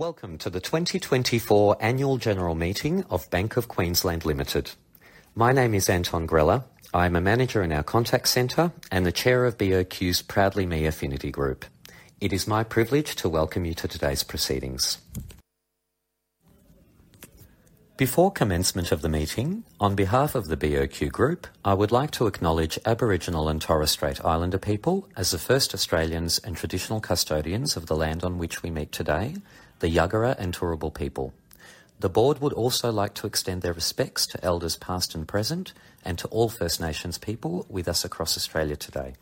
Welcome to the 2024 Annual General Meeting of Bank of Queensland Limited. My name is Anton Greller. I am a Manager in our Contact Center and the Chair of BOQ's ProudlyMe Affinity Group. It is my privilege to welcome you to today's proceedings. Before commencement of the meeting, on behalf of the BOQ Group, I would like to acknowledge Aboriginal and Torres Strait Islander people as the first Australians and traditional custodians of the land on which we meet today, the Yugara and Turrbal people. The Board would also like to extend their respects to elders past and present, and to all First Nations people with us across Australia today.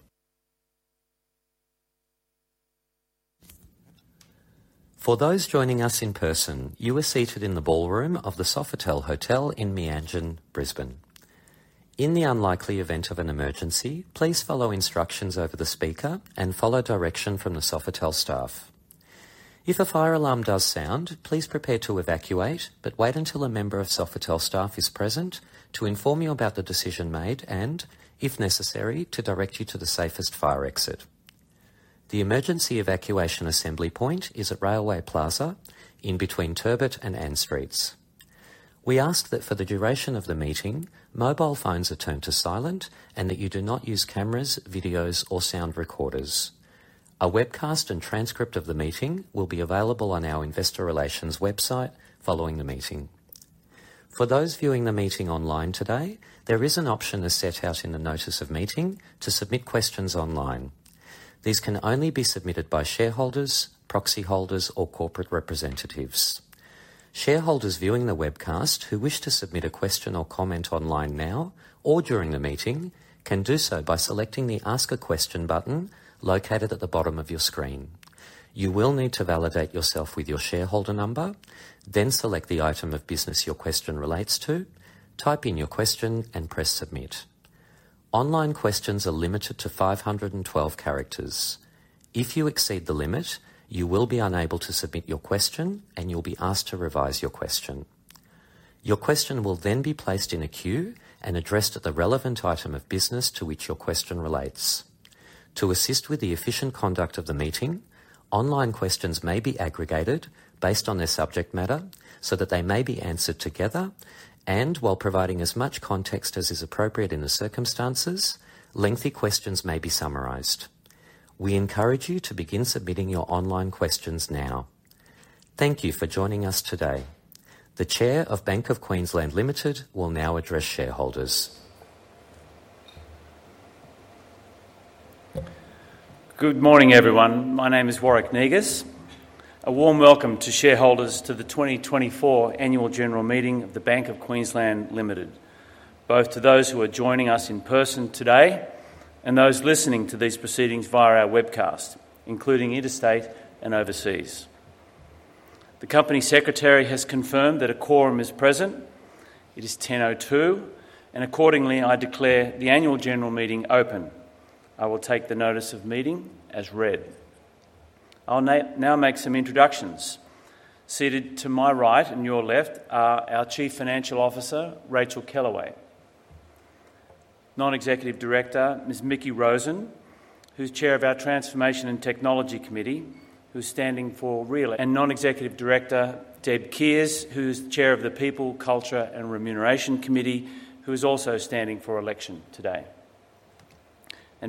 For those joining us in person, you are seated in the ballroom of the Sofitel Hotel in Meanjin, Brisbane. In the unlikely event of an emergency, please follow instructions over the speaker and follow direction from the Sofitel staff. If a fire alarm does sound, please prepare to evacuate, but wait until a member of Sofitel staff is present to inform you about the decision made and, if necessary, to direct you to the safest fire exit. The emergency evacuation assembly point is at Railway Plaza, in between Turbot and Ann Streets. We ask that for the duration of the meeting, mobile phones are turned to silent and that you do not use cameras, videos, or sound recorders. A webcast and transcript of the meeting will be available on our Investor Relations website following the meeting. For those viewing the meeting online today, there is an option as set out in the Notice of Meeting to submit questions online. These can only be submitted by shareholders, proxy holders, or corporate representatives. Shareholders viewing the webcast who wish to submit a question or comment online now or during the meeting can do so by selecting the Ask a Question button located at the bottom of your screen. You will need to validate yourself with your shareholder number, then select the item of business your question relates to, type in your question, and press Submit. Online questions are limited to 512 characters. If you exceed the limit, you will be unable to submit your question, and you'll be asked to revise your question. Your question will then be placed in a queue and addressed at the relevant item of business to which your question relates. To assist with the efficient conduct of the meeting, online questions may be aggregated based on their subject matter so that they may be answered together, and while providing as much context as is appropriate in the circumstances, lengthy questions may be summarised. We encourage you to begin submitting your online questions now. Thank you for joining us today. The Chair of Bank of Queensland Limited will now address shareholders. Good morning, everyone. My name is Warwick Negus. A warm welcome to shareholders to the 2024 Annual General Meeting of the Bank of Queensland Limited, both to those who are joining us in person today and those listening to these proceedings via our webcast, including interstate and overseas. The Company Secretary has confirmed that a quorum is present. It is 10:02 A.M., and accordingly, I declare the Annual General Meeting open. I will take the Notice of Meeting as read. I'll now make some introductions. Seated to my right and your left are our Chief Financial Officer, Racheal Kellaway, Non-Executive Director, Ms. Mickie Rosen, who's chair of our Transformation and Technology Committee, who's standing for re-election. And Non-Executive Director, Deb Kiers, who's Chair of the People, Culture, and Remuneration Committee, who is also standing for election today.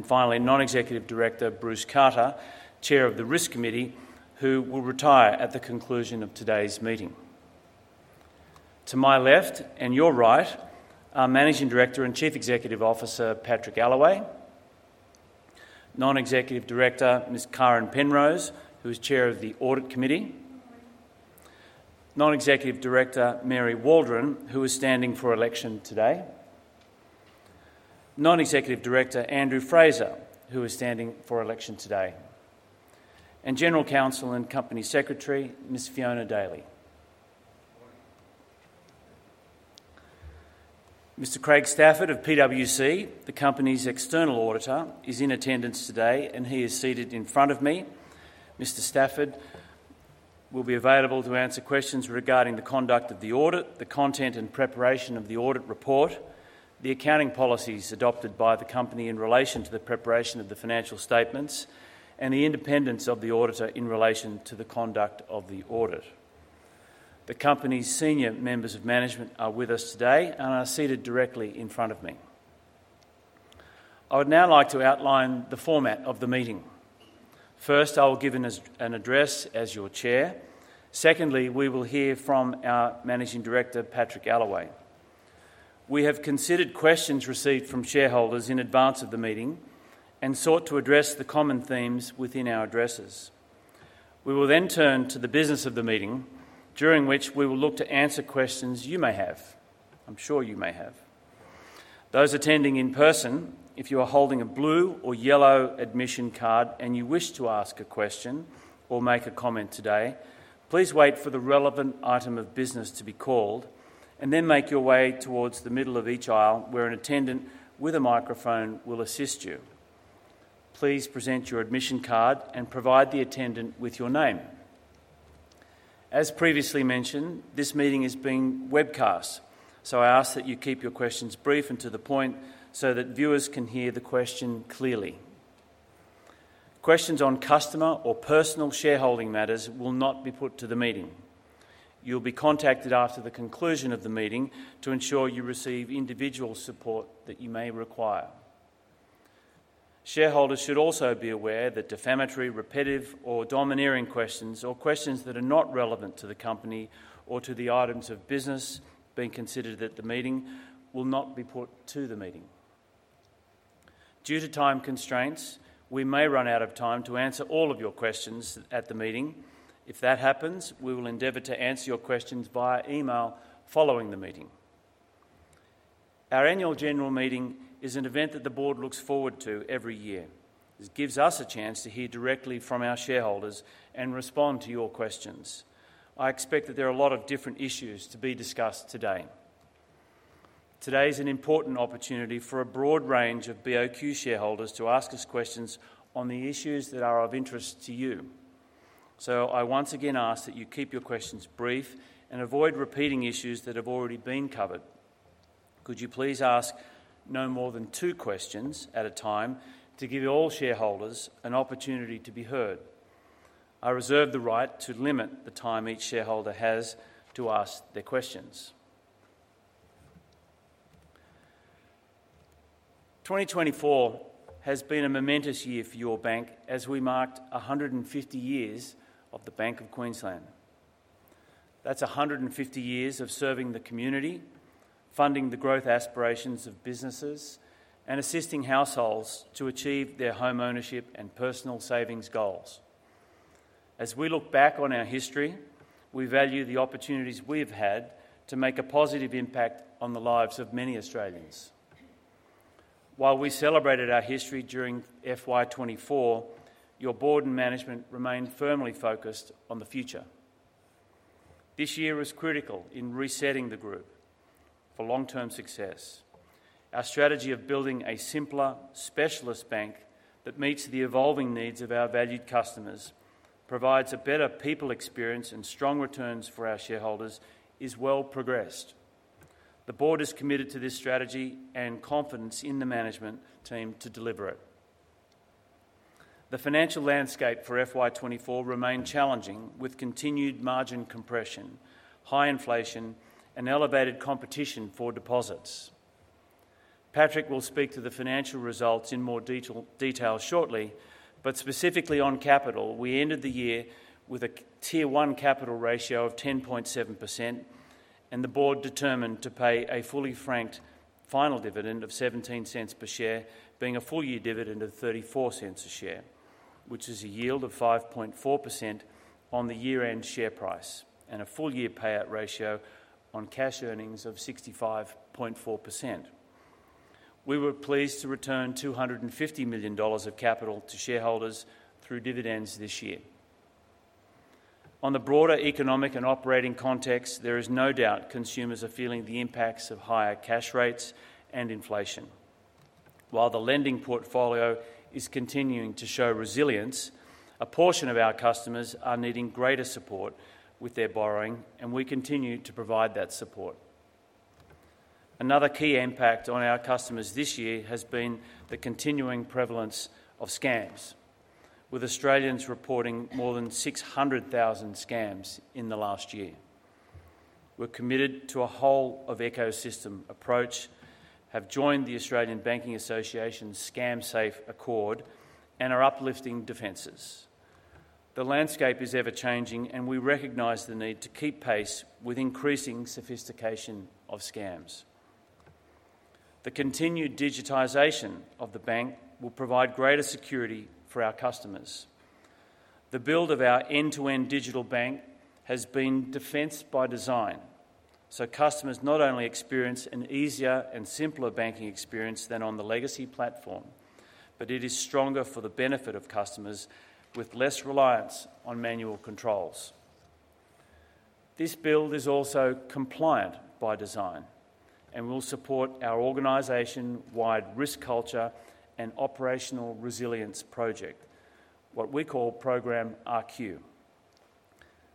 Finally, Non-Executive Director, Bruce Carter, Chair of the Risk Committee, who will retire at the conclusion of today's meeting. To my left and your right are Managing Director and Chief Executive Officer, Patrick Allaway, Non-Executive Director, Ms. Karen Penrose, who is Chair of the Audit Committee, Non-Executive Director, Mary Waldron, who is standing for election today, Non-Executive Director, Andrew Fraser, who is standing for election today, and General Counsel and Company Secretary, Ms. Fiona Daly. Mr. Craig Stafford of PwC, the company's external Auditor, is in attendance today, and he is seated in front of me. Mr. Stafford will be available to answer questions regarding the conduct of the audit, the content and preparation of the Audit Report, the accounting policies adopted by the company in relation to the preparation of the financial statements, and the independence of the auditor in relation to the conduct of the audit. The company's senior members of management are with us today and are seated directly in front of me. I would now like to outline the format of the meeting. First, I will give an address as your chair. Secondly, we will hear from our Managing Director, Patrick Allaway. We have considered questions received from shareholders in advance of the meeting and sought to address the common themes within our addresses. We will then turn to the business of the meeting, during which we will look to answer questions you may have. I'm sure you may have. Those attending in person, if you are holding a blue or yellow admission card and you wish to ask a question or make a comment today, please wait for the relevant item of business to be called and then make your way towards the middle of each aisle where an attendant with a microphone will assist you. Please present your admission card and provide the attendant with your name. As previously mentioned, this meeting is being webcast, so I ask that you keep your questions brief and to the point so that viewers can hear the question clearly. Questions on customer or personal shareholding matters will not be put to the meeting. You'll be contacted after the conclusion of the meeting to ensure you receive individual support that you may require. Shareholders should also be aware that defamatory, repetitive, or domineering questions, or questions that are not relevant to the company or to the items of business being considered at the meeting, will not be put to the meeting. Due to time constraints, we may run out of time to answer all of your questions at the meeting. If that happens, we will endeavor to answer your questions via email following the meeting. Our Annual General Meeting is an event that the Board looks forward to every year. This gives us a chance to hear directly from our shareholders and respond to your questions. I expect that there are a lot of different issues to be discussed today. Today is an important opportunity for a broad range of BOQ shareholders to ask us questions on the issues that are of interest to you. So I once again ask that you keep your questions brief and avoid repeating issues that have already been covered. Could you please ask no more than two questions at a time to give all shareholders an opportunity to be heard? I reserve the right to limit the time each shareholder has to ask their questions. 2024 has been a momentous year for your bank as we marked 150 years of the Bank of Queensland. That's 150 years of serving the community, funding the growth aspirations of businesses, and assisting households to achieve their home ownership and personal savings goals. As we look back on our history, we value the opportunities we have had to make a positive impact on the lives of many Australians. While we celebrated our history during FY 2024, your board and management remained firmly focused on the future. This year was critical in resetting the group for long-term success. Our strategy of building a simpler, specialist bank that meets the evolving needs of our valued customers, provides a better people experience, and strong returns for our shareholders is well progressed. The Board is committed to this strategy and confidence in the management team to deliver it. The financial landscape for FY 2024 remained challenging with continued margin compression, high inflation, and elevated competition for deposits. Patrick will speak to the financial results in more detail shortly, but specifically on capital, we ended the year with a Tier 1 capital ratio of 10.7%, and the Board determined to pay a fully franked final dividend of 0.17 per share, being a full year dividend of 0.34 a share, which is a yield of 5.4% on the year-end share price and a full year payout ratio on cash earnings of 65.4%. We were pleased to return 250 million dollars of capital to shareholders through dividends this year. On the broader economic and operating context, there is no doubt consumers are feeling the impacts of higher cash rates and inflation. While the lending portfolio is continuing to show resilience, a portion of our customers are needing greater support with their borrowing, and we continue to provide that support. Another key impact on our customers this year has been the continuing prevalence of scams, with Australians reporting more than 600,000 scams in the last year. We're committed to a whole-of-ecosystem approach, have joined the Australian Banking Association's Scam-Safe Accord, and are uplifting defenses. The landscape is ever-changing, and we recognize the need to keep pace with increasing sophistication of scams. The continued digitization of the bank will provide greater security for our customers. The build of our end-to-end Digital bank has been defense by design, so customers not only experience an easier and simpler banking experience than on the legacy platform, but it is stronger for the benefit of customers with less reliance on manual controls. This build is also compliant by design and will support our organization-wide risk culture and operational resilience project, what we call Program RQ.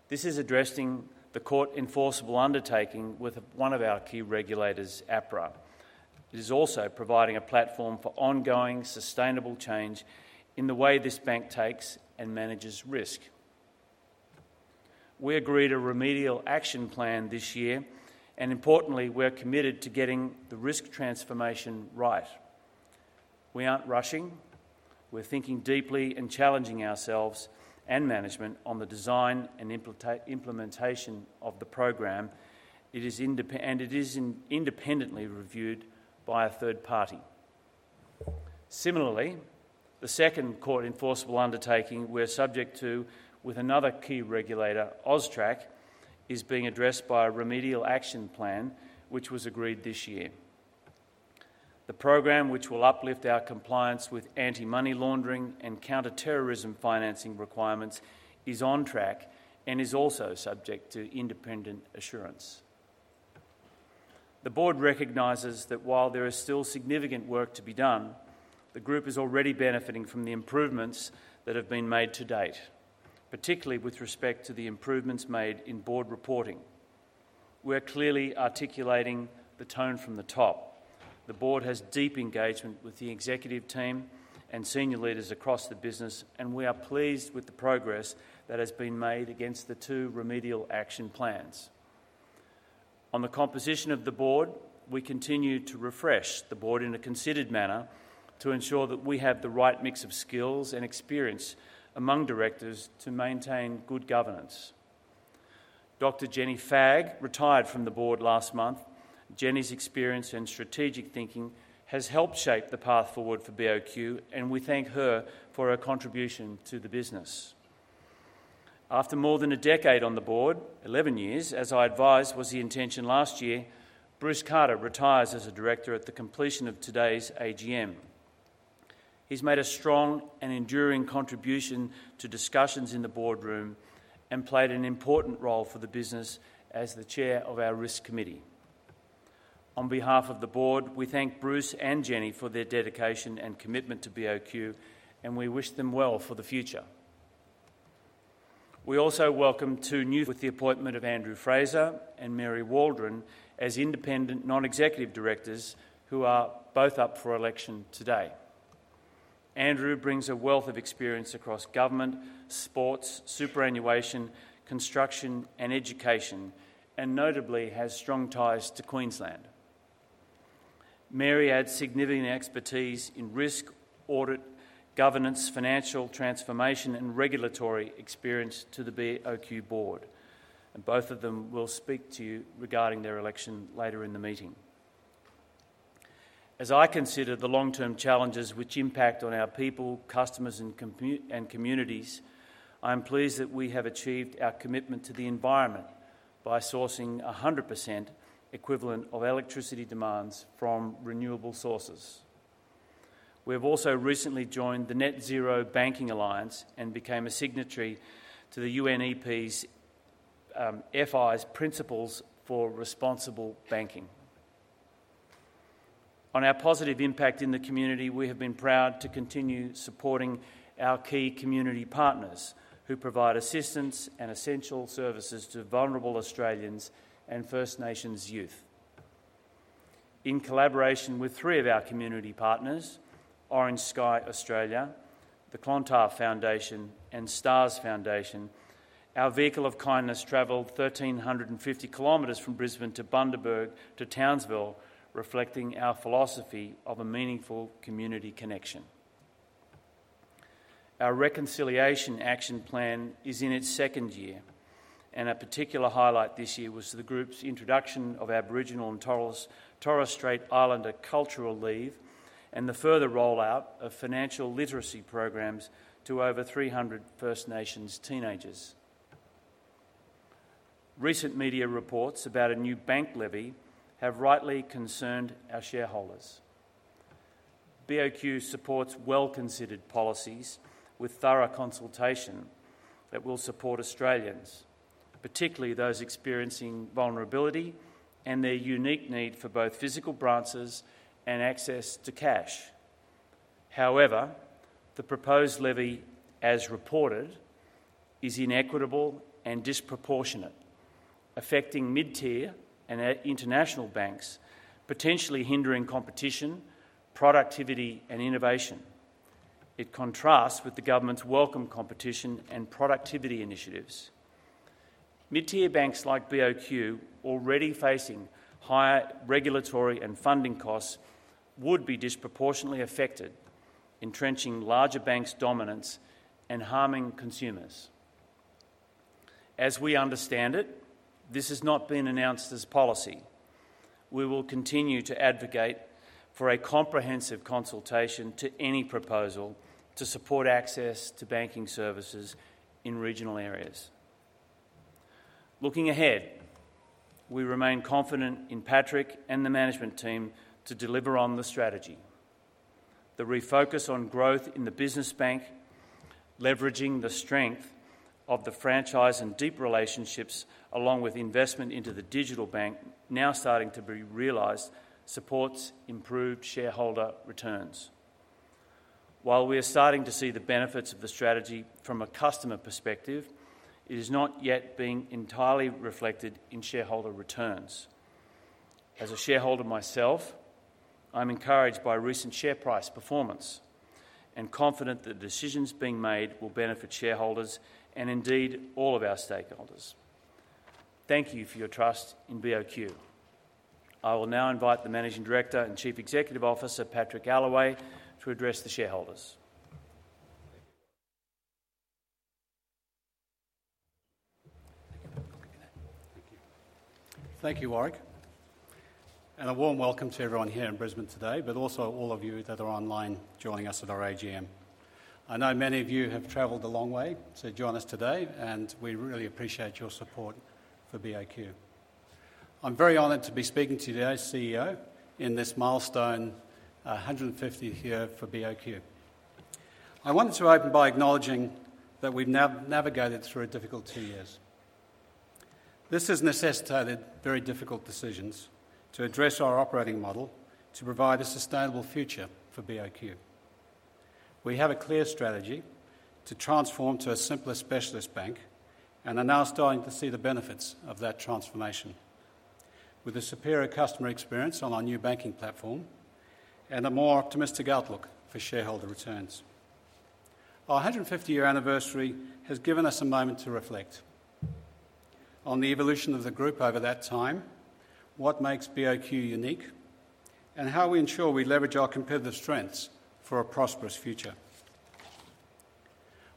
This is addressing the court-enforceable undertaking with one of our key regulators, APRA. It is also providing a platform for ongoing sustainable change in the way this bank takes and manages risk. We agreed a Remedial Action Plan this year, and importantly, we're committed to getting the risk transformation right. We aren't rushing. We're thinking deeply and challenging ourselves and management on the design and implementation of the program, and it is independently reviewed by a third party. Similarly, the second court-enforceable undertaking we're subject to with another key regulator, AUSTRAC, is being addressed by a Remedial Action Plan, which was agreed this year. The program, which will uplift our compliance with anti-money laundering and counter-terrorism financing requirements, is on track and is also subject to independent assurance. The Board recognizes that while there is still significant work to be done, the group is already benefiting from the improvements that have been made to date, particularly with respect to the improvements made in board reporting. We're clearly articulating the tone from the top. The Board has deep engagement with the executive team and senior leaders across the business, and we are pleased with the progress that has been made against the two Remedial Action Plans. On the composition of the Board, we continue to refresh the Board in a considered manner to ensure that we have the right mix of skills and experience among directors to maintain good governance. Dr. Jenny Fagg retired from the Board last month. Jenny's experience and strategic thinking has helped shape the path forward for BOQ, and we thank her for her contribution to the business. After more than a decade on the Board, 11 years, as I advised was the intention last year, Bruce Carter retires as a Director at the completion of today's AGM. He's made a strong and enduring contribution to discussions in the Boardroom and played an important role for the business as the Chair of our Risk Committee. On behalf of the Board, we thank Bruce and Jenny for their dedication and commitment to BOQ, and we wish them well for the future. We also welcome two new. With the appointment of Andrew Fraser and Mary Waldron as Independent Non-Executive Directors who are both up for election today. Andrew brings a wealth of experience across government, sports, superannuation, construction, and education, and notably has strong ties to Queensland. Mary adds significant expertise in risk, audit, governance, financial transformation, and regulatory experience to the BOQ Board, and both of them will speak to you regarding their election later in the meeting. As I consider the long-term challenges which impact on our people, customers, and communities, I'm pleased that we have achieved our commitment to the environment by sourcing 100% equivalent of electricity demands from renewable sources. We have also recently joined the Net Zero Banking Alliance and became a signatory to the UNEP FI's Principles for Responsible Banking. On our positive impact in the community, we have been proud to continue supporting our key community partners who provide assistance and essential services to vulnerable Australians and First Nations youth. In collaboration with three of our community partners, Orange Sky Australia, the Clontarf Foundation, and Stars Foundation, our Vehicle of Kindness travelled 1,350 km from Brisbane to Bundaberg to Townsville, reflecting our philosophy of a meaningful community connection. Our Reconciliation Action Plan is in its second year, and a particular highlight this year was the group's introduction of Aboriginal and Torres Strait Islander cultural leave and the further rollout of financial literacy programs to over 300 First Nations teenagers. Recent media reports about a new bank levy have rightly concerned our shareholders. BOQ supports well-considered policies with thorough consultation that will support Australians, particularly those experiencing vulnerability and their unique need for both physical branches and access to cash. However, the proposed levy, as reported, is inequitable and disproportionate, affecting mid-tier and international banks, potentially hindering competition, productivity, and innovation. It contrasts with the government's welcome competition and productivity initiatives. Mid-tier banks like BOQ, already facing higher regulatory and funding costs, would be disproportionately affected, entrenching larger banks' dominance and harming consumers. As we understand it, this has not been announced as policy. We will continue to advocate for a comprehensive consultation to any proposal to support access to banking services in regional areas. Looking ahead, we remain confident in Patrick and the management team to deliver on the strategy. The refocus on growth in the business bank, leveraging the strength of the franchise and deep relationships, along with investment into the Digital bank, now starting to be realized, supports improved shareholder returns. While we are starting to see the benefits of the strategy from a customer perspective, it is not yet being entirely reflected in shareholder returns. As a shareholder myself, I'm encouraged by recent share price performance and confident that the decisions being made will benefit shareholders and indeed all of our stakeholders. Thank you for your trust in BOQ. I will now invite the Managing Director and Chief Executive Officer, Patrick Allaway, to address the shareholders. Thank you, Warwick. And a warm welcome to everyone here in Brisbane today, but also all of you that are online joining us at our AGM. I know many of you have traveled a long way to join us today, and we really appreciate your support for BOQ. I'm very honored to be speaking to today's CEO in this milestone, 150th year for BOQ. I wanted to open by acknowledging that we've now navigated through a difficult two years. This has necessitated very difficult decisions to address our operating model to provide a sustainable future for BOQ. We have a clear strategy to transform to a simpler specialist bank and are now starting to see the benefits of that transformation, with a superior customer experience on our new banking platform and a more optimistic outlook for shareholder returns. Our 150-year anniversary has given us a moment to reflect on the evolution of the group over that time, what makes BOQ unique, and how we ensure we leverage our competitive strengths for a prosperous future.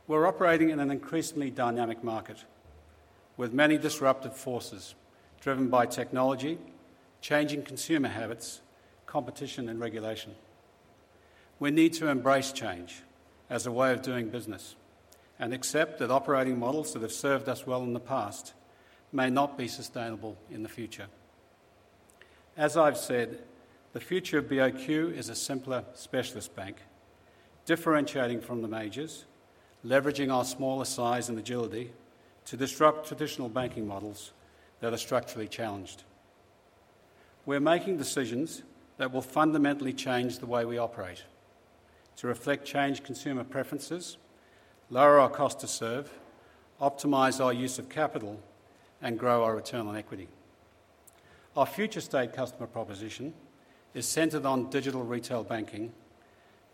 We're operating in an increasingly dynamic market with many disruptive forces driven by technology, changing consumer habits, competition, and regulation. We need to embrace change as a way of doing business and accept that operating models that have served us well in the past may not be sustainable in the future. As I've said, the future of BOQ is a simpler specialist bank, differentiating from the majors, leveraging our smaller size and agility to disrupt traditional banking models that are structurally challenged. We're making decisions that will fundamentally change the way we operate to reflect changed consumer preferences, lower our cost to serve, optimize our use of capital, and grow our return on equity. Our future state customer proposition is centered on digital retail banking,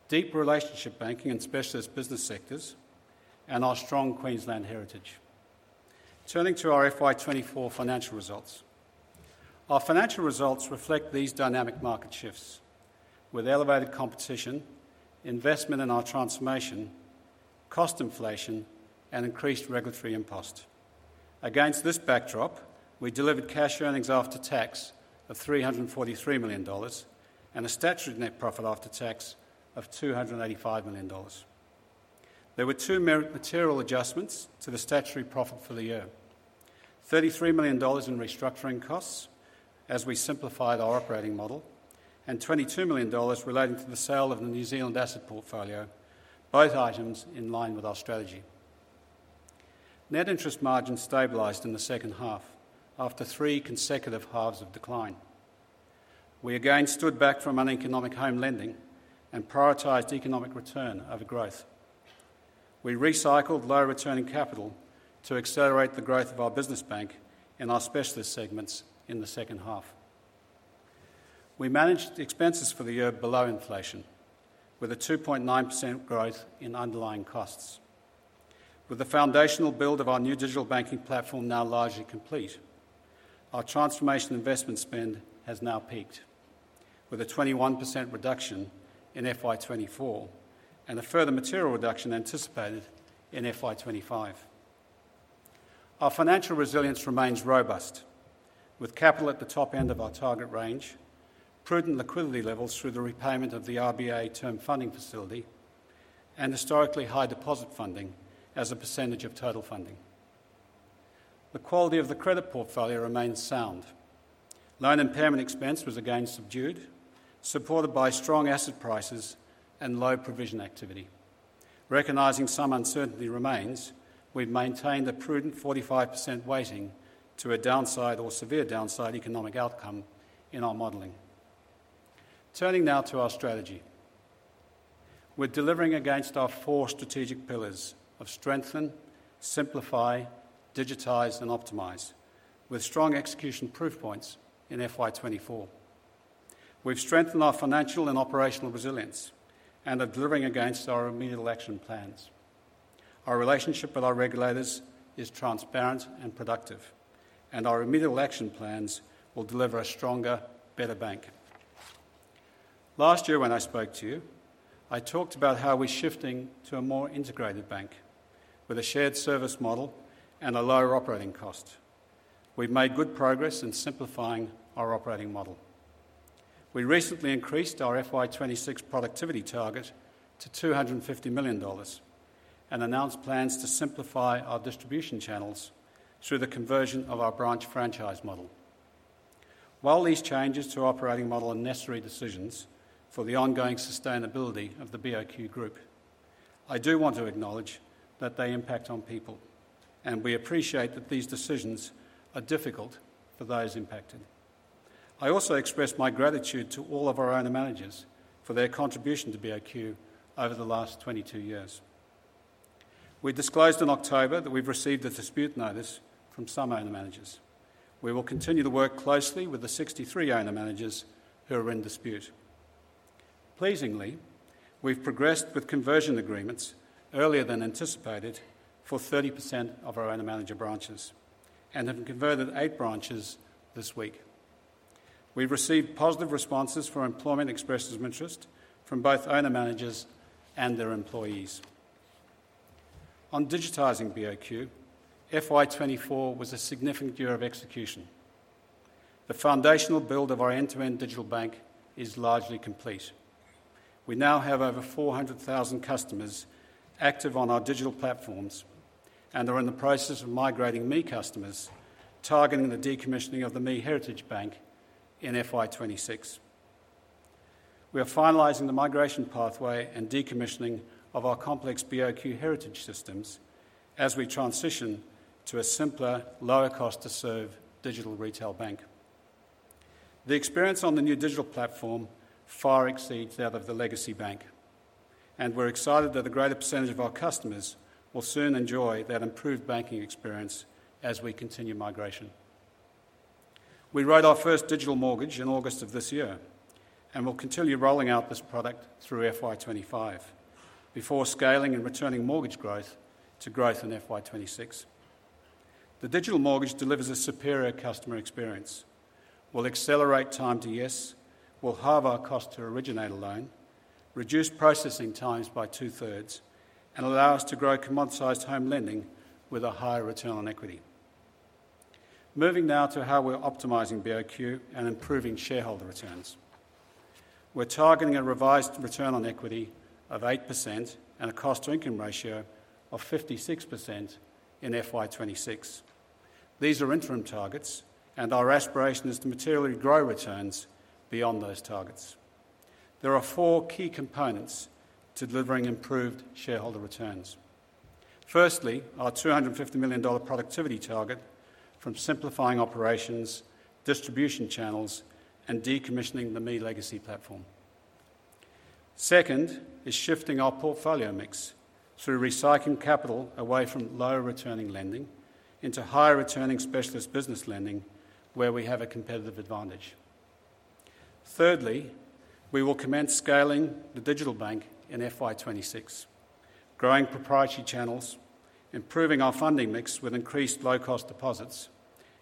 deep relationship banking in specialist business sectors, and our strong Queensland heritage. Turning to our FY 2024 financial results, our financial results reflect these dynamic market shifts with elevated competition, investment in our transformation, cost inflation, and increased regulatory impost. Against this backdrop, we delivered cash earnings after tax of 343 million dollars and a statutory net profit after tax of 285 million dollars. There were two material adjustments to the statutory profit for the year: 33 million dollars in restructuring costs as we simplified our operating model and 22 million dollars relating to the sale of the New Zealand asset portfolio, both items in line with our strategy. Net interest margin stabilised in the second half after three consecutive halves of decline. We again stood back from uneconomic home lending and prioritised economic return over growth. We recycled low-returning capital to accelerate the growth of our business bank and our specialist segments in the second half. We managed expenses for the year below inflation with a 2.9% growth in underlying costs. With the foundational build of our new Digital banking platform now largely complete, our transformation investment spend has now peaked with a 21% reduction in FY 2024 and a further material reduction anticipated in FY 2025. Our financial resilience remains robust with capital at the top end of our target range, prudent liquidity levels through the repayment of the RBA Term Funding Facility, and historically high deposit funding as a percentage of total funding. The quality of the credit portfolio remains sound. Loan impairment expense was again subdued, supported by strong asset prices and low provision activity. Recognizing some uncertainty remains, we've maintained a prudent 45% weighting to a downside or severe downside economic outcome in our modeling. Turning now to our strategy, we're delivering against our four strategic pillars of strengthen, simplify, digitize, and optimize with strong execution proof points in FY 2024. We've strengthened our financial and operational resilience and are delivering against our immediate remediation plans. Our relationship with our regulators is transparent and productive, and our immediate remediation plans will deliver a stronger, better bank. Last year, when I spoke to you, I talked about how we're shifting to a more integrated bank with a shared service model and a lower operating cost. We've made good progress in simplifying our operating model. We recently increased our FY 2026 productivity target to 250 million dollars and announced plans to simplify our distribution channels through the conversion of our branch franchise model. While these changes to operating model are necessary decisions for the ongoing sustainability of the BOQ group, I do want to acknowledge that they impact on people, and we appreciate that these decisions are difficult for those impacted. I also express my gratitude to all of our owner-managers for their contribution to BOQ over the last 22 years. We disclosed in October that we've received a dispute notice from some owner-managers. We will continue to work closely with the 63 owner-managers who are in dispute. Pleasingly, we've progressed with conversion agreements earlier than anticipated for 30% of our owner-manager branches and have converted eight branches this week. We've received positive responses for employment expressions of interest from both owner-managers and their employees. On digitizing BOQ, FY 2024 was a significant year of execution. The foundational build of our end-to-end Digital bank is largely complete. We now have over 400,000 customers active on our digital platforms and are in the process of migrating ME customers, targeting the decommissioning of the ME Heritage Bank in FY 2026. We are finalizing the migration pathway and decommissioning of our complex BOQ heritage systems as we transition to a simpler, lower-cost-to-serve digital retail bank. The experience on the new digital platform far exceeds that of the legacy bank, and we're excited that a greater percentage of our customers will soon enjoy that improved banking experience as we continue migration. We wrote our first digital mortgage in August of this year and will continue rolling out this product through FY 2025 before scaling and returning mortgage growth to growth in FY 2026. The digital mortgage delivers a superior customer experience, will accelerate time to yes, will halve our cost to originate a loan, reduce processing times by two-thirds, and allow us to grow commoditised home lending with a higher return on equity. Moving now to how we're optimising BOQ and improving shareholder returns. We're targeting a revised return on equity of 8% and a cost-to-income ratio of 56% in FY 2026. These are interim targets, and our aspiration is to materially grow returns beyond those targets. There are four key components to delivering improved shareholder returns. Firstly, our 250 million dollar productivity target from simplifying operations, distribution channels, and decommissioning the ME legacy platform. Second is shifting our portfolio mix through recycling capital away from low-returning lending into high-returning specialist business lending where we have a competitive advantage. Thirdly, we will commence scaling the Digital bank in FY 2026, growing proprietary channels, improving our funding mix with increased low-cost deposits,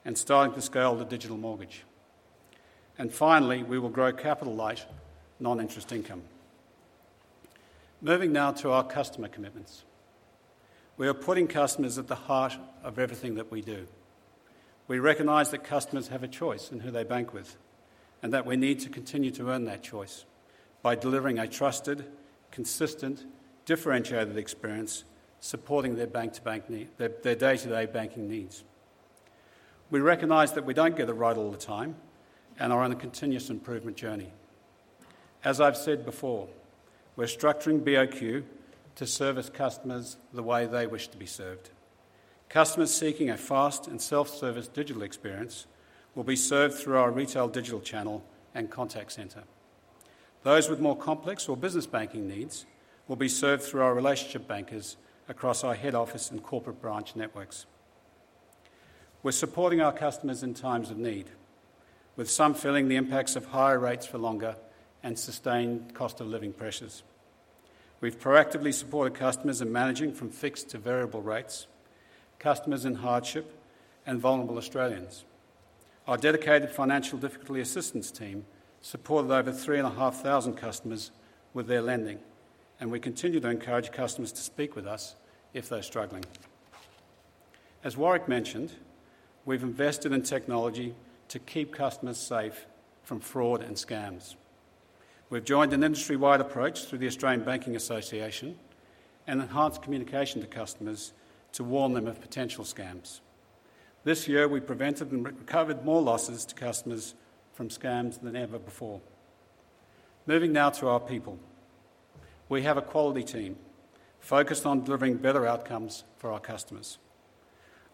and starting to scale the digital mortgage. And finally, we will grow capital light non-interest income. Moving now to our customer commitments. We are putting customers at the heart of everything that we do. We recognize that customers have a choice in who they bank with and that we need to continue to earn that choice by delivering a trusted, consistent, differentiated experience supporting their day-to-day banking needs. We recognize that we don't get it right all the time and are on a continuous improvement journey. As I've said before, we're structuring BOQ to service customers the way they wish to be served. Customers seeking a fast and self-service digital experience will be served through our retail digital channel and contact center. Those with more complex or business banking needs will be served through our relationship bankers across our Head Office and Corporate Branch Networks. We're supporting our customers in times of need, with some feeling the impacts of higher rates for longer and sustained cost of living pressures. We've proactively supported customers in managing from fixed to variable rates, customers in hardship, and vulnerable Australians. Our dedicated financial difficulty assistance team supported over 503,000 customers with their lending, and we continue to encourage customers to speak with us if they're struggling. As Warwick mentioned, we've invested in technology to keep customers safe from fraud and scams. We've joined an industry-wide approach through the Australian Banking Association and enhanced communication to customers to warn them of potential scams. This year, we prevented and recovered more losses to customers from scams than ever before. Moving now to our people. We have a quality team focused on delivering better outcomes for our customers.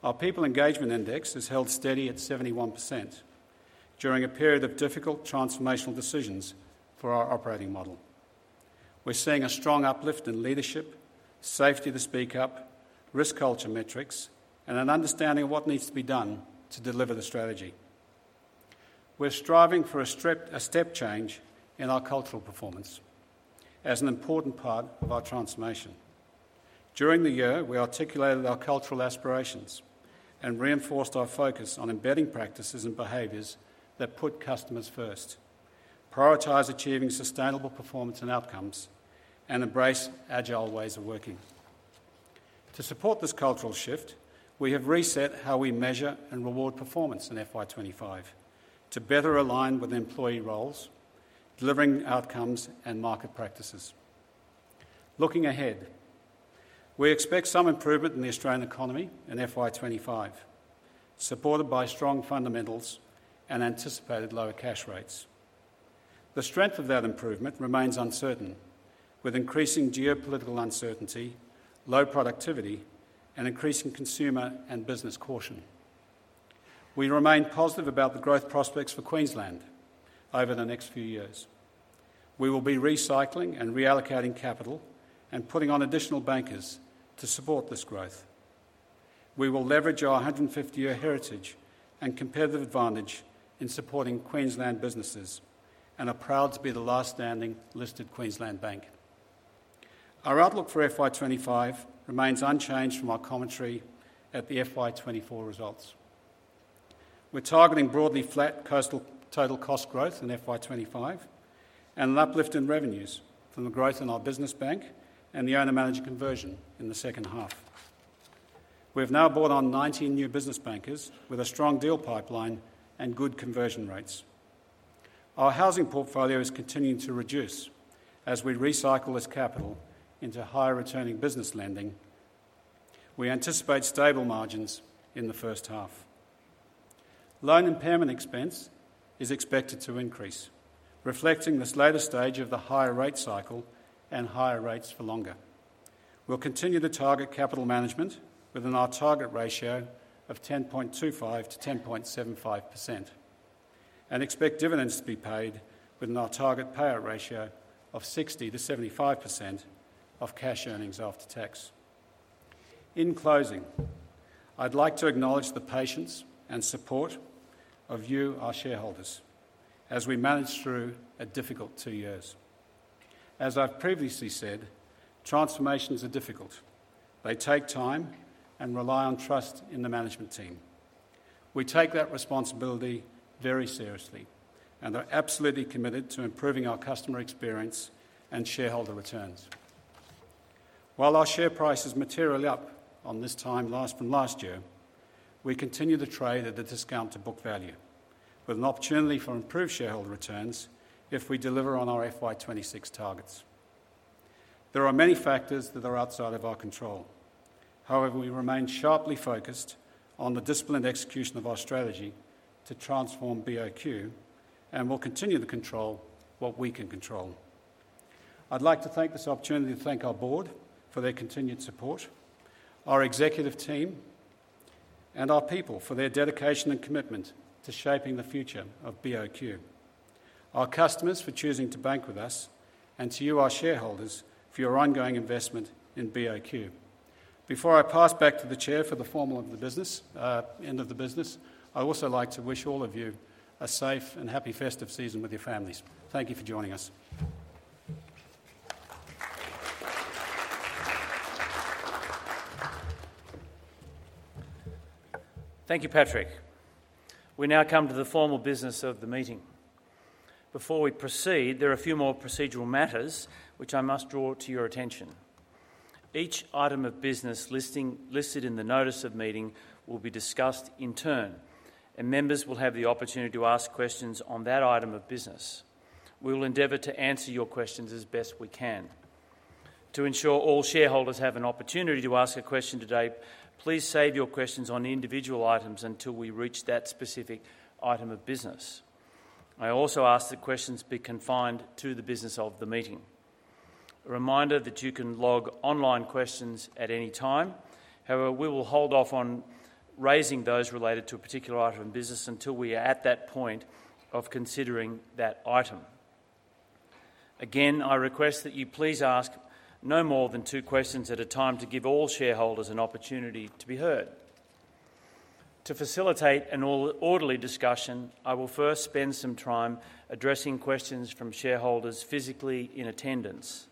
Our people engagement index has held steady at 71% during a period of difficult transformational decisions for our operating model. We're seeing a strong uplift in leadership, safety to speak up, risk culture metrics, and an understanding of what needs to be done to deliver the strategy. We're striving for a step change in our cultural performance as an important part of our transformation. During the year, we articulated our cultural aspirations and reinforced our focus on embedding practices and behaviors that put customers first, prioritize achieving sustainable performance and outcomes, and embrace agile ways of working. To support this cultural shift, we have reset how we measure and reward performance in FY 2025 to better align with employee roles, delivering outcomes, and market practices. Looking ahead, we expect some improvement in the Australian economy in FY 2025, supported by strong fundamentals and anticipated lower cash rates. The strength of that improvement remains uncertain, with increasing geopolitical uncertainty, low productivity, and increasing consumer and business caution. We remain positive about the growth prospects for Queensland over the next few years. We will be recycling and reallocating capital and putting on additional bankers to support this growth. We will leverage our 150-year heritage and competitive advantage in supporting Queensland businesses and are proud to be the last standing listed Queensland bank. Our outlook for FY 2025 remains unchanged from our commentary at the FY 2024 results. We're targeting broadly flat cost-to-total cost growth in FY 2025 and an uplift in revenues from the growth in our business bank and the owner-manager conversion in the second half. We've now brought on 19 new business bankers with a strong deal pipeline and good conversion rates. Our housing portfolio is continuing to reduce as we recycle this capital into higher returning business lending. We anticipate stable margins in the first half. Loan impairment expense is expected to increase, reflecting this later stage of the higher rate cycle and higher rates for longer. We'll continue to target capital management within our target ratio of 10.25%-10.75% and expect dividends to be paid within our target payout ratio of 60%-75% of cash earnings after tax. In closing, I'd like to acknowledge the patience and support of you, our shareholders, as we managed through a difficult two years. As I've previously said, transformations are difficult. They take time and rely on trust in the management team. We take that responsibility very seriously, and we're absolutely committed to improving our customer experience and shareholder returns. While our share price has materially up on this time last from last year, we continue to trade at a discount to book value, with an opportunity for improved shareholder returns if we deliver on our FY 2026 targets. There are many factors that are outside of our control. However, we remain sharply focused on the disciplined execution of our strategy to transform BOQ and will continue to control what we can control. I'd like to take this opportunity to thank our Board for their continued support, our Executive team, and our people for their dedication and commitment to shaping the future of BOQ. Our customers for choosing to bank with us, and to you, our shareholders, for your ongoing investment in BOQ. Before I pass back to the Chair for the formal end of the business, I'd also like to wish all of you a safe and happy festive season with your families. Thank you for joining us. Thank you, Patrick. We now come to the formal business of the meeting. Before we proceed, there are a few more procedural matters which I must draw to your attention. Each item of business listed in the Notice of Meeting will be discussed in turn, and members will have the opportunity to ask questions on that item of business. We will endeavor to answer your questions as best we can. To ensure all shareholders have an opportunity to ask a question today, please save your questions on individual items until we reach that specific item of business. I also ask that questions be confined to the business of the meeting. A reminder that you can log online questions at any time. However, we will hold off on raising those related to a particular item of business until we are at that point of considering that item. Again, I request that you please ask no more than two questions at a time to give all shareholders an opportunity to be heard. To facilitate an orderly discussion, I will first spend some time addressing questions from shareholders physically in attendance.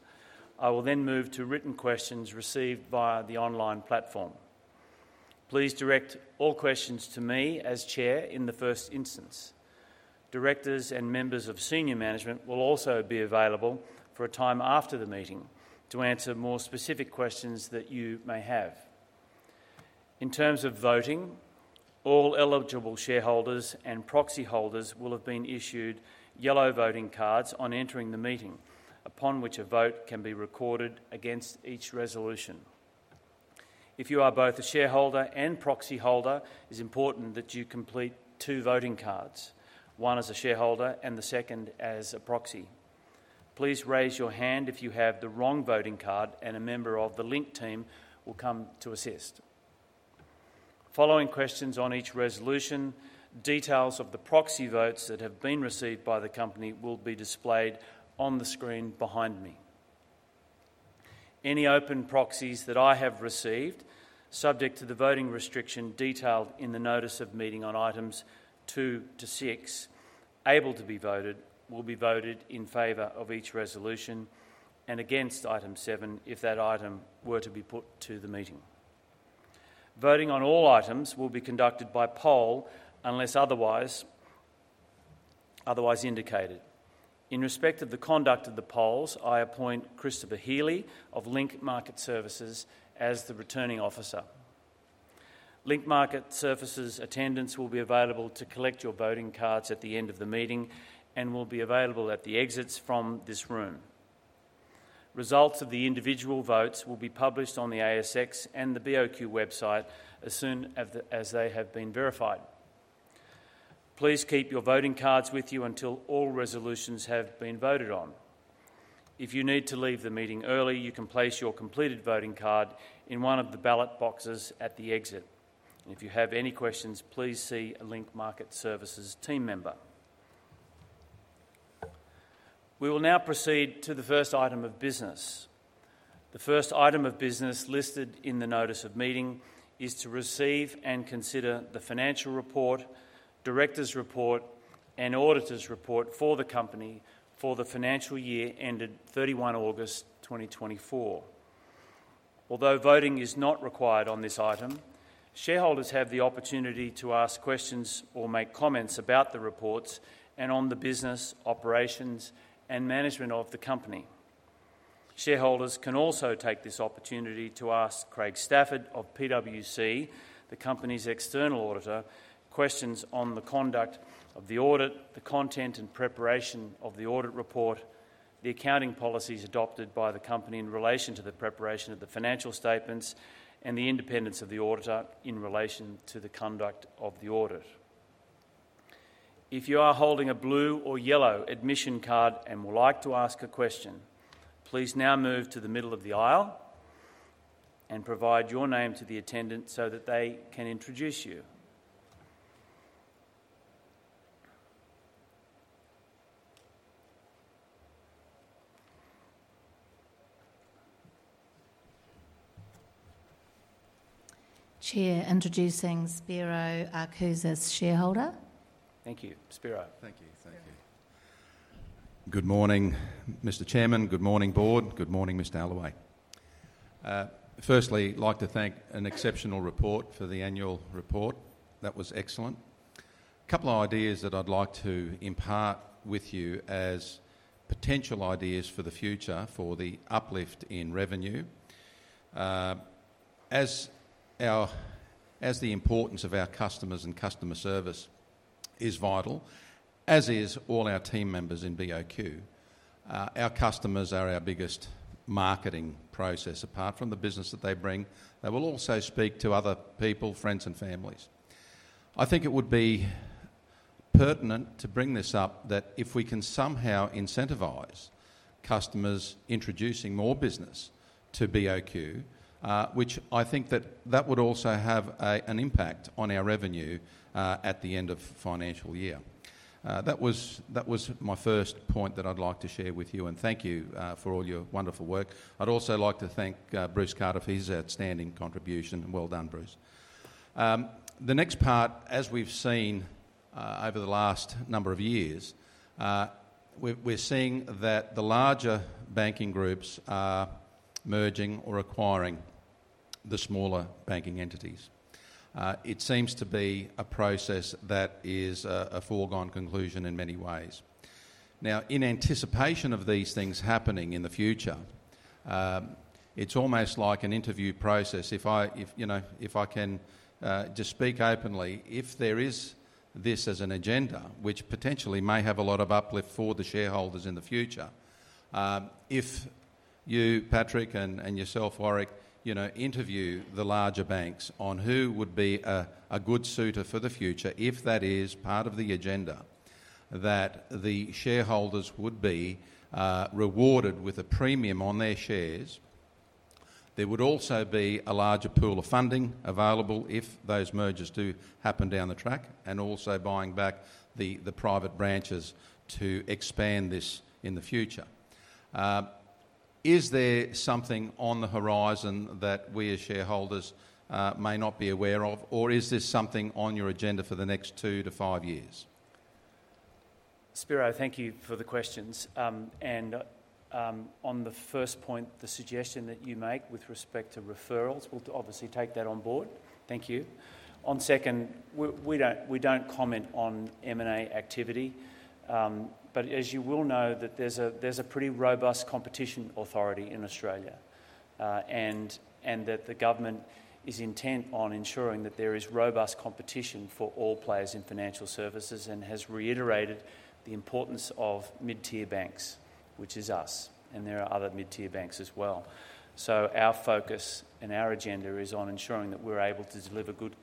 I will then move to written questions received via the online platform. Please direct all questions to me as Chair in the first instance. Directors and members of senior management will also be available for a time after the meeting to answer more specific questions that you may have. In terms of voting, all eligible shareholders and proxy holders will have been issued yellow voting cards on entering the meeting, upon which a vote can be recorded against each resolution. If you are both a shareholder and proxy holder, it is important that you complete two voting cards, one as a shareholder and the second as a proxy. Please raise your hand if you have the wrong voting card, and a member of the link team will come to assist. Following questions on each resolution, details of the proxy votes that have been received by the company will be displayed on the screen behind me. Any open proxies that I have received, subject to the voting restriction detailed in the Notice of Meeting on items two to six, able to be voted, will be voted in favor of each resolution and against item seven if that item were to be put to the meeting. Voting on all items will be conducted by poll unless otherwise indicated. In respect of the conduct of the polls, I appoint Christopher Healy of Link Market Services as the Returning Officer. Link Market Services attendants will be available to collect your voting cards at the end of the meeting and will be available at the exits from this room. Results of the individual votes will be published on the ASX and the BOQ website as soon as they have been verified. Please keep your voting cards with you until all resolutions have been voted on. If you need to leave the meeting early, you can place your completed voting card in one of the ballot boxes at the exit. If you have any questions, please see a Link Market Services team member. We will now proceed to the first item of business. The first item of business listed in the Notice of Meeting is to receive and consider the financial report, director's report, and auditor's report for the company for the financial year ended 31 August 2024. Although voting is not required on this item, shareholders have the opportunity to ask questions or make comments about the reports and on the business, operations, and management of the company. Shareholders can also take this opportunity to ask Craig Stafford of PwC, the company's external auditor, questions on the conduct of the audit, the content and preparation of the Audit Report, the accounting policies adopted by the company in relation to the preparation of the financial statements, and the independence of the auditor in relation to the conduct of the audit. If you are holding a blue or yellow admission card and would like to ask a question, please now move to the middle of the aisle and provide your name to the attendant so that they can introduce you. Chair introducing Spiro Arkouzis, shareholder. Thank you. Spiro. Thank you. Thank you. Good morning, Mr. Chairman. Good morning, board. Good morning, Mr. Allaway. Firstly, I'd like to thank an exceptional report for the Annual Report. That was excellent. A couple of ideas that I'd like to impart with you as potential ideas for the future for the uplift in revenue. As the importance of our customers and customer service is vital, as is all our team members in BOQ, our customers are our biggest marketing process. Apart from the business that they bring, they will also speak to other people, friends, and families. I think it would be pertinent to bring this up that if we can somehow incentivize customers introducing more business to BOQ, which I think that would also have an impact on our revenue at the end of the financial year. That was my first point that I'd like to share with you, and thank you for all your wonderful work. I'd also like to thank Bruce Carter for his outstanding contribution. Well done, Bruce. The next part, as we've seen over the last number of years, we're seeing that the larger banking groups are merging or acquiring the smaller banking entities. It seems to be a process that is a foregone conclusion in many ways. Now, in anticipation of these things happening in the future, it's almost like an interview process. If I can just speak openly, if there is this as an agenda, which potentially may have a lot of uplift for the shareholders in the future, if you, Patrick, and yourself, Warwick, interview the larger banks on who would be a good suitor for the future, if that is part of the agenda, that the shareholders would be rewarded with a premium on their shares, there would also be a larger pool of funding available if those mergers do happen down the track, and also buying back the private branches to expand this in the future. Is there something on the horizon that we as shareholders may not be aware of, or is this something on your agenda for the next two to five years? Spiro, thank you for the questions. And on the first point, the suggestion that you make with respect to referrals, we'll obviously take that on board. Thank you. On second, we don't comment on M&A activity, but as you will know, there's a pretty robust competition authority in Australia and that the government is intent on ensuring that there is robust competition for all players in financial services and has reiterated the importance of mid-tier banks, which is us, and there are other mid-tier banks as well. So our focus and our agenda is on ensuring that we're able to deliver good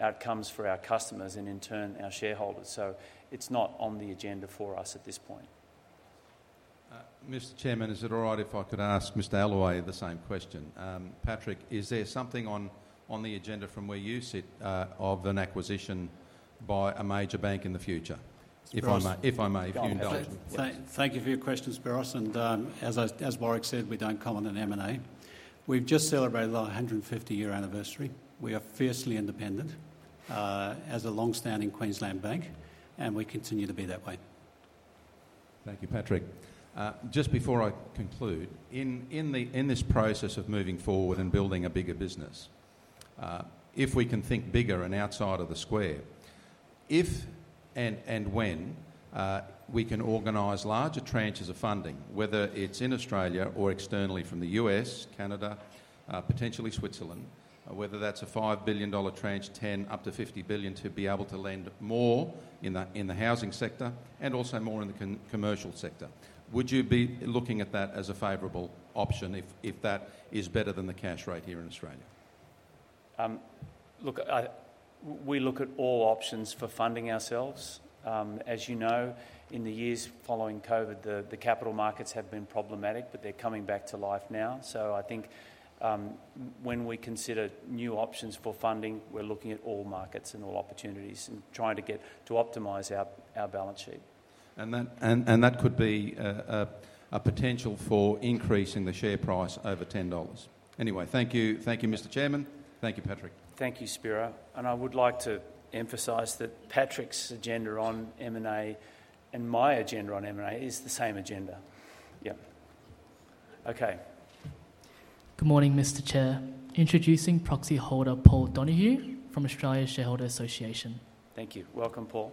outcomes for our customers and, in turn, our shareholders. So it's not on the agenda for us at this point. Mr. Chairman, is it all right if I could ask Mr. Allaway the same question? Patrick, is there something on the agenda from where you sit of an acquisition by a major bank in the future? If I may, if you indulge me. Thank you for your question, Spiro. And as Warwick said, we don't comment on M&A. We've just celebrated our 150-year anniversary. We are fiercely independent as a long-standing Queensland bank, and we continue to be that way. Thank you, Patrick. Just before I conclude, in this process of moving forward and building a bigger business, if we can think bigger and outside of the square, if and when we can organize larger tranches of funding, whether it's in Australia or externally from the U.S., Canada, potentially Switzerland, whether that's a 5 billion dollar tranche, 10, up to 50 billion to be able to lend more in the housing sector and also more in the commercial sector, would you be looking at that as a favorable option if that is better than the cash rate here in Australia? Look, we look at all options for funding ourselves. As you know, in the years following COVID, the capital markets have been problematic, but they're coming back to life now. So I think when we consider new options for funding, we're looking at all markets and all opportunities and trying to get to optimize our balance sheet. And that could be a potential for increasing the share price over 10 dollars. Anyway, thank you, Mr. Chairman. Thank you, Patrick. Thank you, Spiro. And I would like to emphasize that Patrick's agenda on M&A and my agenda on M&A is the same agenda. Yeah. Okay. Good morning, Mr. Chair. Introducing proxy holder Paul Donohue from Australian Shareholders Association. Thank you. Welcome, Paul.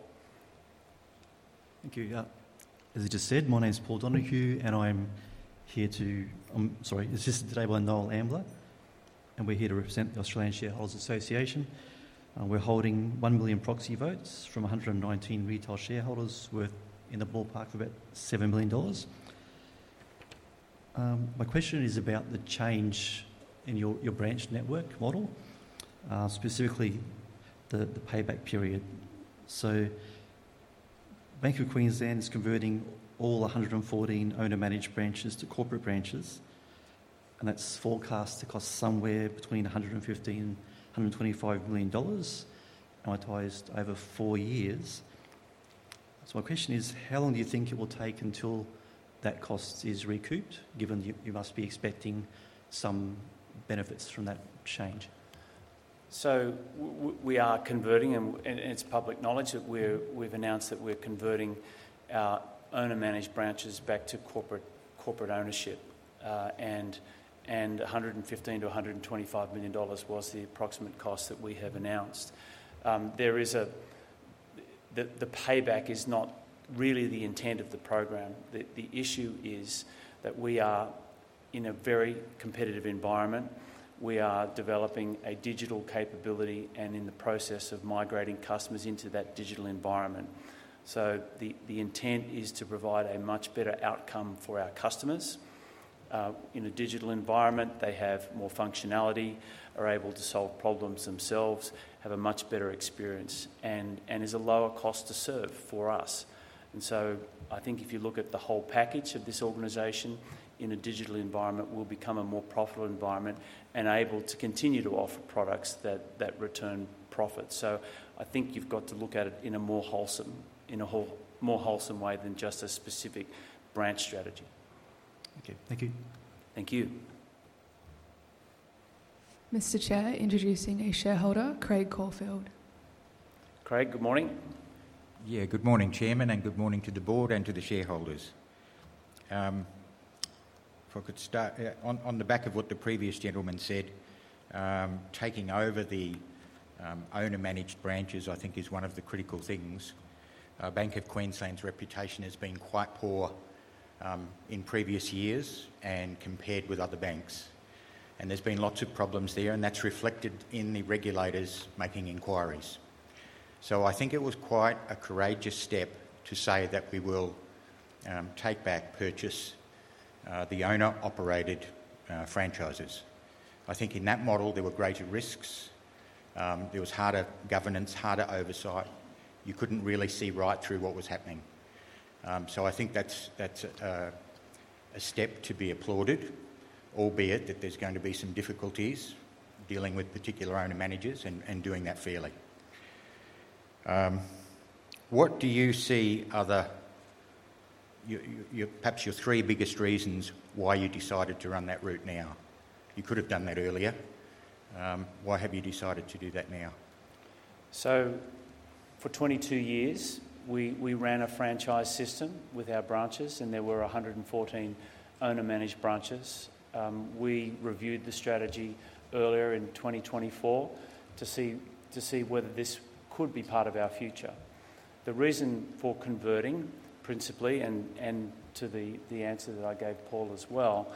Thank you. As I just said, my name is Paul Donohue, and I'm here to. I'm sorry, assisted today by Noel Ambler, and we're here to represent the Australian Shareholders Association. We're holding 1 million proxy votes from 119 retail shareholders worth, in the ballpark, about 7 million dollars. My question is about the change in your branch network model, specifically the payback period. Bank of Queensland is converting all 114 owner-managed branches to corporate branches, and that's forecast to cost somewhere between 115 million and 125 million dollars, amortized over four years. My question is, how long do you think it will take until that cost is recouped, given you must be expecting some benefits from that change? We are converting, and it's public knowledge that we've announced that we're converting our owner-managed branches back to corporate ownership, and 115 million to 125 million dollars was the approximate cost that we have announced. The payback is not really the intent of the program. The issue is that we are in a very competitive environment. We are developing a digital capability and in the process of migrating customers into that digital environment. So the intent is to provide a much better outcome for our customers. In a digital environment, they have more functionality, are able to solve problems themselves, have a much better experience, and is a lower cost to serve for us. And so I think if you look at the whole package of this organization in a digital environment, we'll become a more profitable environment and able to continue to offer products that return profits. So I think you've got to look at it in a more wholesome way than just a specific branch strategy. Okay. Thank you. Thank you. Mr. Chair, introducing a shareholder, Craig Caulfield. Craig, good morning. Yeah, good morning, Chairman, and good morning to the Board and to the shareholders. If I could start on the back of what the previous gentleman said, taking over the owner-managed branches, I think, is one of the critical things. Bank of Queensland's reputation has been quite poor in previous years and, compared with other banks, and there's been lots of problems there, and that's reflected in the regulators making inquiries. So I think it was quite a courageous step to say that we will take back, purchase the owner-operated franchises. I think in that model, there were greater risks. There was harder governance, harder oversight. You couldn't really see right through what was happening. So I think that's a step to be applauded, albeit that there's going to be some difficulties dealing with particular owner-managers and doing that fairly. What do you see are perhaps your three biggest reasons why you decided to run that route now? You could have done that earlier. Why have you decided to do that now? So for 22 years, we ran a franchise system with our branches, and there were 114 owner-managed branches. We reviewed the strategy earlier in 2024 to see whether this could be part of our future. The reason for converting, principally, and to the answer that I gave Paul as well,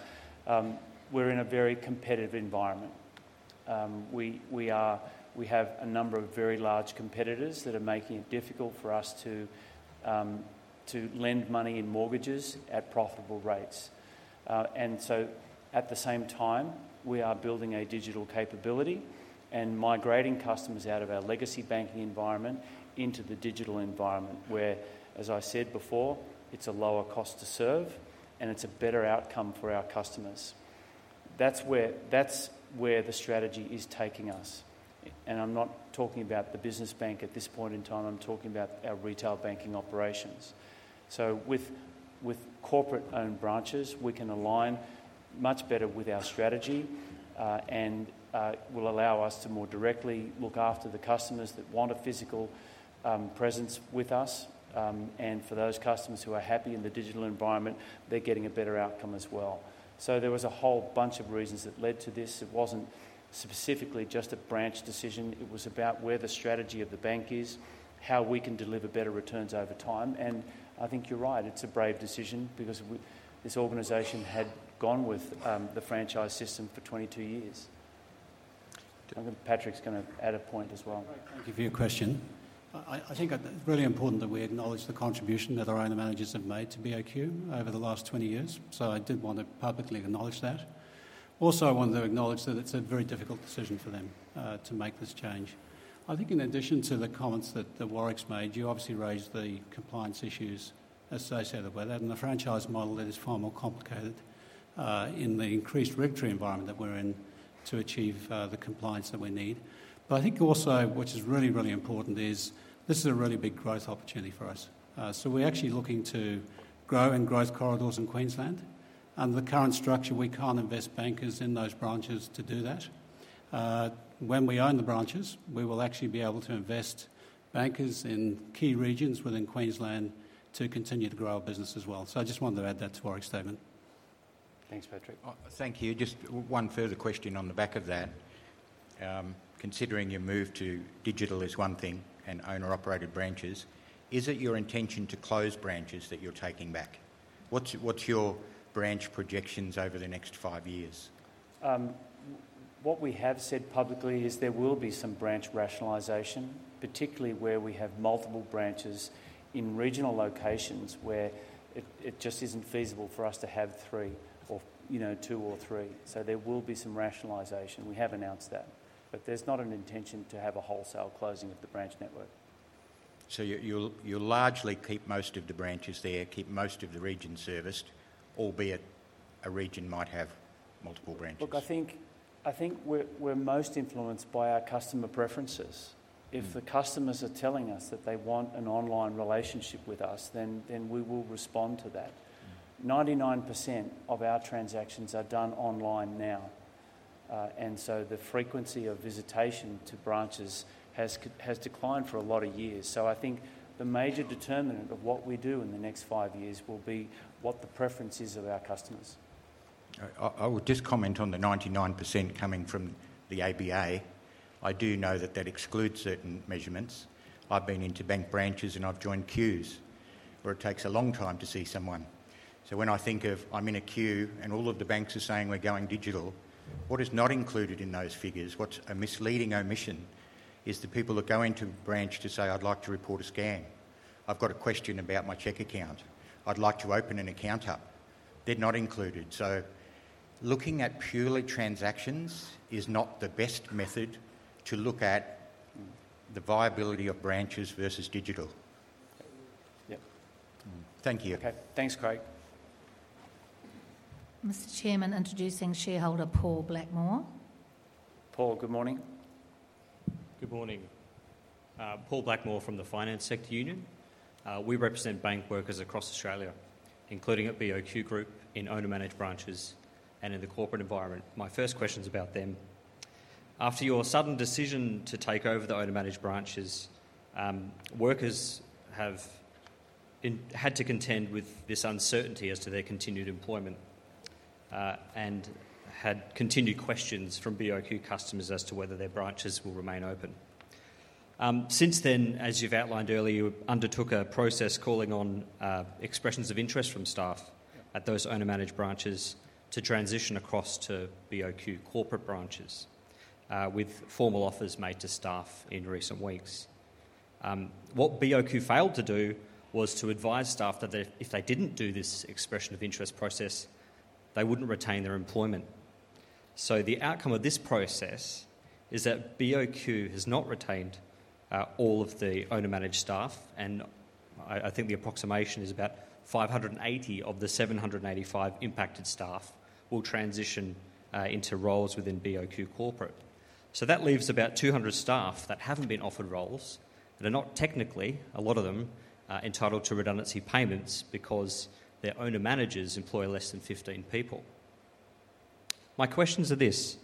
we're in a very competitive environment. We have a number of very large competitors that are making it difficult for us to lend money in mortgages at profitable rates. And so at the same time, we are building a digital capability and migrating customers out of our legacy banking environment into the digital environment where, as I said before, it's a lower cost to serve, and it's a better outcome for our customers. That's where the strategy is taking us. And I'm not talking about the business bank at this point in time. I'm talking about our retail banking operations. So with corporate-owned branches, we can align much better with our strategy and will allow us to more directly look after the customers that want a physical presence with us. And for those customers who are happy in the digital environment, they're getting a better outcome as well. So there was a whole bunch of reasons that led to this. It wasn't specifically just a branch decision. It was about where the strategy of the bank is, how we can deliver better returns over time. And I think you're right. It's a brave decision because this organization had gone with the franchise system for 22 years. Patrick's going to add a point as well. Thank you for your question. I think it's really important that we acknowledge the contribution that our owner-managers have made to BOQ over the last 20 years. So I did want to publicly acknowledge that. Also, I wanted to acknowledge that it's a very difficult decision for them to make this change. I think in addition to the comments that Warwick's made, you obviously raised the compliance issues associated with that and the franchise model that is far more complicated in the increased regulatory environment that we're in to achieve the compliance that we need. But I think also, which is really, really important, is this is a really big growth opportunity for us. So we're actually looking to grow in growth corridors in Queensland. Under the current structure, we can't invest bankers in those branches to do that. When we own the branches, we will actually be able to invest bankers in key regions within Queensland to continue to grow our business as well. So I just wanted to add that to Warwick's statement. Thanks, Patrick. Thank you. Just one further question on the back of that. Considering your move to digital is one thing and owner-operated branches, is it your intention to close branches that you're taking back? What's your branch projections over the next five years? What we have said publicly is there will be some branch rationalization, particularly where we have multiple branches in regional locations where it just isn't feasible for us to have three or two or three. So there will be some rationalization. We have announced that. But there's not an intention to have a wholesale closing of the branch network. So you'll largely keep most of the branches there, keep most of the region serviced, albeit a region might have multiple branches. Look, I think we're most influenced by our customer preferences. If the customers are telling us that they want an online relationship with us, then we will respond to that. 99% of our transactions are done online now. And so the frequency of visitation to branches has declined for a lot of years. So I think the major determinant of what we do in the next five years will be what the preference is of our customers. I will just comment on the 99% coming from the ABA. I do know that that excludes certain measurements. I've been into bank branches and I've joined queues where it takes a long time to see someone. So when I think of I'm in a queue and all of the banks are saying we're going digital, what is not included in those figures, what's a misleading omission, is the people that go into a branch to say, "I'd like to report a scam. I've got a question about my cheque account. I'd like to open an account up." They're not included. So looking at purely transactions is not the best method to look at the viability of branches versus digital. Yep. Thank you. Thanks, Craig. Mr. Chairman, introducing shareholder Paul Blackmore. Paul, good morning. Good morning. Paul Blackmore from the Finance Sector Union. We represent bank workers across Australia, including at BOQ Group in owner-managed branches and in the corporate environment. My first question is about them. After your sudden decision to take over the owner-managed branches, workers have had to contend with this uncertainty as to their continued employment and had continued questions from BOQ customers as to whether their branches will remain open. Since then, as you've outlined earlier, you undertook a process calling on expressions of interest from staff at those owner-managed branches to transition across to BOQ corporate branches with formal offers made to staff in recent weeks. What BOQ failed to do was to advise staff that if they didn't do this expression of interest process, they wouldn't retain their employment. So the outcome of this process is that BOQ has not retained all of the owner-managed staff, and I think the approximation is about 580 of the 785 impacted staff will transition into roles within BOQ corporate. So that leaves about 200 staff that haven't been offered roles that are not technically, a lot of them, entitled to redundancy payments because their owner-managers employ less than 15 people. My questions are this: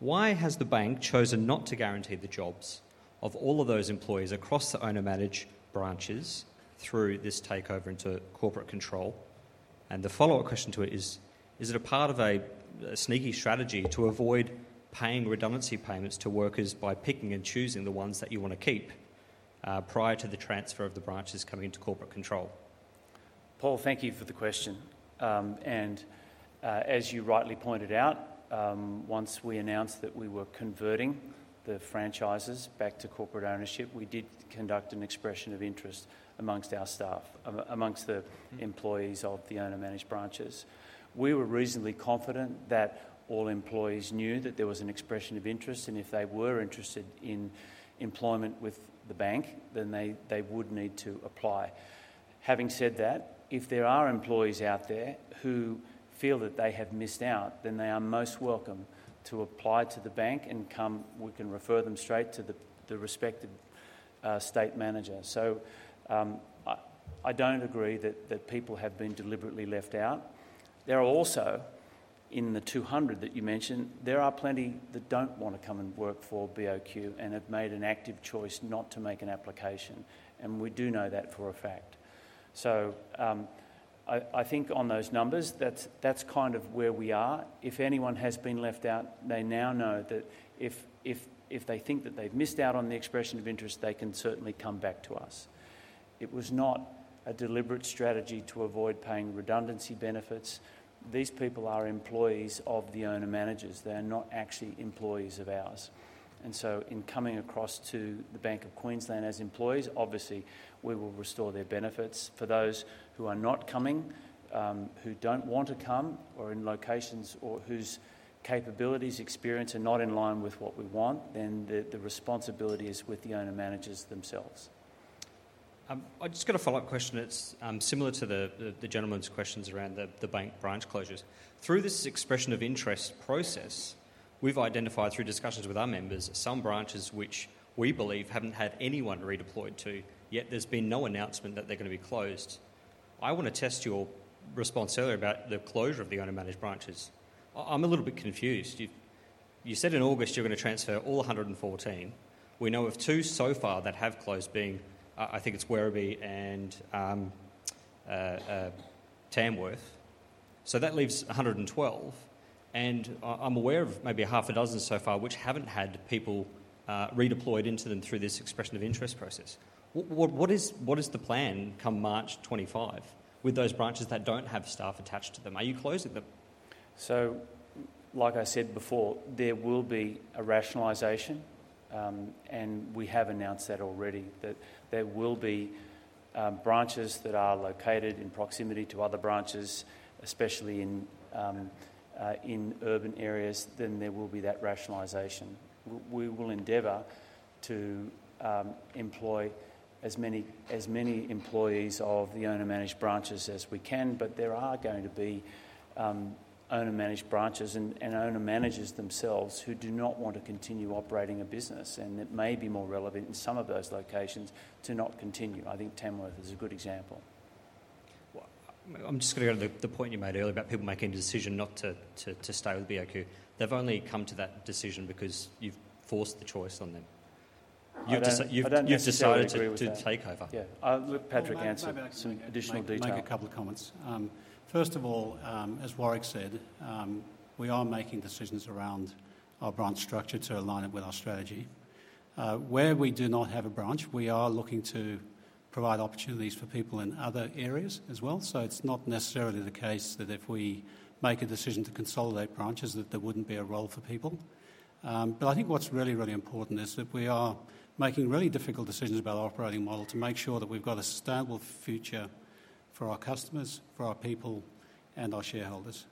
Why has the bank chosen not to guarantee the jobs of all of those employees across the owner-managed branches through this takeover into corporate control? And the follow-up question to it is, is it a part of a sneaky strategy to avoid paying redundancy payments to workers by picking and choosing the ones that you want to keep prior to the transfer of the branches coming into corporate control? Paul, thank you for the question, and as you rightly pointed out, once we announced that we were converting the franchises back to corporate ownership, we did conduct an expression of interest amongst our staff, amongst the employees of the owner-managed branches. We were reasonably confident that all employees knew that there was an expression of interest, and if they were interested in employment with the bank, then they would need to apply. Having said that, if there are employees out there who feel that they have missed out, then they are most welcome to apply to the bank and come. We can refer them straight to the respective state manager. So I don't agree that people have been deliberately left out. There are also in the 200 that you mentioned, there are plenty that don't want to come and work for BOQ and have made an active choice not to make an application. And we do know that for a fact. So I think on those numbers, that's kind of where we are. If anyone has been left out, they now know that if they think that they've missed out on the expression of interest, they can certainly come back to us. It was not a deliberate strategy to avoid paying redundancy benefits. These people are employees of the owner-managers. They're not actually employees of ours. And so in coming across to the Bank of Queensland as employees, obviously, we will restore their benefits. For those who are not coming, who don't want to come, or in locations or whose capabilities, experience are not in line with what we want, then the responsibility is with the owner-managers themselves. I've just got a follow-up question. It's similar to the gentleman's questions around the bank branch closures. Through this expression of interest process, we've identified through discussions with our members some branches which we believe haven't had anyone redeployed to, yet there's been no announcement that they're going to be closed. I want to test your response earlier about the closure of the owner-managed branches. I'm a little bit confused. You said in August you're going to transfer all 114. We know of two so far that have closed being, I think it's Werribee and Tamworth. So that leaves 112. And I'm aware of maybe half a dozen so far which haven't had people redeployed into them through this expression of interest process. What is the plan come March 25 with those branches that don't have staff attached to them? Are you closing them? So like I said before, there will be a rationalization, and we have announced that already, that there will be branches that are located in proximity to other branches, especially in urban areas. Then there will be that rationalization. We will endeavor to employ as many employees of the owner-managed branches as we can, but there are going to be owner-managed branches and owner-managers themselves who do not want to continue operating a business. And it may be more relevant in some of those locations to not continue. I think Tamworth is a good example. I'm just going to go to the point you made earlier about people making a decision not to stay with BOQ. They've only come to that decision because you've forced the choice on them. You've decided to take over. Yeah. I'll Patrick answer some additional detail. I'd like to make a couple of comments. First of all, as Warwick said, we are making decisions around our branch structure to align it with our strategy. Where we do not have a branch, we are looking to provide opportunities for people in other areas as well. So it's not necessarily the case that if we make a decision to consolidate branches that there wouldn't be a role for people. But I think what's really, really important is that we are making really difficult decisions about our operating model to make sure that we've got a sustainable future for our customers, for our people, and our shareholders.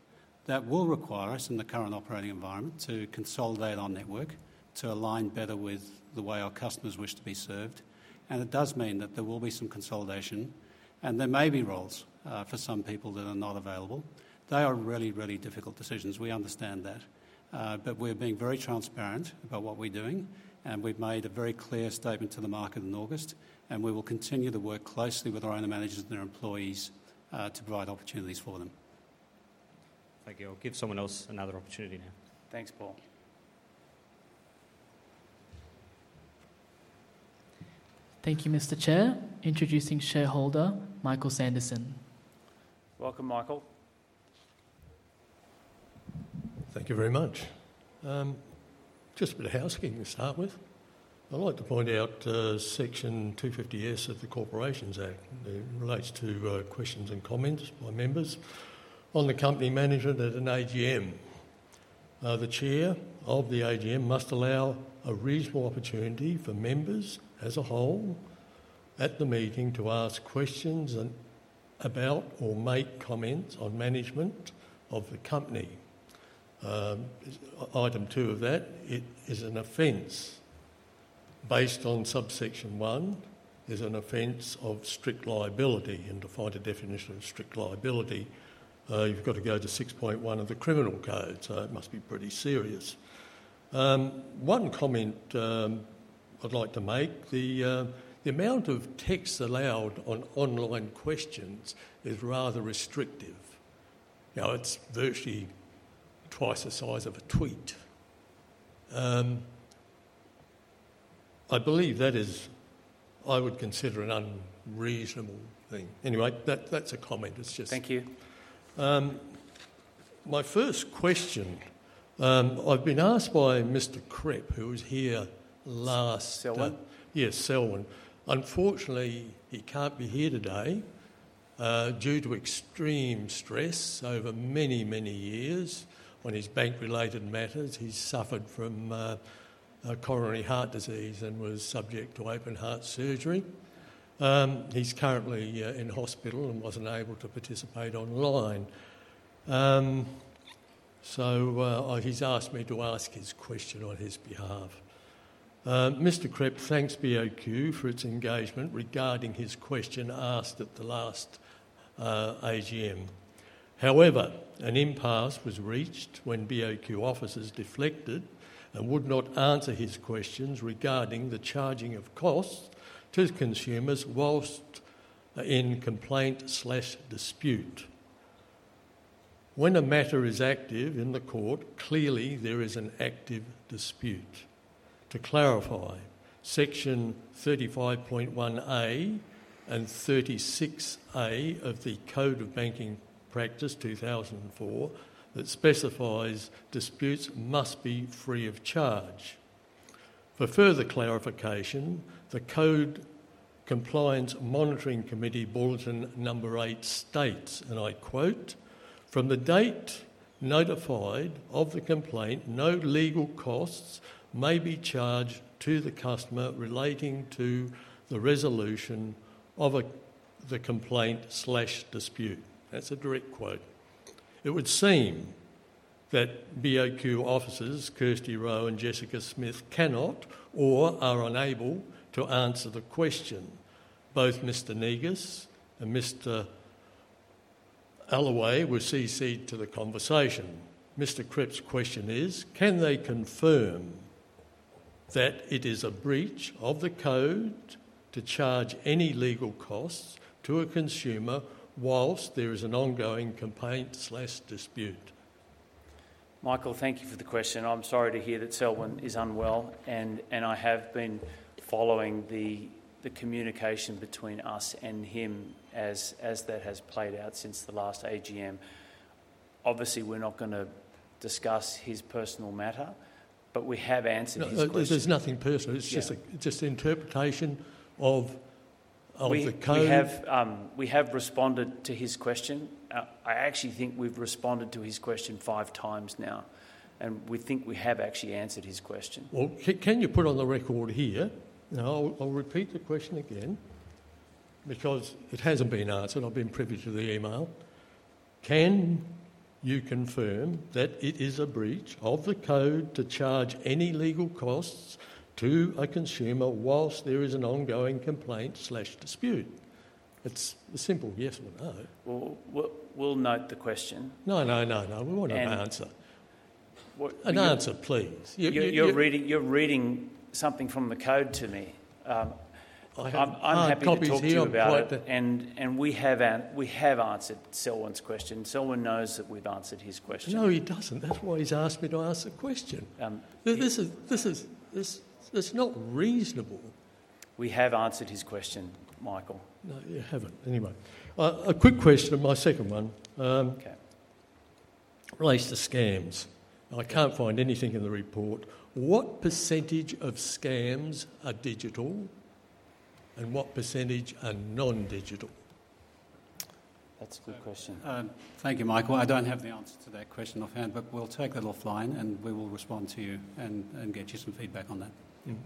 That will require us in the current operating environment to consolidate our network to align better with the way our customers wish to be served. And it does mean that there will be some consolidation, and there may be roles for some people that are not available. They are really, really difficult decisions. We understand that. But we're being very transparent about what we're doing, and we've made a very clear statement to the market in August, and we will continue to work closely with our owner-managers and their employees to provide opportunities for them. Thank you. I'll give someone else another opportunity now. Thanks, Paul. Thank you, Mr. Chair. Introducing shareholder Michael Sanderson. Welcome, Michael. Thank you very much. Just a bit of housekeeping to start with. I'd like to point out Section 250S of the Corporations Act which relates to questions and comments by members on the company management at an AGM. The chair of the AGM must allow a reasonable opportunity for members as a whole at the meeting to ask questions about or make comments on management of the company. Item 2 of that, it is an offence. Based on Subsection 1, there's an offence of strict liability, and to find a definition of strict liability, you've got to go to 6.1 of the Criminal Code. So it must be pretty serious. One comment I'd like to make, the amount of text allowed on online questions is rather restrictive. Now, it's virtually twice the size of a tweet. I believe that is. I would consider an unreasonable thing. Anyway, that's a comment. It's just. Thank you. My first question, I've been asked by Mr. Krepp, who was here last. Selwyn. Yes, Selwyn. Unfortunately, he can't be here today due to extreme stress over many, many years on his bank-related matters. He suffered from coronary heart disease and was subject to open heart surgery. He's currently in hospital and wasn't able to participate online. So he's asked me to ask his question on his behalf. Mr. Krepp thanks BOQ for its engagement regarding his question asked at the last AGM. However, an impasse was reached when BOQ officers deflected and would not answer his questions regarding the charging of costs to consumers whilst in complaint/dispute. When a matter is active in the court, clearly there is an active dispute. To clarify, Section 35.1A and 36A of the Code of Banking Practice 2004 that specifies disputes must be free of charge. For further clarification, the Code Compliance Monitoring Committee Bulletin Number 8 states, and I quote, "From the date notified of the complaint, no legal costs may be charged to the customer relating to the resolution of the complaint/dispute." That's a direct quote. It would seem that BOQ officers, Kirsty Rowe and Jessica Smith, cannot or are unable to answer the question. Both Mr. Negus and Mr. Allaway were CC'd to the conversation. Mr. Krepp's question is, can they confirm that it is a breach of the code to charge any legal costs to a consumer while there is an ongoing complaint/dispute? Michael, thank you for the question. I'm sorry to hear that Selwyn is unwell, and I have been following the communication between us and him as that has played out since the last AGM. Obviously, we're not going to discuss his personal matter, but we have answered his question. There's nothing personal. It's just interpretation of the. We have responded to his question. I actually think we've responded to his question five times now, and we think we have actually answered his question. Well, can you put on the record here? Now, I'll repeat the question again because it hasn't been answered. I've been privy to the email. Can you confirm that it is a breach of the code to charge any legal costs to a consumer whilst there is an ongoing complaint/dispute? It's a simple yes or no. We'll note the question. No, no, no, no. I want an answer. An answer, please. You're reading something from the code to me. I'm happy to talk to you about it. We have answered Selwyn's question. Selwyn knows that we've answered his question. No, he doesn't. That's why he's asked me to ask the question. This is not reasonable. We have answered his question, Michael. No, you haven't. Anyway, a quick question on my second one. ORelates to scams. I can't find anything in the report. What percentage of scams are digital and what percentage are non-digital? That's a good question. Thank you, Michael. I don't have the answer to that question offhand, but we'll take that offline and we will respond to you and get you some feedback on that.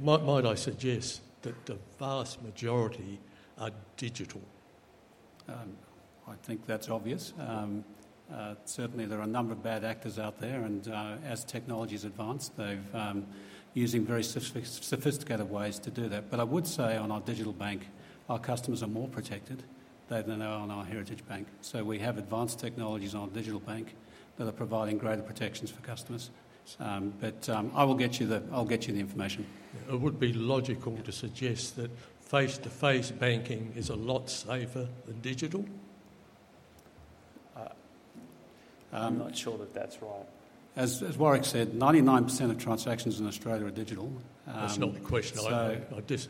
Might I suggest that the vast majority are digital? I think that's obvious. Certainly, there are a number of bad actors out there, and as technology has advanced, they're using very sophisticated ways to do that. But I would say on our Digital bank, our customers are more protected than they are on our Heritage Bank. So we have advanced technologies on our Digital bank that are providing greater protections for customers. But I will get you the information. It would be logical to suggest that face-to-face banking is a lot safer than digital? I'm not sure that that's right. As Warwick said, 99% of transactions in Australia are digital. That's not the question I've asked.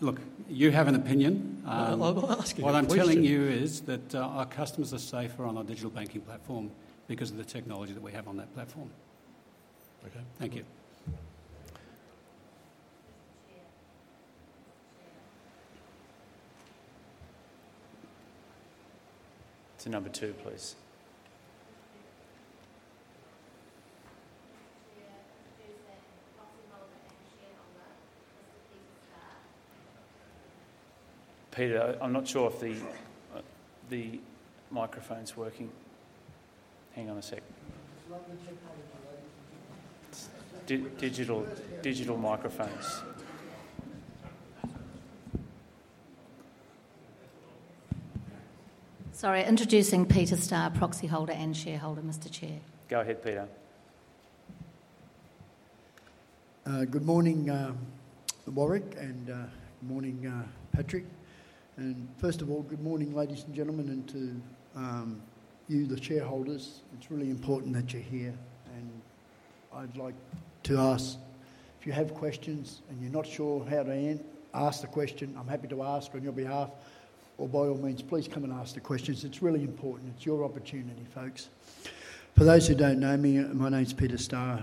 Look, you have an opinion. I'll ask you a question. What I'm telling you is that our customers are safer on our Digital banking platform because of the technology that we have on that platform. Okay. Thank you. To number two, please. Peter, I'm not sure if the microphone's working. Hang on a sec. Digital microphones. Sorry. Introducing Peter Starr, proxy holder and shareholder, Mr. Chair. Go ahead, Peter. Good morning, Warwick, and good morning, Patrick. And first of all, good morning, ladies and gentlemen, and to you, the shareholders. It's really important that you're here. And I'd like to ask, if you have questions and you're not sure how to ask the question, I'm happy to ask on your behalf. Or by all means, please come and ask the questions. It's really important. It's your opportunity, folks. For those who don't know me, my name's Peter Starr,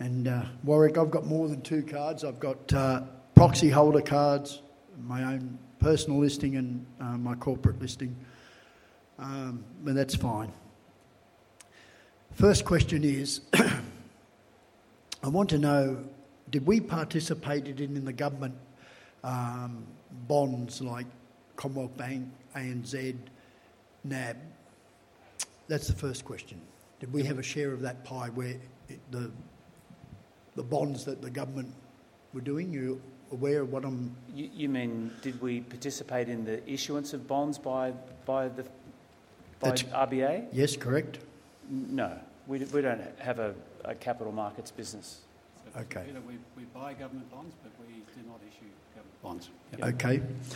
and Warwick, I've got more than two cards. I've got proxy holder cards, my own personal listing, and my corporate listing. But that's fine. First question is, I want to know, did we participate in the government bonds like Commonwealth Bank, ANZ, NAB? That's the first question. Did we have a share of that pie where the bonds that the government were doing? You mean, did we participate in the issuance of bonds by the RBA? Yes, correct. No, we don't have a capital markets business. We buy government bonds, but we do not issue government bonds.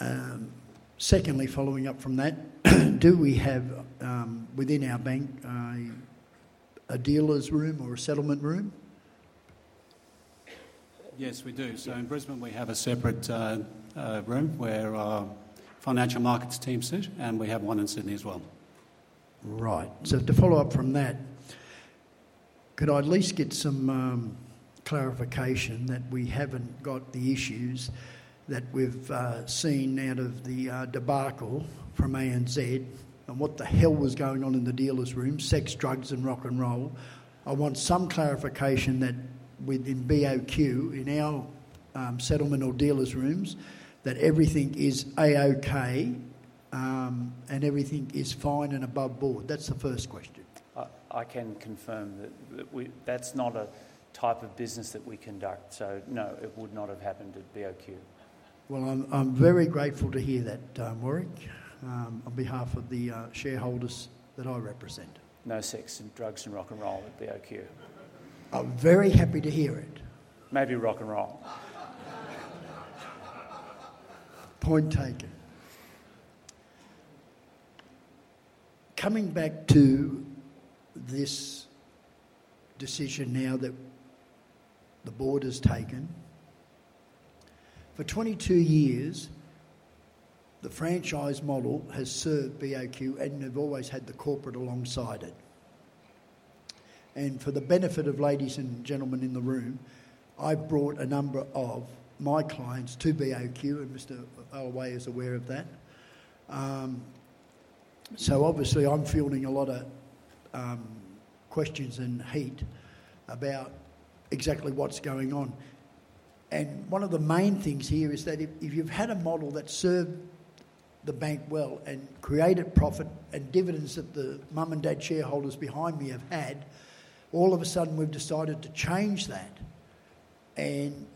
Okay. Secondly, following up from that, do we have within our bank a dealer's room or a settlement room? Yes, we do. So in Brisbane, we have a separate room where our financial markets team sits, and we have one in Sydney as well. Right. So to follow up from that, could I at least get some clarification that we haven't got the issues that we've seen out of the debacle from ANZ and what the hell was going on in the dealer's room, sex, drugs, and rock and roll? I want some clarification that within BOQ, in our settlement or dealer's rooms, that everything is AOK and everything is fine and above board. That's the first question. I can confirm that that's not a type of business that we conduct. So no, it would not have happened at BOQ. Well, I'm very grateful to hear that, Warwick, on behalf of the shareholders that I represent. No sex and drugs and rock and roll at BOQ. I'm very happy to hear it. Maybe rock and roll. Point taken. Coming back to this decision now that the Board has taken, for 22 years, the franchise model has served BOQ and have always had the corporate alongside it. And for the benefit of ladies and gentlemen in the room, I've brought a number of my clients to BOQ, and Mr. Allaway is aware of that. So obviously, I'm fielding a lot of questions and heat about exactly what's going on. And one of the main things here is that if you've had a model that served the bank well and created profit and dividends that the mum and dad shareholders behind me have had, all of a sudden, we've decided to change that. And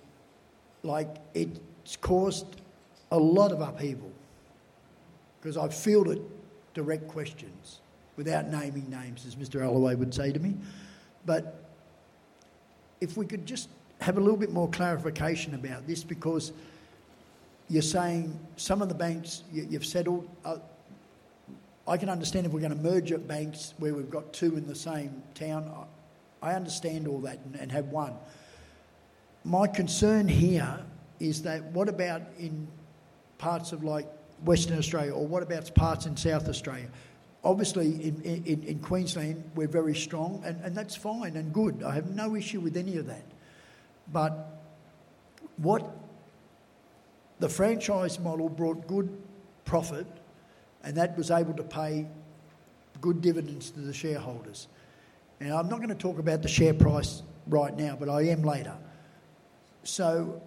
it's caused a lot of upheaval because I've fielded direct questions without naming names, as Mr. Allaway would say to me. But if we could just have a little bit more clarification about this because you're saying some of the banks you've settled. I can understand if we're going to merge banks where we've got two in the same town. I understand all that and have one. My concern here is that what about in parts of Western Australia or what about parts in South Australia? Obviously, in Queensland, we're very strong, and that's fine and good. I have no issue with any of that. But the franchise model brought good profit, and that was able to pay good dividends to the shareholders. And I'm not going to talk about the share price right now, but I am later. So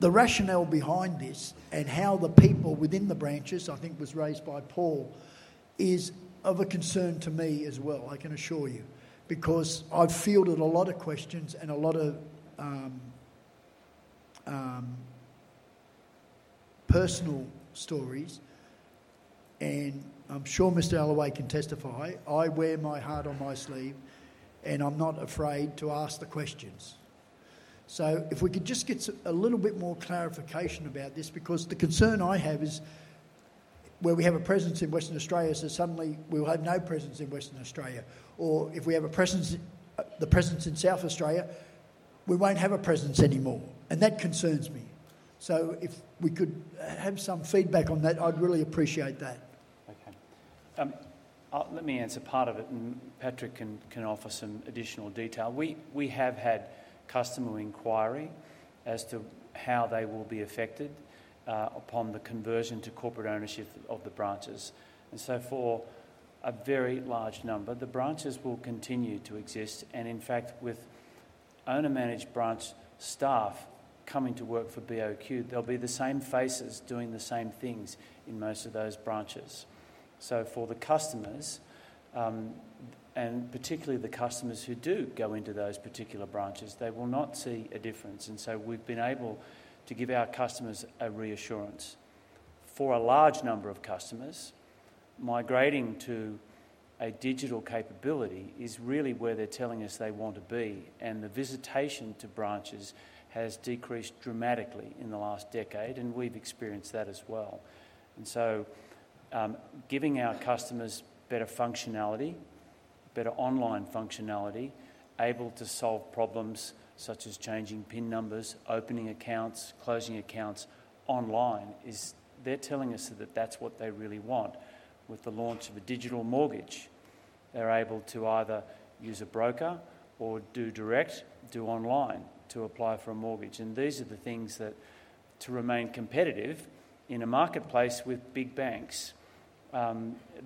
the rationale behind this and how the people within the branches, I think was raised by Paul, is of a concern to me as well, I can assure you, because I've fielded a lot of questions and a lot of personal stories, and I'm sure Mr. Allaway can testify. I wear my heart on my sleeve, and I'm not afraid to ask the questions, so if we could just get a little bit more clarification about this because the concern I have is where we have a presence in Western Australia so suddenly we'll have no presence in Western Australia. Or if we have the presence in South Australia, we won't have a presence anymore, and that concerns me, so if we could have some feedback on that, I'd really appreciate that. Okay. Let me answer part of it, and Patrick can offer some additional detail. We have had customer inquiry as to how they will be affected upon the conversion to corporate ownership of the branches, and so for a very large number, the branches will continue to exist, and in fact, with owner-managed branch staff coming to work for BOQ, there'll be the same faces doing the same things in most of those branches, so for the customers, and particularly the customers who do go into those particular branches, they will not see a difference, and so we've been able to give our customers a reassurance. For a large number of customers, migrating to a digital capability is really where they're telling us they want to be, and the visitation to branches has decreased dramatically in the last decade, and we've experienced that as well. So giving our customers better functionality, better online functionality, able to solve problems such as changing PIN numbers, opening accounts, closing accounts online is they're telling us that that's what they really want. With the launch of a digital mortgage, they're able to either use a broker or do direct, do online to apply for a mortgage. And these are the things that to remain competitive in a marketplace with big banks,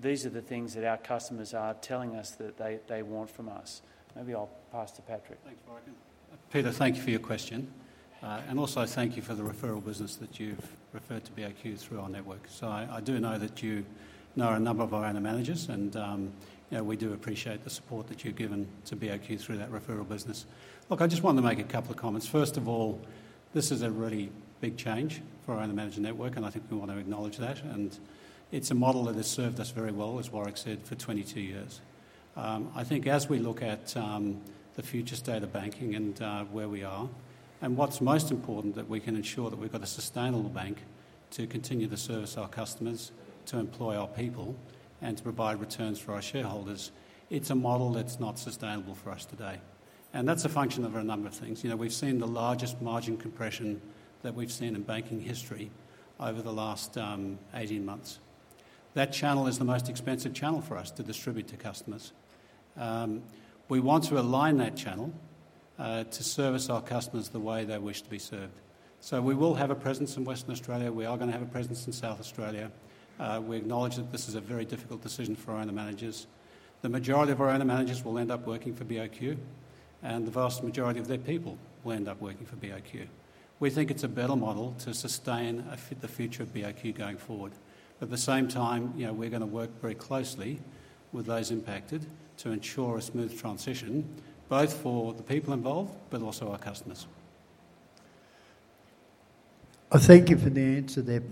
these are the things that our customers are telling us that they want from us. Maybe I'll pass to Patrick. Thanks, Warwick. Peter, thank you for your question. And also, thank you for the referral business that you've referred to BOQ through our network. So I do know that you know a number of our owner-managers, and we do appreciate the support that you've given to BOQ through that referral business. Look, I just wanted to make a couple of comments. First of all, this is a really big change for our owner-manager network, and I think we want to acknowledge that, and it's a model that has served us very well, as Warwick said, for 22 years. I think as we look at the future state of banking and where we are, and what's most important that we can ensure that we've got a sustainable bank to continue to service our customers, to employ our people, and to provide returns for our shareholders, it's a model that's not sustainable for us today, and that's a function of a number of things. We've seen the largest margin compression that we've seen in banking history over the last 18 months. That channel is the most expensive channel for us to distribute to customers. We want to align that channel to service our customers the way they wish to be served, so we will have a presence in Western Australia. We are going to have a presence in South Australia. We acknowledge that this is a very difficult decision for our owner-managers. The majority of our owner-managers will end up working for BOQ, and the vast majority of their people will end up working for BOQ. We think it's a better model to sustain the future of BOQ going forward. At the same time, we're going to work very closely with those impacted to ensure a smooth transition, both for the people involved but also our customers. I thank you for the answer there,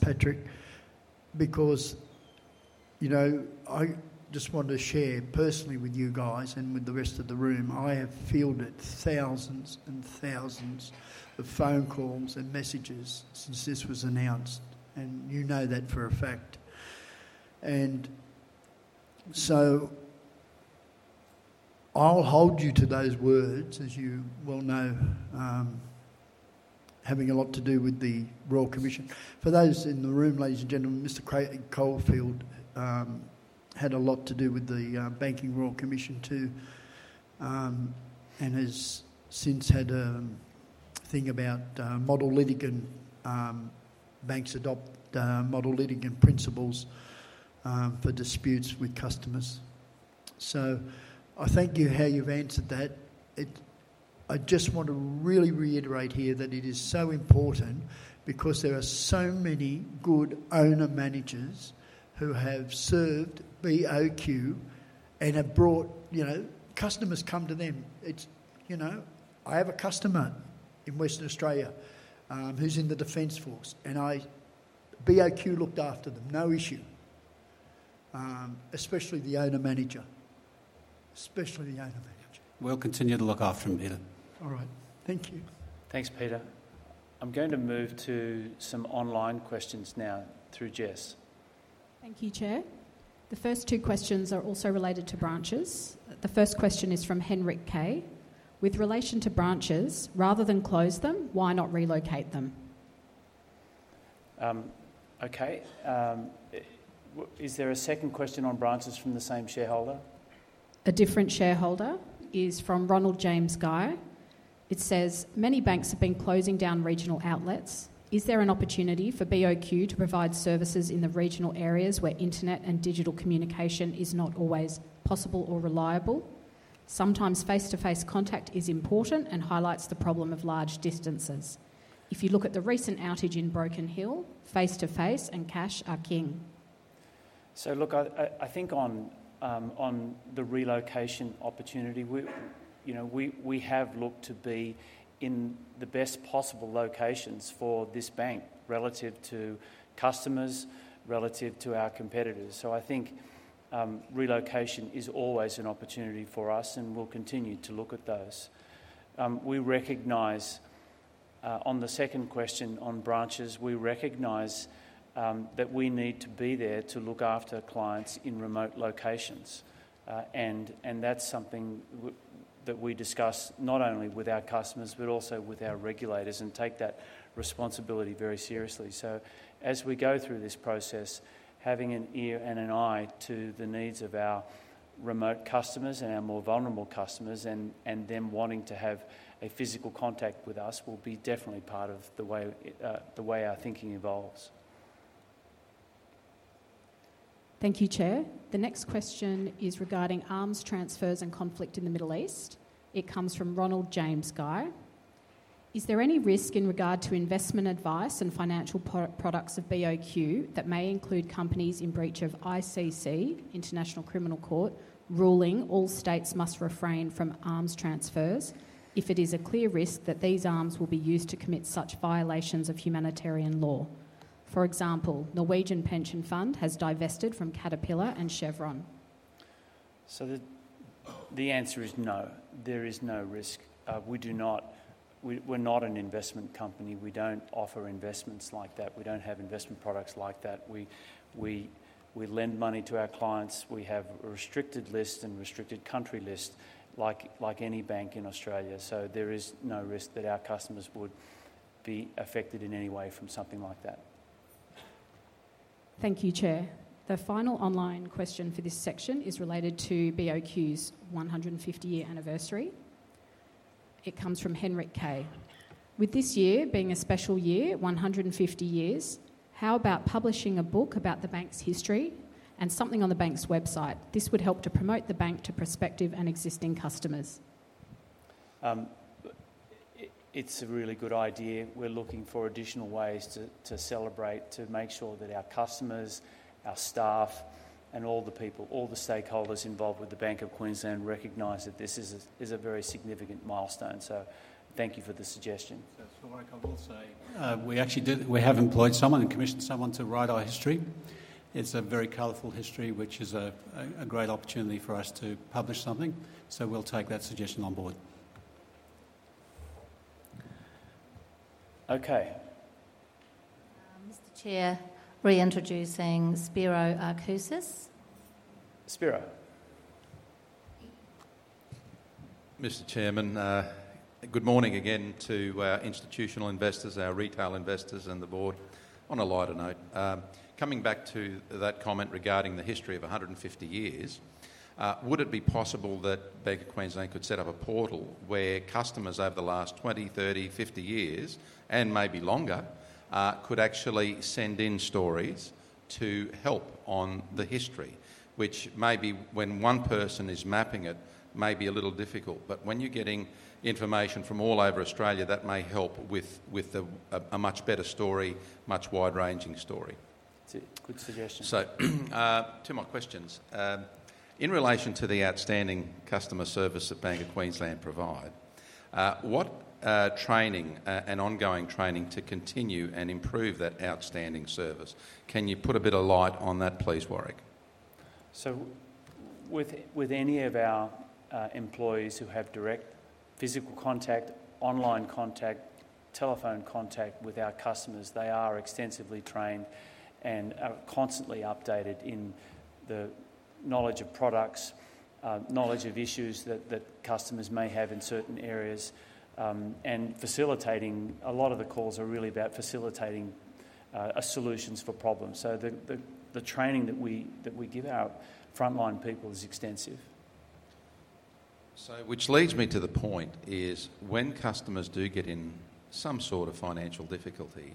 Patrick, because I just want to share personally with you guys and with the rest of the room. I have fielded thousands and thousands of phone calls and messages since this was announced, and you know that for a fact. And so I'll hold you to those words, as you will know, having a lot to do with the Royal Commission. For those in the room, ladies and gentlemen, Mr. Craig Caulfield had a lot to do with the Banking Royal Commission too and has since had a thing about model litigant banks adopt model litigant principles for disputes with customers. So I thank you how you've answered that. I just want to really reiterate here that it is so important because there are so many good owner-managers who have served BOQ and have brought customers come to them. I have a customer in Western Australia who's in the Defense Force, and BOQ looked after them. No issue. Especially the owner-manager. Especially the owner-manager. We'll continue to look after them, Peter. All right. Thank you. Thanks, Peter. I'm going to move to some online questions now through Jess. Thank you, Chair. The first two questions are also related to branches. The first question is from Henrik K. With relation to branches, rather than close them, why not relocate them? Okay. Is there a second question on branches from the same shareholder? A different shareholder is from Ronald James Guy. It says, "Many banks have been closing down regional outlets. Is there an opportunity for BOQ to provide services in the regional areas where internet and digital communication is not always possible or reliable? Sometimes face-to-face contact is important and highlights the problem of large distances. If you look at the recent outage in Broken Hill, face-to-face and cash are king." So look, I think on the relocation opportunity, we have looked to be in the best possible locations for this bank relative to customers, relative to our competitors. So I think relocation is always an opportunity for us, and we'll continue to look at those. We recognize on the second question on branches, we recognize that we need to be there to look after clients in remote locations. And that's something that we discuss not only with our customers but also with our regulators and take that responsibility very seriously. So as we go through this process, having an ear and an eye to the needs of our remote customers and our more vulnerable customers and them wanting to have a physical contact with us will be definitely part of the way our thinking evolves. Thank you, Chair. The next question is regarding arms transfers and conflict in the Middle East. It comes from Ronald James Guy. Is there any risk in regard to investment advice and financial products of BOQ that may include companies in breach of ICC, International Criminal Court, ruling all states must refrain from arms transfers if it is a clear risk that these arms will be used to commit such violations of humanitarian law? For example, Norwegian Pension Fund has divested from Caterpillar and Chevron. So the answer is no. There is no risk. We're not an investment company. We don't offer investments like that. We don't have investment products like that. We lend money to our clients. We have a restricted list and restricted country list like any bank in Australia. So there is no risk that our customers would be affected in any way from something like that. Thank you, Chair. The final online question for this section is related to BOQ's 150-year anniversary. It comes from Henrik K. With this year being a special year, 150 years, how about publishing a book about the bank's history and something on the bank's website? This would help to promote the bank to prospective and existing customers. It's a really good idea. We're looking for additional ways to celebrate, to make sure that our customers, our staff, and all the people, all the stakeholders involved with the Bank of Queensland recognize that this is a very significant milestone. So thank you for the suggestion. So for Warwick, I will say we actually have employed someone and commissioned someone to write our history. It's a very colorful history, which is a great opportunity for us to publish something. So we'll take that suggestion on board. Mr. Chair, reintroducing Spiro Arkouzis. Spiro. Mr. Chairman, good morning again to our institutional investors, our retail investors, and the Board on a lighter note. Coming back to that comment regarding the history of 150 years, would it be possible that Bank of Queensland could set up a portal where customers over the last 20, 30, 50 years, and maybe longer, could actually send in stories to help on the history, which maybe when one person is mapping it may be a little difficult? But when you're getting information from all over Australia, that may help with a much better story, much wide-ranging story. Good suggestion. So two more questions. In relation to the outstanding customer service that Bank of Queensland provide, what training and ongoing training to continue and improve that outstanding service? Can you put a bit of light on that, please, Warwick? So with any of our employees who have direct physical contact, online contact, telephone contact with our customers, they are extensively trained and are constantly updated in the knowledge of products, knowledge of issues that customers may have in certain areas. And facilitating a lot of the calls are really about facilitating solutions for problems. So the training that we give our frontline people is extensive So which leads me to the point is when customers do get in some sort of financial difficulty,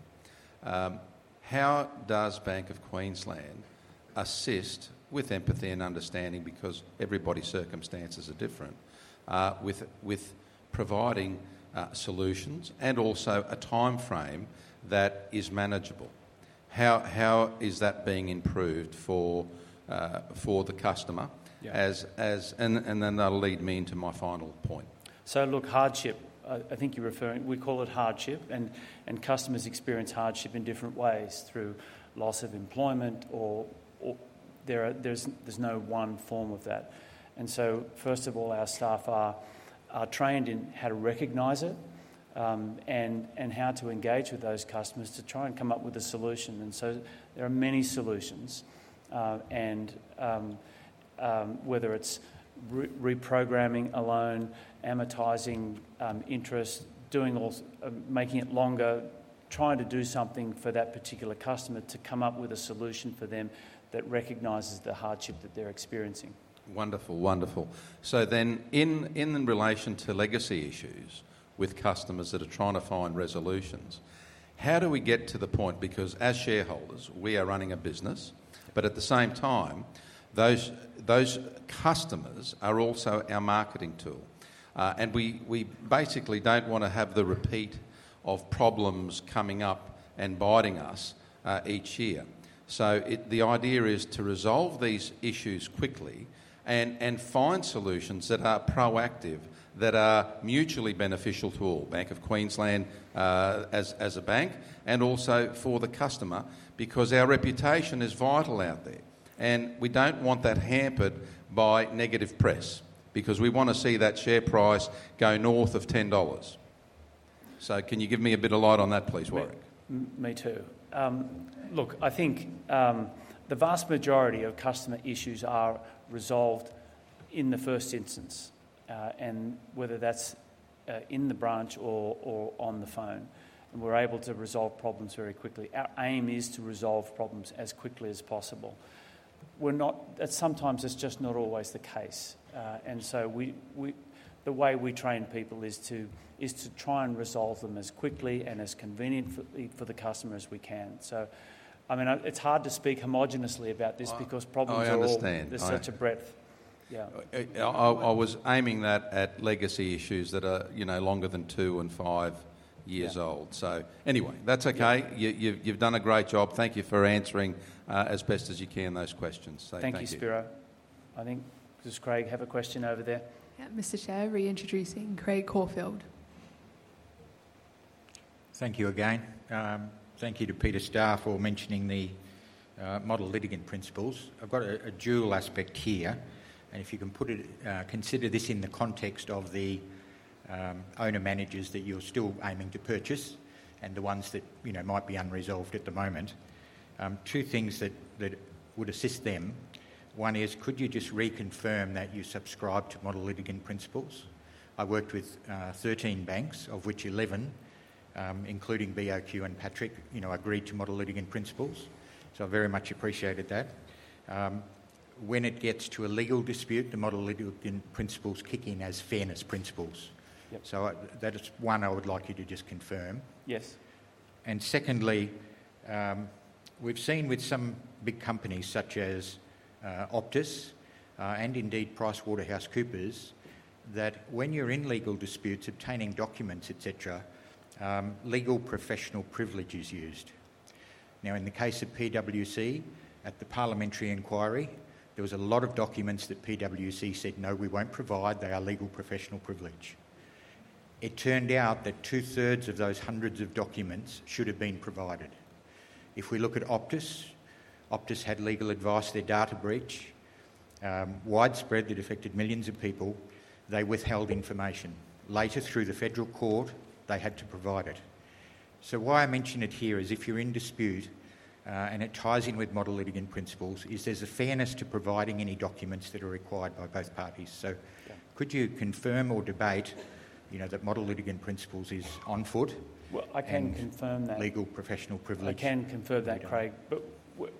how does Bank of Queensland assist with empathy and understanding because everybody's circumstances are different with providing solutions and also a timeframe that is manageable? How is that being improved for the customer? And then that'll lead me into my final point. So look, hardship, I think you're referring we call it hardship. And customers experience hardship in different ways through loss of employment, or there's no one form of that. And so first of all, our staff are trained in how to recognize it and how to engage with those customers to try and come up with a solution. And so there are many solutions. And whether it's reprogramming alone, amortizing interest, making it longer, trying to do something for that particular customer to come up with a solution for them that recognizes the hardship that they're experiencing. Wonderful, wonderful. So then in relation to legacy issues with customers that are trying to find resolutions, how do we get to the point because as shareholders, we are running a business, but at the same time, those customers are also our marketing tool. And we basically don't want to have the repeat of problems coming up and biting us each year. So the idea is to resolve these issues quickly and find solutions that are proactive, that are mutually beneficial to all, Bank of Queensland as a bank, and also for the customer because our reputation is vital out there. And we don't want that hampered by negative press because we want to see that share price go north of 10 dollars. So can you give me a bit of light on that, please, Warwick? Me too. Look, I think the vast majority of customer issues are resolved in the first instance, and whether that's in the branch or on the phone. And we're able to resolve problems very quickly. Our aim is to resolve problems as quickly as possible. Sometimes it's just not always the case. And so the way we train people is to try and resolve them as quickly and as conveniently for the customer as we can. So I mean, it's hard to speak homogeneously about this because problems are all. I understand. There's such a breadth. Yeah. I was aiming that at legacy issues that are longer than two and five years old. So anyway, that's okay. You've done a great job. Thank you for answering as best as you can those questions. So thanks. Thank you, Spiro. I think Mrs. Craig had a question over there. Mr. Chair, reintroducing Craig Caulfield. Thank you again. Thank you to Peter Starr for mentioning the model litigant principles. I've got a dual aspect here. And if you can consider this in the context of the owner-managers that you're still aiming to purchase and the ones that might be unresolved at the moment, two things that would assist them. One is, could you just reconfirm that you subscribe to model litigant principles? I worked with 13 banks, of which 11, including BOQ and Patrick, agreed to model litigant principles. So I very much appreciated that. When it gets to a legal dispute, the model litigant principles kick in as fairness principles. So that is one I would like you to just confirm. Yes. And secondly, we've seen with some big companies such as Optus and indeed PricewaterhouseCoopers that when you're in legal disputes, obtaining documents, etc., legal professional privilege is used. Now, in the case of PwC, at the parliamentary inquiry, there was a lot of documents that PwC said, "No, we won't provide. They are legal professional privilege." It turned out that two-thirds of those hundreds of documents should have been provided. If we look at Optus, Optus had legal advice, their data breach widespread that affected millions of people, they withheld information. Later, through the federal court, they had to provide it. So why I mention it here is if you're in dispute and it ties in with model litigant principles is there's a fairness to providing any documents that are required by both parties. So could you confirm or debate that model litigant principles is on foot? Well, I can confirm that. And legal professional privilege. I can confirm that, Craig. But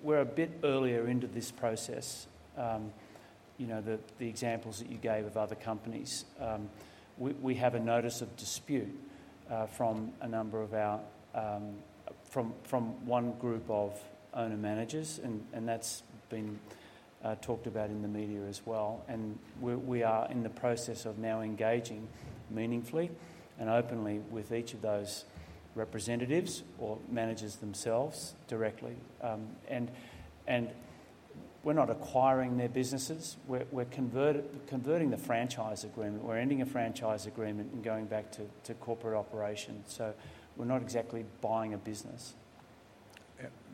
we're a bit earlier into this process. The examples that you gave of other companies, we have a notice of dispute from one group of owner-managers, and that's been talked about in the media as well. And we are in the process of now engaging meaningfully and openly with each of those representatives or managers themselves directly. And we're not acquiring their businesses. We're converting the franchise agreement. We're ending a franchise agreement and going back to corporate operation. So we're not exactly buying a business.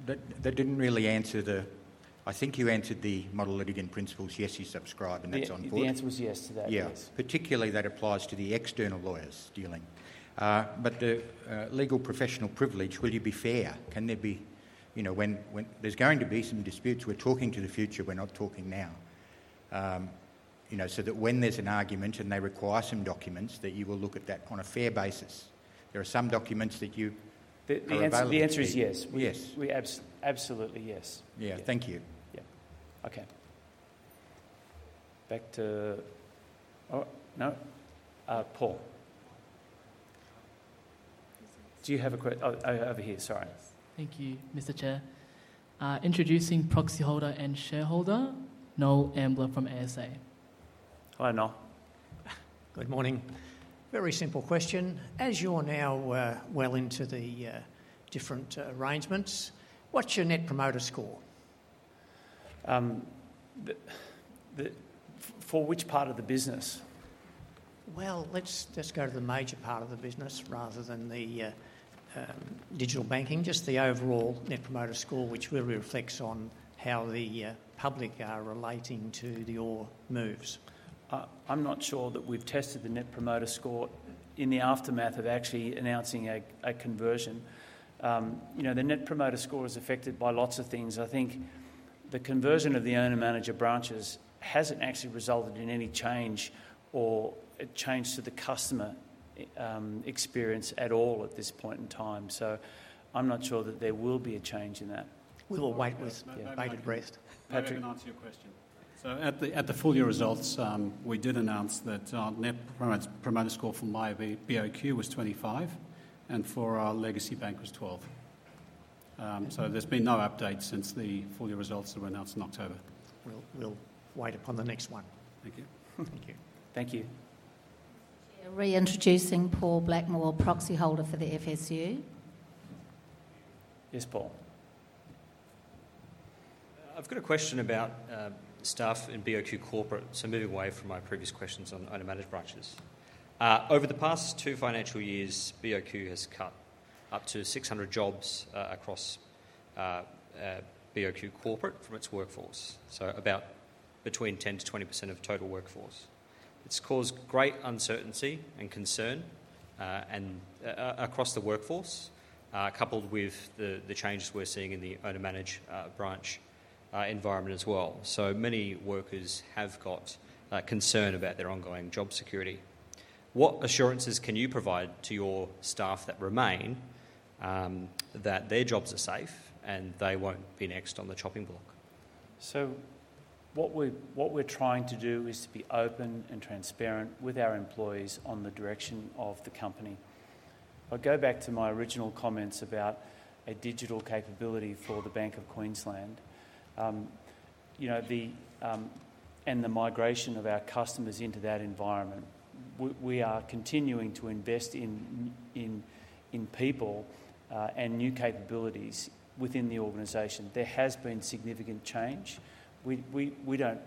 That didn't really answer the. I think you answered the model litigant principles. Yes, you subscribe, and that's on foot. The answer was yes to that. Yes. Particularly, that applies to the external lawyers dealing. But the legal professional privilege, will you be fair? Can there be when there's going to be some disputes, we're talking to the future. We're not talking now. So that when there's an argument and they require some documents, that you will look at that on a fair basis. There are some documents that you - The answer is yes. Yes. Absolutely, yes. Yeah. Thank you. Yeah. Okay. Back to - oh, no. Paul. Do you have a question? Oh, over here. Sorry. Thank you, Mr. Chair. Introducing proxy holder and shareholder, Noel Ambler from ASA. Hello, Noel. Good morning. Very simple question. As you're now well into the different arrangements, what's your Net Promoter Score? For which part of the business? Well, let's go to the major part of the business rather than the Digital banking, just the overall Net Promoter Score, which really reflects on how the public are relating to your moves. I'm not sure that we've tested the Net Promoter Score in the aftermath of actually announcing a conversion. The Net Promoter Score is affected by lots of things. I think the conversion of the owner-manager branches hasn't actually resulted in any change or a change to the customer experience at all at this point in time. So I'm not sure that there will be a change in that. We'll wait with bated breath. Patrick. I didn't answer your question. At the full year results, we did announce that our Net Promoter Score from myBOQ was 25, and for our legacy bank, it was 12. So there's been no update since the full year results that were announced in October. We'll wait upon the next one. Thank you. Thank you. Thank you. Reintroducing Paul Blackmore, proxy holder for the FSU. Yes, Paul. I've got a question about staff in BOQ corporate. So moving away from my previous questions on owner-managed branches. Over the past two financial years, BOQ has cut up to 600 jobs across BOQ corporate from its workforce, so about between 10%-20% of total workforce. It's caused great uncertainty and concern across the workforce, coupled with the changes we're seeing in the owner-managed branch environment as well. So many workers have got concern about their ongoing job security. What assurances can you provide to your staff that remain that their jobs are safe and they won't be next on the chopping block? So what we're trying to do is to be open and transparent with our employees on the direction of the company. I go back to my original comments about a digital capability for the Bank of Queensland and the migration of our customers into that environment. We are continuing to invest in people and new capabilities within the organization. There has been significant change. We don't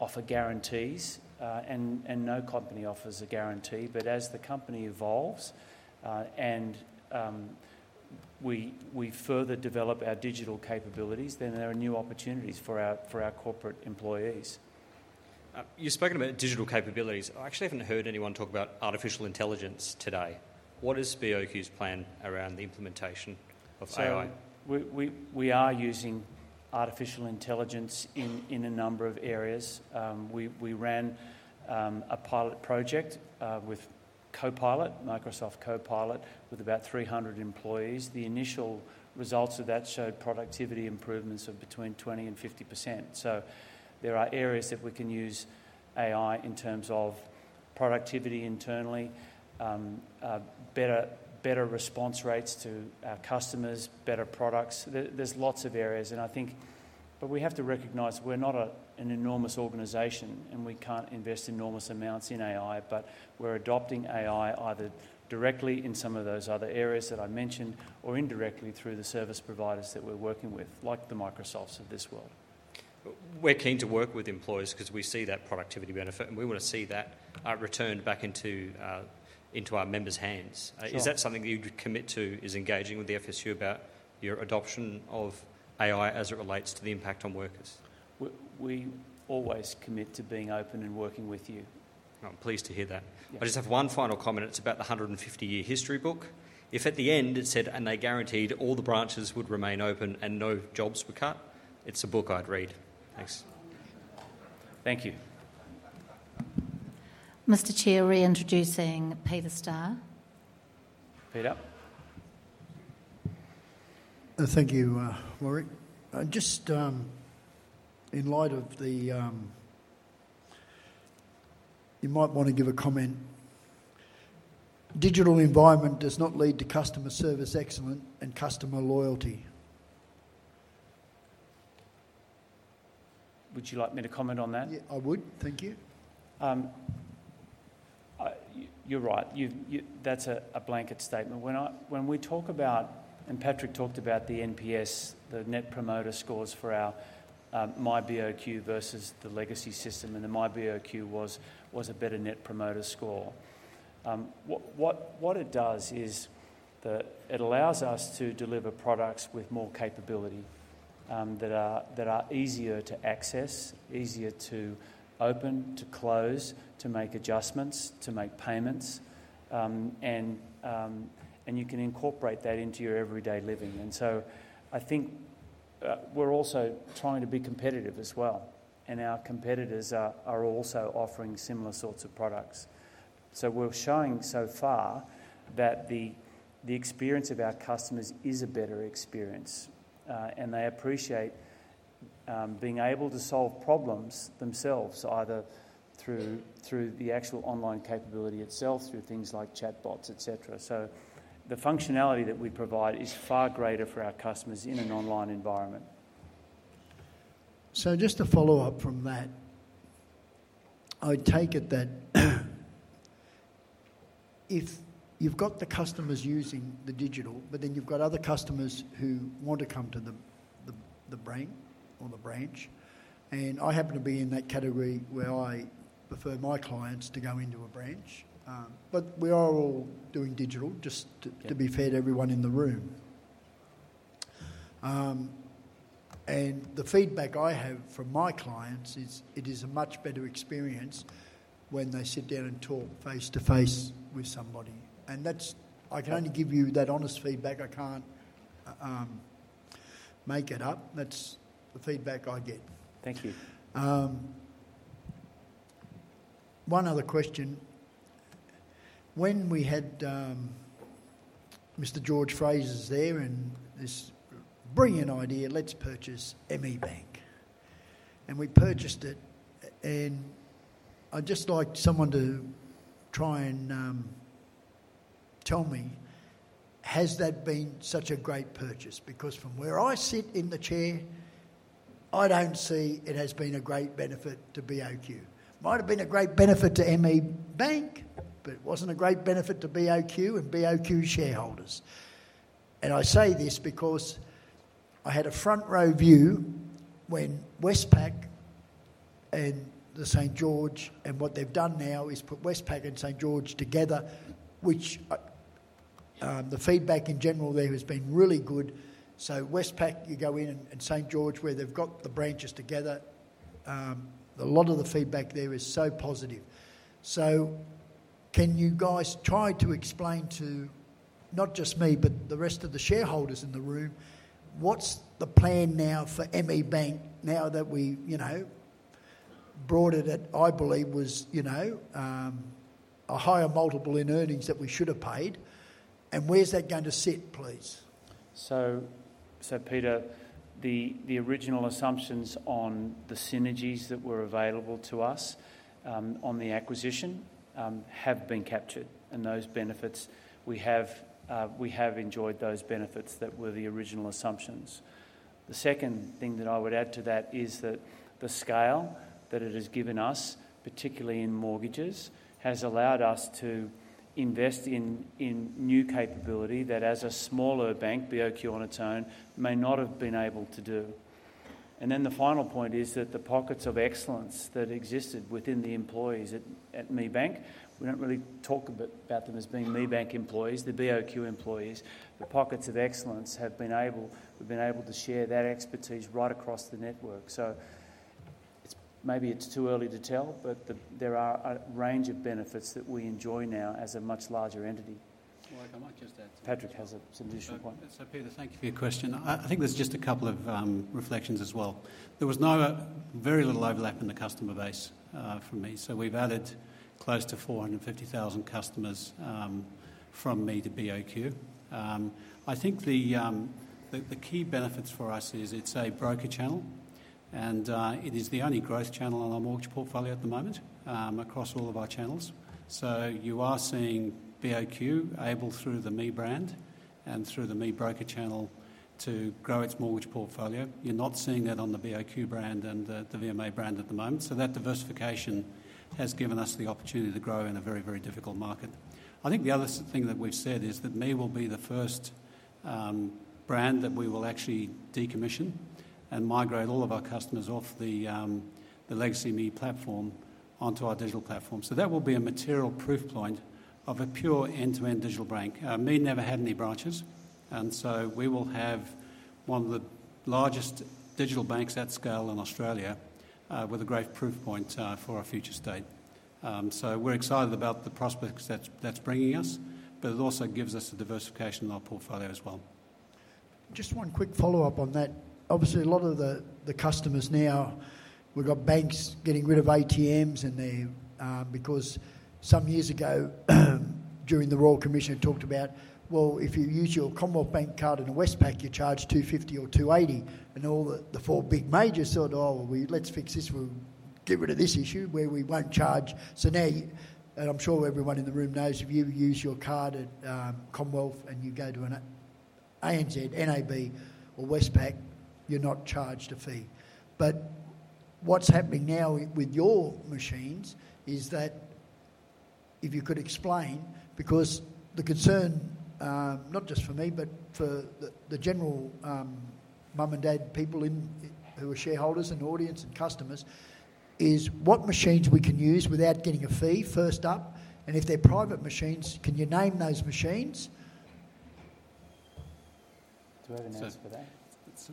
offer guarantees, and no company offers a guarantee. But as the company evolves and we further develop our digital capabilities, then there are new opportunities for our corporate employees. You've spoken about digital capabilities. I actually haven't heard anyone talk about artificial intelligence today. What is BOQ's plan around the implementation of AI? We are using artificial intelligence in a number of areas. We ran a pilot project with Copilot, Microsoft Copilot, with about 300 employees. The initial results of that showed productivity improvements of between 20% and 50%. So there are areas that we can use AI in terms of productivity internally, better response rates to our customers, better products. There's lots of areas. But we have to recognize we're not an enormous organisation, and we can't invest enormous amounts in AI. But we're adopting AI either directly in some of those other areas that I mentioned or indirectly through the service providers that we're working with, like the Microsofts of this world. We're keen to work with employers because we see that productivity benefit, and we want to see that returned back into our members' hands. Is that something that you'd commit to is engaging with the FSU about your adoption of AI as it relates to the impact on workers? We always commit to being open and working with you. I'm pleased to hear that. I just have one final comment. It's about the 150-year history book. If at the end it said, "And they guaranteed all the branches would remain open and no jobs were cut," it's a book I'd read. Thanks. Thank you. Mr. Chair, reintroducing Peter Starr. Peter. Thank you, Warwick. Just in light of the, you might want to give a comment. Digital environment does not lead to customer service excellence and customer loyalty. Would you like me to comment on that? Yeah, I would. Thank you. You're right. That's a blanket statement. When we talk about, and Patrick talked about the NPS, the Net Promoter Scores for our myBOQ versus the legacy system, and the myBOQ was a better Net Promoter Score. What it does is it allows us to deliver products with more capability that are easier to access, easier to open, to close, to make adjustments, to make payments, and you can incorporate that into your everyday living, and so I think we're also trying to be competitive as well, and our competitors are also offering similar sorts of products, so we're showing so far that the experience of our customers is a better experience, and they appreciate being able to solve problems themselves, either through the actual online capability itself, through things like chatbots, etc., so the functionality that we provide is far greater for our customers in an online environment. So, just to follow up from that, I take it that if you've got the customers using the digital, but then you've got other customers who want to come to the brand or the branch. And I happen to be in that category where I prefer my clients to go into a branch. But we are all doing digital, just to be fair to everyone in the room. And the feedback I have from my clients is it is a much better experience when they sit down and talk face-to-face with somebody. And I can only give you that honest feedback. I can't make it up. That's the feedback I get. Thank you. One other question. When we had Mr. George Frazis there and this brilliant idea, "Let's purchase ME Bank." And we purchased it. And I'd just like someone to try and tell me, has that been such a great purchase? Because from where I sit in the chair, I don't see it has been a great benefit to BOQ. It might have been a great benefit to ME Bank, but it wasn't a great benefit to BOQ and BOQ shareholders. And I say this because I had a front-row view when Westpac and the St. George, and what they've done now is put Westpac and St. George together, which the feedback in general there has been really good. So Westpac, you go in, and St. George, where they've got the branches together, a lot of the feedback there is so positive. So can you guys try to explain to not just me, but the rest of the shareholders in the room, what's the plan now for ME Bank now that we bought it at, I believe, was a higher multiple in earnings that we should have paid? And where's that going to sit, please? So, Peter, the original assumptions on the synergies that were available to us on the acquisition have been captured. And those benefits, we have enjoyed those benefits that were the original assumptions. The second thing that I would add to that is that the scale that it has given us, particularly in mortgages, has allowed us to invest in new capability that, as a smaller bank, BOQ on its own may not have been able to do. And then the final point is that the Pockets of Excellence that existed within the employees at ME Bank, we don't really talk about them as being ME Bank employees, the BOQ employees. The Pockets of Excellence we've been able to share that expertise right across the network. So maybe it's too early to tell, but there are a range of benefits that we enjoy now as a much larger entity. Warwick, I might just add something. Patrick has some additional points. So, Peter, thank you for your question. I think there's just a couple of reflections as well. There was very little overlap in the customer base for ME. So we've added close to 450,000 customers from ME to BOQ. I think the key benefits for us is it's a broker channel. And it is the only growth channel on our mortgage portfolio at the moment across all of our channels. So you are seeing BOQ able through the ME brand and through the ME broker channel to grow its mortgage portfolio. You're not seeing that on the BOQ brand and the VMA brand at the moment. So that diversification has given us the opportunity to grow in a very, very difficult market. I think the other thing that we've said is that ME will be the first brand that we will actually decommission and migrate all of our customers off the legacy ME platform onto our digital platform. So that will be a material proof point of a pure end-to-end Digital bank. ME never had any branches. And so we will have one of the largest Digital banks at scale in Australia with a great proof point for our future state. We're excited about the prospects that's bringing us, but it also gives us a diversification in our portfolio as well. Just one quick follow-up on that. Obviously, a lot of the customers now, we've got banks getting rid of ATMs because some years ago during the Royal Commission had talked about, "Well, if you use your Commonwealth Bank card in a Westpac, you charge 2.50 or 2.80." And all the four big majors said, "Oh, let's fix this. We'll get rid of this issue where we won't charge." So now, and I'm sure everyone in the room knows, if you use your card at Commonwealth and you go to an ANZ, NAB, or Westpac, you're not charged a fee. But what's happening now with your machines is that if you could explain, because the concern, not just for me, but for the general mum and dad people who are shareholders and audience and customers, is what machines we can use without getting a fee first up. And if they're private machines, can you name those machines? Will you answer for that?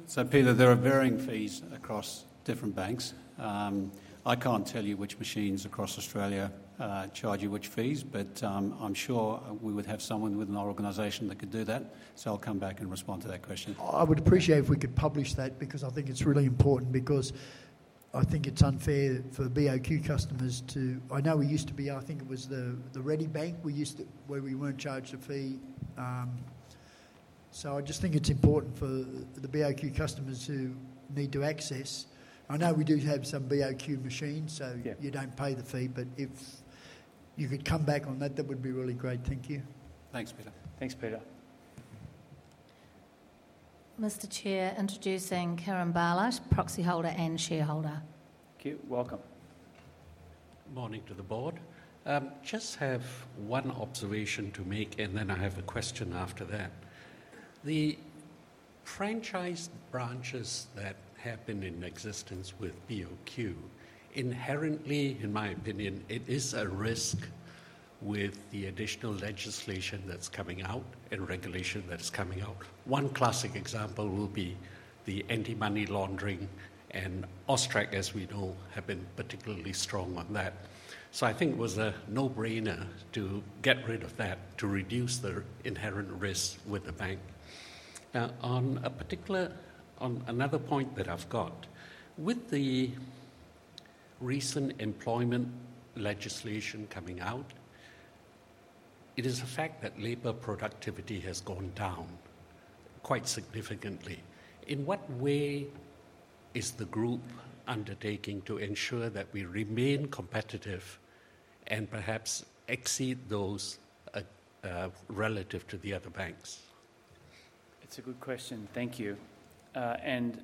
So, Peter, there are varying fees across different banks. I can't tell you which machines across Australia charge you which fees, but I'm sure we would have someone within our organization that could do that. So I'll come back and respond to that question. I would appreciate if we could publish that because I think it's really important because I think it's unfair for BOQ customers to—I know we used to be—I think it was the RediBank where we weren't charged a fee. So I just think it's important for the BOQ customers who need to access. I know we do have some BOQ machines, so you don't pay the fee. But if you could come back on that, that would be really great. Thank you. Thanks, Peter. Thanks, Peter. Mr. Chair, introducing Kieran Barlas, proxy holder and shareholder. Welcome. Good morning to the Board. Just have one observation to make, and then I have a question after that. The franchise branches that have been in existence with BOQ, inherently, in my opinion, it is a risk with the additional legislation that's coming out and regulation that's coming out. One classic example will be the anti-money laundering, and AUSTRAC, as we know, have been particularly strong on that. So I think it was a no-brainer to get rid of that to reduce the inherent risk with the bank. Now, on another point that I've got, with the recent employment legislation coming out, it is a fact that labor productivity has gone down quite significantly. In what way is the group undertaking to ensure that we remain competitive and perhaps exceed those relative to the other banks? It's a good question. Thank you. And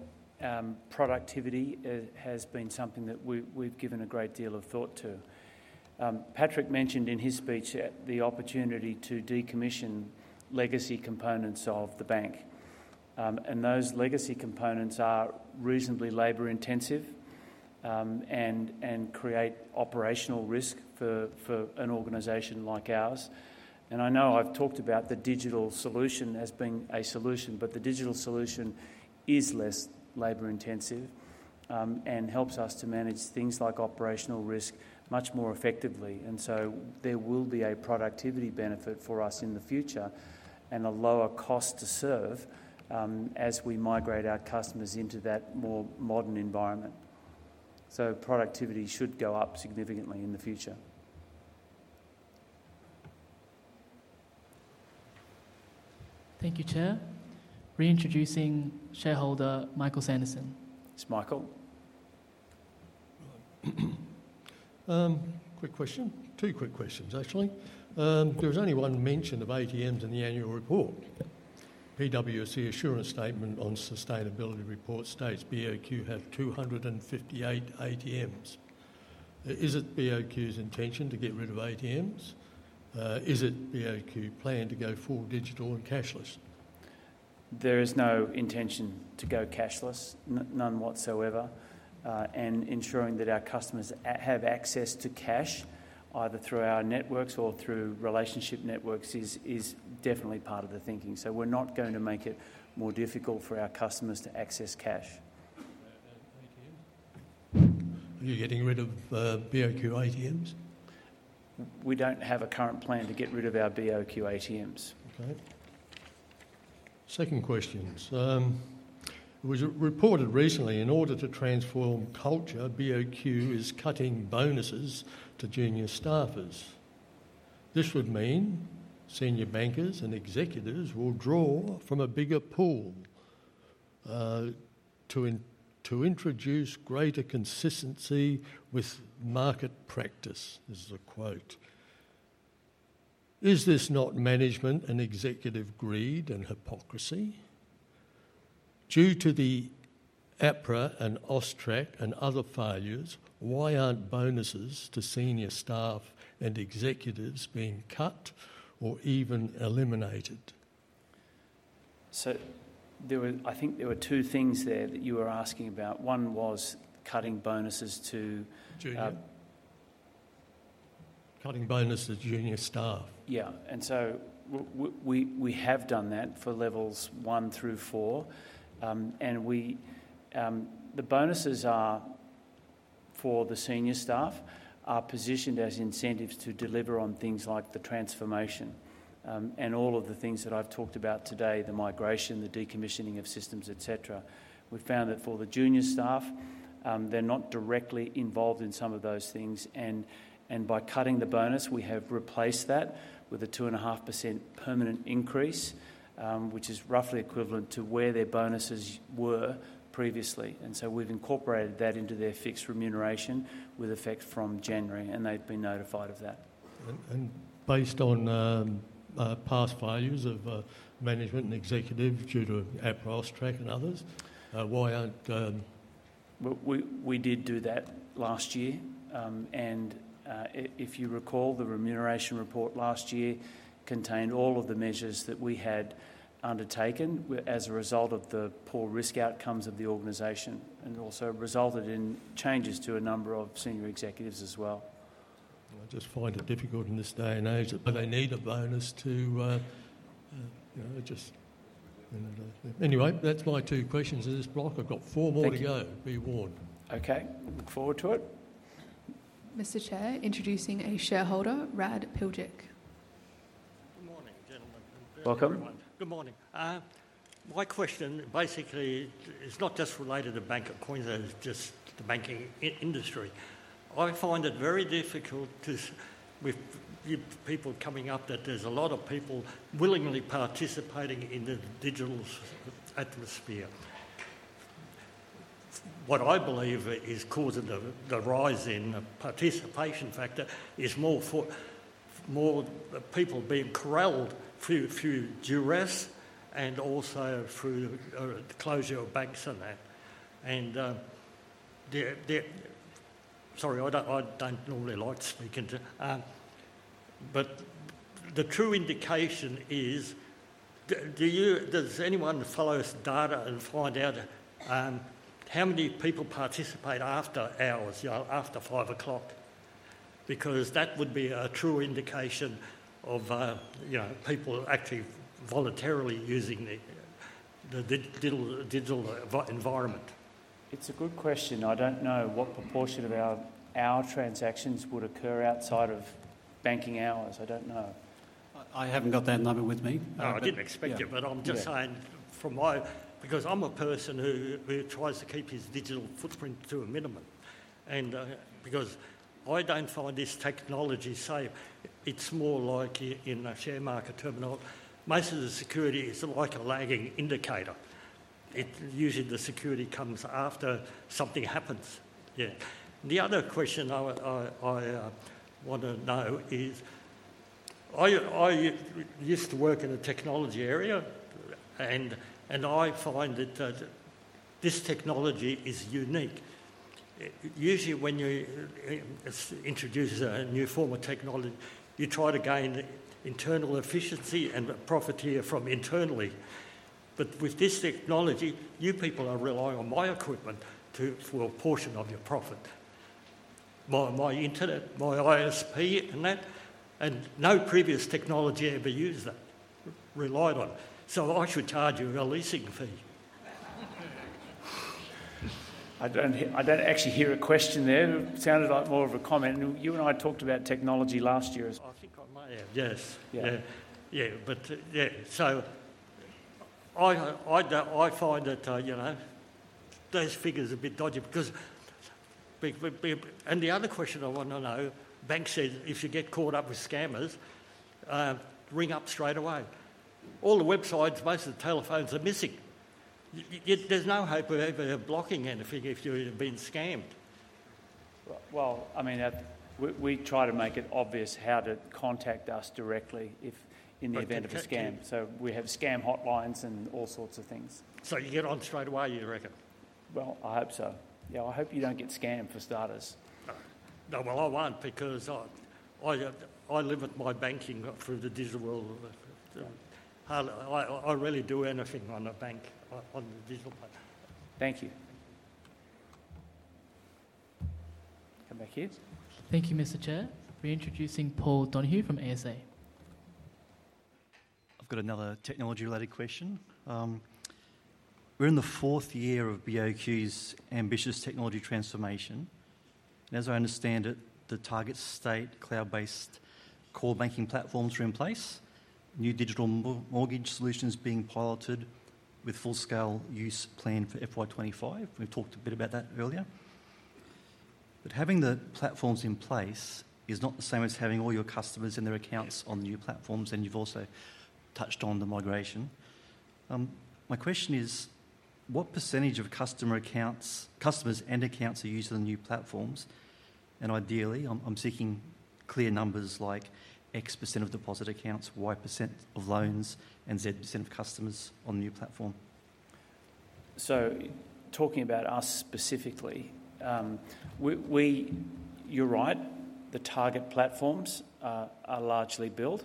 productivity has been something that we've given a great deal of thought to. Patrick mentioned in his speech the opportunity to decommission legacy components of the bank. And those legacy components are reasonably labor-intensive and create operational risk for an organization like ours. And I know I've talked about the Digital Solution as being a solution, but the Digital Solution is less labor-intensive and helps us to manage things like operational risk much more effectively. So there will be a productivity benefit for us in the future and a lower cost to serve as we migrate our customers into that more modern environment. So productivity should go up significantly in the future. Thank you, Chair. Reintroducing shareholder Michael Sanderson. It's Michael. Quick question. Two quick questions, actually. There was only one mention of ATMs in the Annual Report. PwC Assurance Statement on Sustainability Report states BOQ have 258 ATMs. Is it BOQ's intention to get rid of ATMs? Is it BOQ plan to go full digital and cashless? There is no intention to go cashless, none whatsoever. Ensuring that our customers have access to cash, either through our networks or through relationship networks, is definitely part of the thinking. We're not going to make it more difficult for our customers to access cash. Thank you. Are you getting rid of BOQ ATMs? We don't have a current plan to get rid of our BOQ ATMs. Okay. Second question. It was reported recently, in order to transform culture, BOQ is cutting bonuses to junior staffers. This would mean senior bankers and executives will draw from a bigger pool to introduce greater consistency with market practice. This is a quote. Is this not management and executive greed and hypocrisy? Due to the APRA and AUSTRAC and other failures, why aren't bonuses to senior staff and executives being cut or even eliminated? So I think there were two things there that you were asking about. One was cutting bonuses to junior staff. Yeah. And so we have done that for levels one through four. And the bonuses for the senior staff are positioned as incentives to deliver on things like the transformation. All of the things that I've talked about today, the migration, the decommissioning of systems, etc., we've found that for the junior staff, they're not directly involved in some of those things. By cutting the bonus, we have replaced that with a 2.5% permanent increase, which is roughly equivalent to where their bonuses were previously. We've incorporated that into their fixed remuneration with effect from January. They've been notified of that. Based on past failures of management and executive due to APRA, AUSTRAC, and others, why aren't— We did do that last year. If you recall, the Remuneration Report last year contained all of the measures that we had undertaken as a result of the poor risk outcomes of the organization and also resulted in changes to a number of senior executives as well. I just find it difficult in this day and age. They need a bonus to just. Anyway, that's my two questions in this block. I've got four more to go. Be warned. Okay. Look forward to it. Mr. Chair, introducing a shareholder, Rad Pijik. Good morning, gentlemen. Welcome. Good morning. My question basically is not just related to bank acquaintances, just the banking industry. I find it very difficult with people coming up that there's a lot of people willingly participating in the digital atmosphere. What I believe is causing the rise in participation factor is more people being corralled through duress and also through the closure of banks and that. And sorry, I don't normally like to speak into it. But the true indication is, does anyone use data and find out how many people participate after hours, after 5:00 P.M.? Because that would be a true indication of people actually voluntarily using the digital environment. It's a good question. I don't know what proportion of our transactions would occur outside of banking hours. I don't know. I haven't got that number with me. I didn't expect it, but I'm just saying because I'm a person who tries to keep his digital footprint to a minimum. And because I don't find this technology safe. It's more like in a share market terminal. Most of the security is like a lagging indicator. Usually, the security comes after something happens. Yeah. The other question I want to know is, I used to work in a technology area, and I find that this technology is unique. Usually, when you introduce a new form of technology, you try to gain internal efficiency and profit here from internally. But with this technology, you people are relying on my equipment for a portion of your profit: my internet, my ISP, and that. And no previous technology ever used that, relied on. So I should charge you a leasing fee. I don't actually hear a question there. It sounded like more of a comment. You and I talked about technology last year. I think I may have. Yes. Yeah. Yeah. But yeah. So I find that those figures are a bit dodgy because, and the other question I want to know, banks say if you get caught up with scammers, ring up straight away. All the websites, most of the telephones are missing. There's no hope of ever blocking anything if you've been scammed. Well, I mean, we try to make it obvious how to contact us directly in the event of a scam. So we have scam hotlines and all sorts of things. So you get on straight away, you reckon? Well, I hope so. Yeah. I hope you don't get scammed for starters. No, well, I won't because I live with my banking through the digital world. I rarely do anything on the bank on the digital platform. Thank you. Thank you, Mr. Chair. Reintroducing Paul Donohue from ASA. I've got another technology-related question. We're in the fourth year of BOQ's ambitious technology transformation. And as I understand it, the target state cloud-based core banking platforms are in place. New digital mortgage solutions being piloted with full-scale use planned for FY 2025. We've talked a bit about that earlier. But having the platforms in place is not the same as having all your customers and their accounts on the new platforms, and you've also touched on the migration. My question is, what percentage of customers and accounts are used on the new platforms? And ideally, I'm seeking clear numbers like X% of deposit accounts, Y% of loans, and Z% of customers on the new platform. So talking about us specifically, you're right. The target platforms are largely built,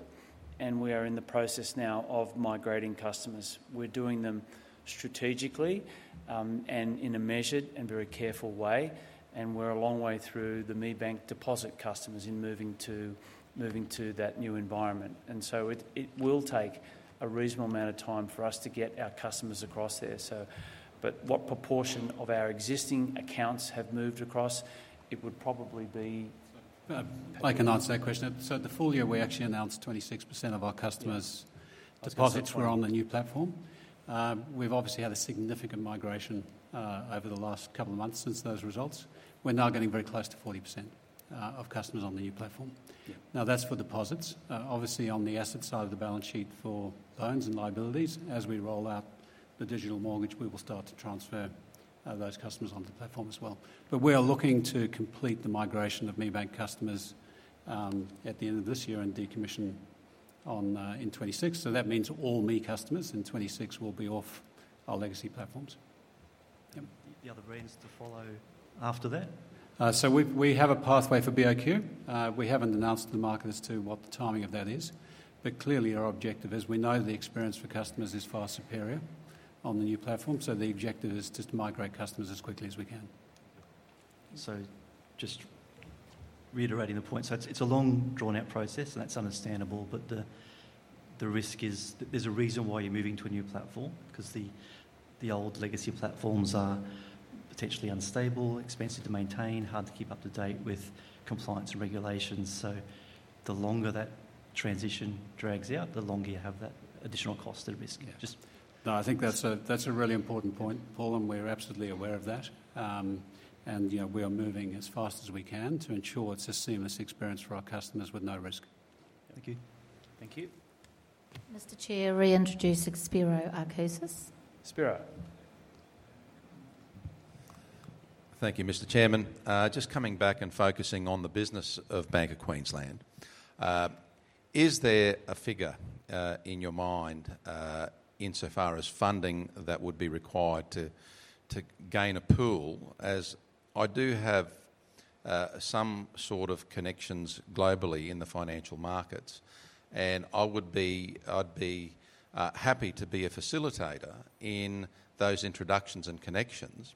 and we are in the process now of migrating customers. We're doing them strategically and in a measured and very careful way. And we're a long way through the ME Bank deposit customers in moving to that new environment. And so it will take a reasonable amount of time for us to get our customers across there. But what proportion of our existing accounts have moved across? It would probably be. I can answer that question. So at the full year, we actually announced 26% of our customers' deposits were on the new platform. We've obviously had a significant migration over the last couple of months since those results. We're now getting very close to 40% of customers on the new platform. Now, that's for deposits. Obviously, on the asset side of the balance sheet for loans and liabilities, as we roll out the digital mortgage, we will start to transfer those customers onto the platform as well. But we are looking to complete the migration of ME Bank customers at the end of this year and decommission in 2026. So that means all ME customers in 2026 will be off our legacy platforms. The other brands to follow after that? So we have a pathway for BOQ. We haven't announced to the market as to what the timing of that is. But clearly, our objective is we know the experience for customers is far superior on the new platform. So the objective is just to migrate customers as quickly as we can. So just reiterating the point. So it's a long drawn-out process, and that's understandable. But the risk is there's a reason why you're moving to a new platform because the old legacy platforms are potentially unstable, expensive to maintain, hard to keep up to date with compliance and regulations. So the longer that transition drags out, the longer you have that additional cost and risk. Just. No, I think that's a really important point, Paul, and we're absolutely aware of that. And we are moving as fast as we can to ensure it's a seamless experience for our customers with no risk. Thank you. Thank you. Mr. Chair, reintroduce Spiro Arkouzis. Spiro. Thank you, Mr. Chairman. Just coming back and focusing on the business of Bank of Queensland. Is there a figure in your mind insofar as funding that would be required to gain a pool? As I do have some sort of connections globally in the financial markets, and I'd be happy to be a facilitator in those introductions and connections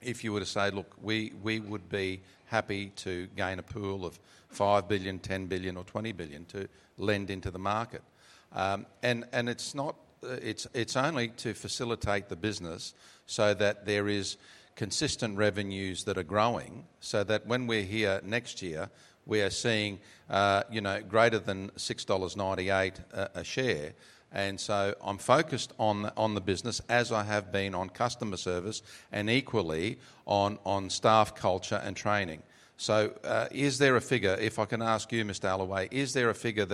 if you were to say, "Look, we would be happy to gain a pool of 5 billion, 10 billion, or 20 billion to lend into the market." And it's only to facilitate the business so that there are consistent revenues that are growing so that when we're here next year, we are seeing greater than 6.98 dollars a share. And so I'm focused on the business as I have been on customer service and equally on staff culture and training. So is there a figure, if I can ask you, Mr. Allaway, is there a figure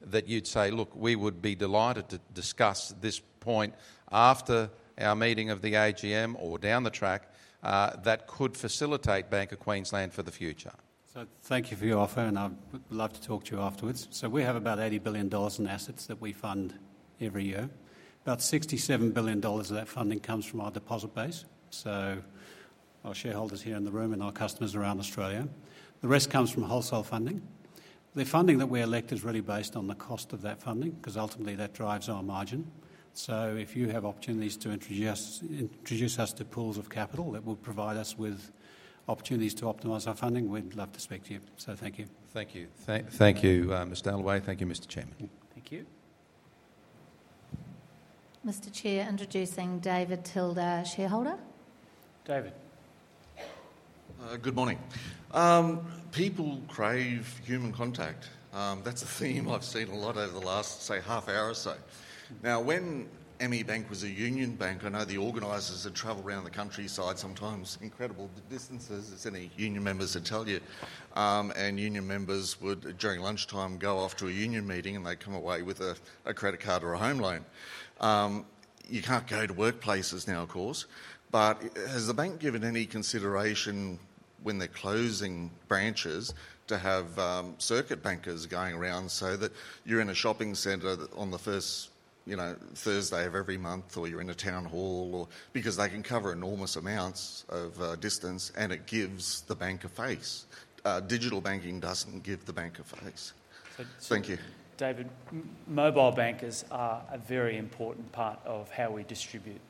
that you'd say, "Look, we would be delighted to discuss this point after our meeting of the AGM or down the track that could facilitate Bank of Queensland for the future"? So thank you for your offer, and I'd love to talk to you afterwards. So we have about 80 billion dollars in assets that we fund every year. About 67 billion dollars of that funding comes from our deposit base, so our shareholders here in the room and our customers around Australia. The rest comes from wholesale funding. The funding that we elect is really based on the cost of that funding because ultimately that drives our margin. So if you have opportunities to introduce us to pools of capital that will provide us with opportunities to optimize our funding, we'd love to speak to you. So thank you. Thank you. Thank you, Mr. Allaway. Thank you, Mr. Chairman. Thank you. Mr. Chair, introducing David Tilder, shareholder. David. Good morning. People crave human contact. That's a theme I've seen a lot over the last, say, half hour or so. Now, when ME Bank was a union bank, I know the organizers would travel around the countryside sometimes, incredible distances, as any union members would tell you. And union members would, during lunchtime, go off to a union meeting, and they'd come away with a credit card or a home loan. You can't go to workplaces now, of course. But has the bank given any consideration when they're closing branches to have circuit bankers going around so that you're in a shopping center on the first Thursday of every month, or you're in a town hall, because they can cover enormous amounts of distance, and it gives the bank a face? Digital banking doesn't give the bank a face. Thank you. David, mobile bankers are a very important part of how we distribute,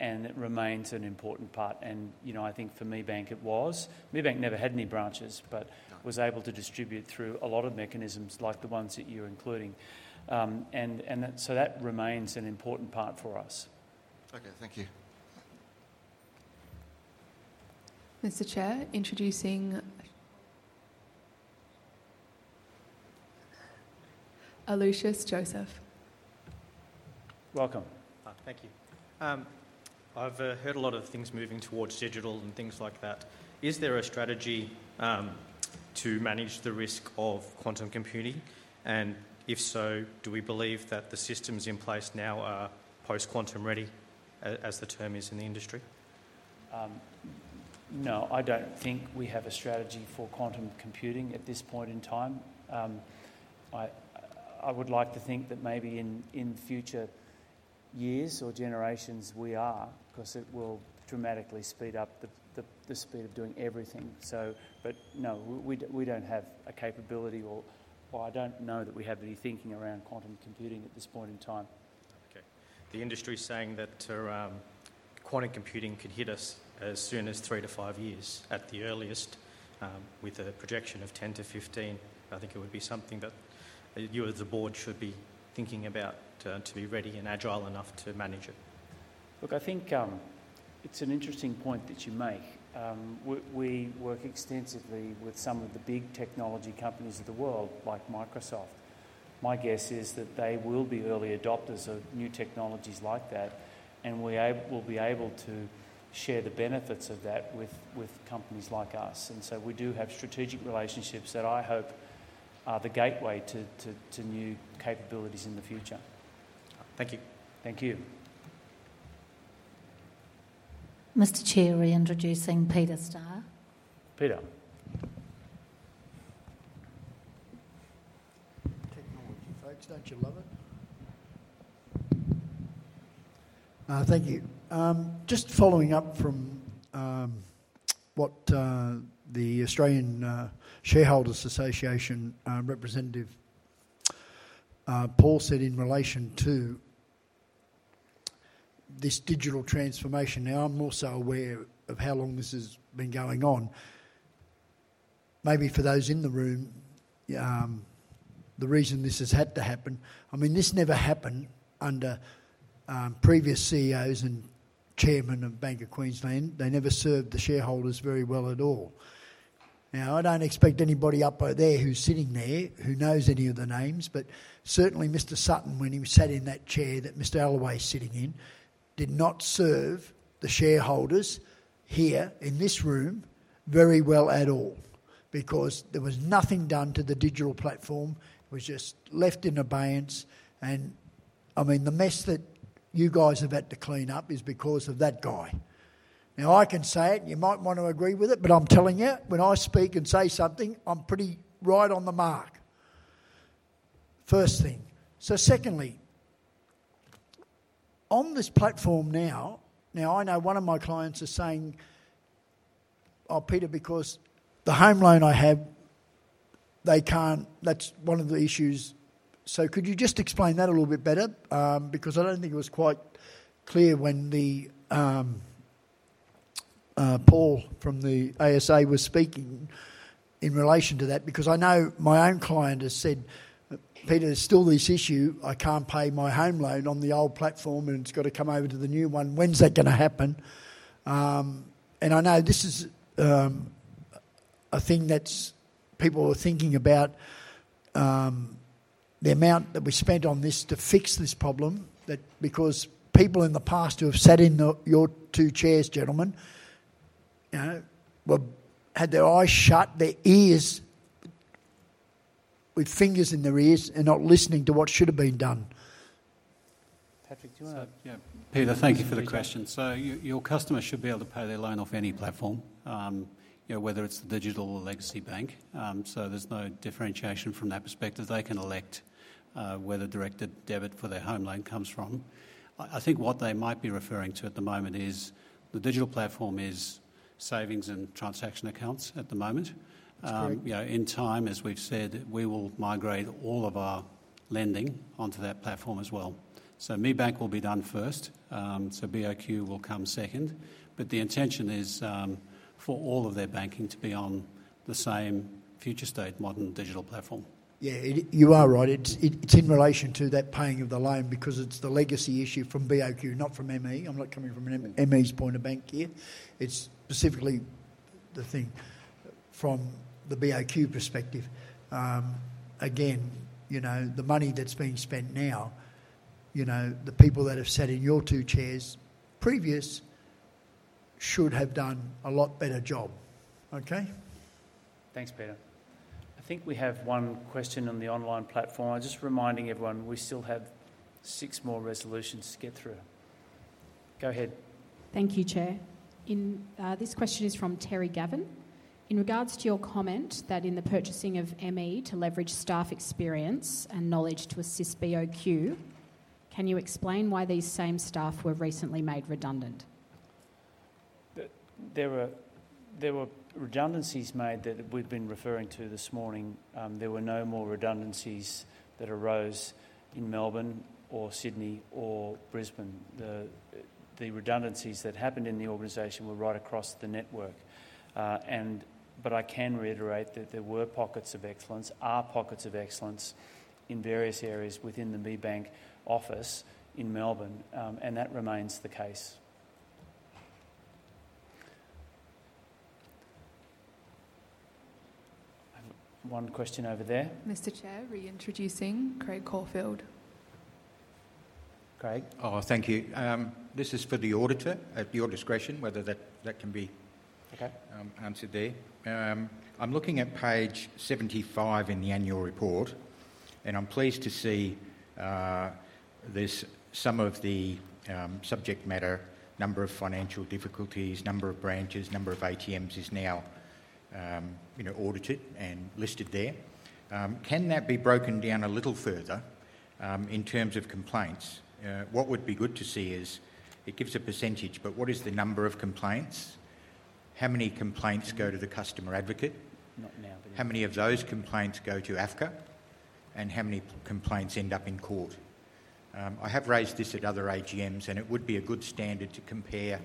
and it remains an important part. And I think for ME Bank, it was. ME Bank never had any branches, but was able to distribute through a lot of mechanisms like the ones that you're including. And so that remains an important part for us. Okay. Thank you. Mr. Chair, introducing Aloysius Joseph. Welcome. Thank you. I've heard a lot of things moving towards digital and things like that. Is there a strategy to manage the risk of quantum computing? And if so, do we believe that the systems in place now are post-quantum ready, as the term is in the industry? No, I don't think we have a strategy for quantum computing at this point in time. I would like to think that maybe in future years or generations we are, because it will dramatically speed up the speed of doing everything. But no, we don't have a capability or I don't know that we have any thinking around quantum computing at this point in time. Okay. The industry is saying that quantum computing could hit us as soon as three to five years at the earliest, with a projection of 10-15. I think it would be something that you as the Board should be thinking about to be ready and agile enough to manage it. Look, I think it's an interesting point that you make. We work extensively with some of the big technology companies of the world, like Microsoft. My guess is that they will be early adopters of new technologies like that, and we'll be able to share the benefits of that with companies like us. And so we do have strategic relationships that I hope are the gateway to new capabilities in the future. Thank you. Thank you. Mr. Chair, reintroducing Peter Starr. Peter. Technology folks, don't you love it? Thank you. Just following up from what the Australian Shareholders Association representative Paul said in relation to this digital transformation. Now, I'm also aware of how long this has been going on. Maybe for those in the room, the reason this has had to happen—I mean, this never happened under previous CEOs and Chairmen of Bank of Queensland. They never served the shareholders very well at all. Now, I don't expect anybody up there who's sitting there who knows any of the names, but certainly Mr. Sutton, when he sat in that chair that Mr. Allaway is sitting in, did not serve the shareholders here in this room very well at all because there was nothing done to the digital platform. It was just left in abeyance. And I mean, the mess that you guys have had to clean up is because of that guy. Now, I can say it, and you might want to agree with it, but I'm telling you, when I speak and say something, I'm pretty right on the mark. First thing. So secondly, on this platform now, now I know one of my clients is saying, "Oh, Peter, because the home loan I have, they can't, that's one of the issues." So could you just explain that a little bit better? Because I don't think it was quite clear when Paul from the ASA was speaking in relation to that. Because I know my own client has said, "Peter, there's still this issue. I can't pay my home loan on the old platform, and it's got to come over to the new one. When's that going to happen?" And I know this is a thing that people are thinking about, the amount that we spent on this to fix this problem, because people in the past who have sat in your two chairs, gentlemen, had their eyes shut, their ears with fingers in their ears, and not listening to what should have been done. Patrick, do you want to? Yeah. Peter, thank you for the question. So your customers should be able to pay their loan off any platform, whether it's the digital or legacy bank. So there's no differentiation from that perspective. They can elect where the directed debit for their home loan comes from. I think what they might be referring to at the moment is the digital platform is savings and transaction accounts at the moment. In time, as we've said, we will migrate all of our lending onto that platform as well. So ME Bank will be done first. So BOQ will come second. But the intention is for all of their banking to be on the same future-state modern digital platform. Yeah, you are right. It's in relation to that paying of the loan because it's the legacy issue from BOQ, not from ME. I'm not coming from ME's point of bank here. It's specifically the thing from the BOQ perspective. Again, the money that's being spent now, the people that have sat in your two chairs previous should have done a lot better job. Okay? Thanks, Peter. I think we have one question on the online platform. I'm just reminding everyone we still have six more resolutions to get through. Go ahead. Thank you, Chair. This question is from Terry Gavin. In regards to your comment that in the purchasing of ME to leverage staff experience and knowledge to assist BOQ, can you explain why these same staff were recently made redundant? There were redundancies made that we've been referring to this morning. There were no more redundancies that arose in Melbourne or Sydney or Brisbane. The redundancies that happened in the organization were right across the network. But I can reiterate that there were Pockets of Excellence, are Pockets of Excellence in various areas within the ME Bank office in Melbourne, and that remains the case. One question over there. Mr. Chair, reintroducing Craig Caulfield. Craig. Oh, thank you. This is for the auditor. At your discretion, whether that can be answered there. I'm looking at page 75 in the Annual Report, and I'm pleased to see some of the subject matter, number of financial difficulties, number of branches, number of ATMs is now audited and listed there. Can that be broken down a little further in terms of complaints? What would be good to see is it gives a percentage, but what is the number of complaints? How many complaints go to the customer advocate? Not now, but how many of those complaints go to AFCA? And how many complaints end up in court? I have raised this at other AGMs, and it would be a good standard to compare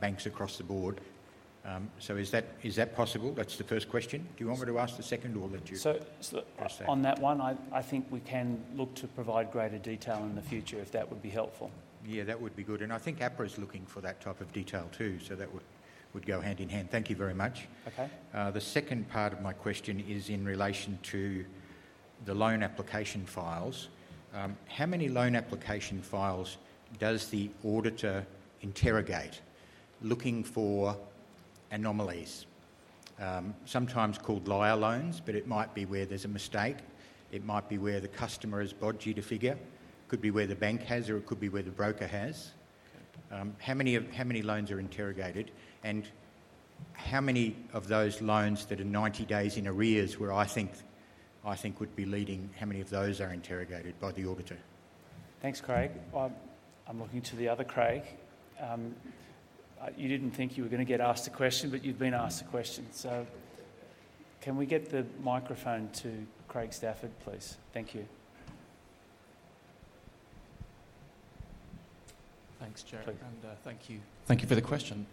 banks across the Board. So is that possible? That's the first question. Do you want me to ask the second, or let you? So on that one, I think we can look to provide greater detail in the future if that would be helpful. Yeah, that would be good. And I think APRA is looking for that type of detail too, so that would go hand in hand. Thank you very much. The second part of my question is in relation to the loan application files. How many loan application files does the auditor interrogate looking for anomalies? Sometimes called liar loans, but it might be where there's a mistake. It might be where the customer has fudged the figures. It could be where the bank has, or it could be where the broker has. How many loans are interrogated? And how many of those loans that are 90 days in arrears where I think would be leading, how many of those are interrogated by the auditor? Thanks, Craig. I'm looking to the other Craig. You didn't think you were going to get asked a question, but you've been asked a question. So can we get the microphone to Craig Stafford, please? Thank you. Thanks, Chair. And thank you. Thank you for the question.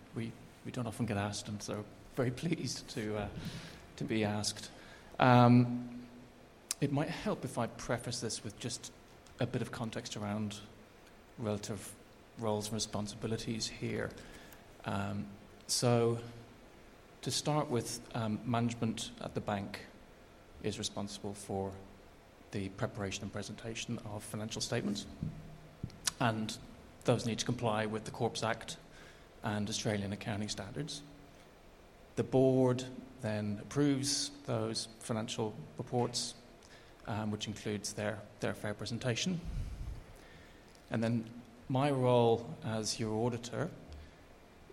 We don't often get asked, and so very pleased to be asked. It might help if I preface this with just a bit of context around relative roles and responsibilities here. So to start with, management at the bank is responsible for the preparation and presentation of financial statements, and those need to comply with the Corp's Act and Australian Accounting Standards. The Board then approves those financial reports, which includes their fair presentation. And then my role as your auditor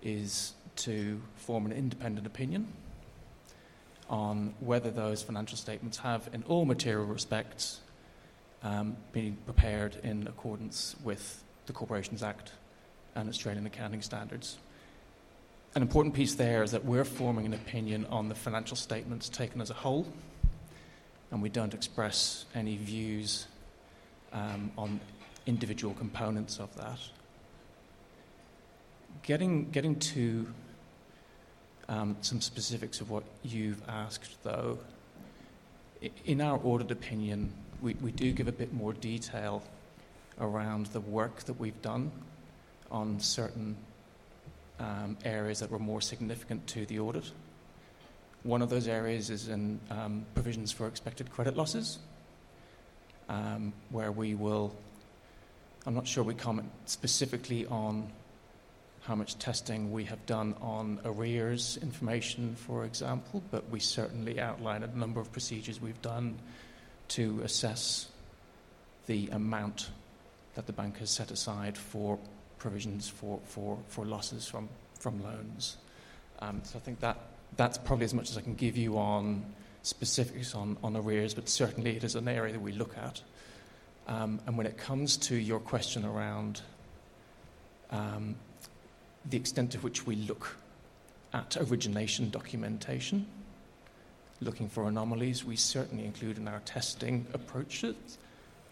is to form an independent opinion on whether those financial statements have, in all material respects, been prepared in accordance with the Corporations Act and Australian Accounting Standards. An important piece there is that we're forming an opinion on the financial statements taken as a whole, and we don't express any views on individual components of that. Getting to some specifics of what you've asked, though, in our audit opinion, we do give a bit more detail around the work that we've done on certain areas that were more significant to the audit. One of those areas is in provisions for expected credit losses, where, I'm not sure we comment specifically on how much testing we have done on arrears information, for example, but we certainly outline a number of procedures we've done to assess the amount that the bank has set aside for provisions for losses from loans. So I think that's probably as much as I can give you on specifics on arrears, but certainly it is an area that we look at. And when it comes to your question around the extent to which we look at origination documentation, looking for anomalies, we certainly include in our testing approaches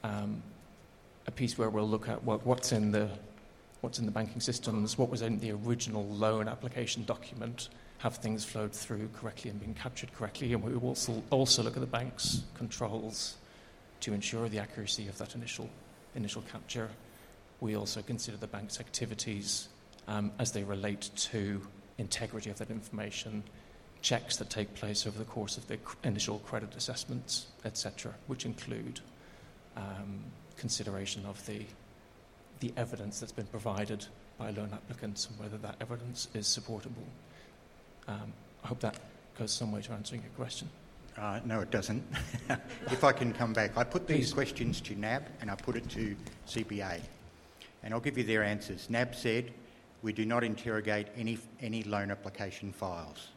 a piece where we'll look at what's in the banking systems, what was in the original loan application document, have things flowed through correctly and been captured correctly. And we will also look at the bank's controls to ensure the accuracy of that initial capture. We also consider the bank's activities as they relate to the integrity of that information, checks that take place over the course of the initial credit assessments, etc., which include consideration of the evidence that's been provided by loan applicants and whether that evidence is supportable. I hope that goes some way to answering your question. No, it doesn't. If I can come back, I put these questions to NAB, and I put it to CBA. And I'll give you their answers. NAB said, "We do not interrogate any loan application files."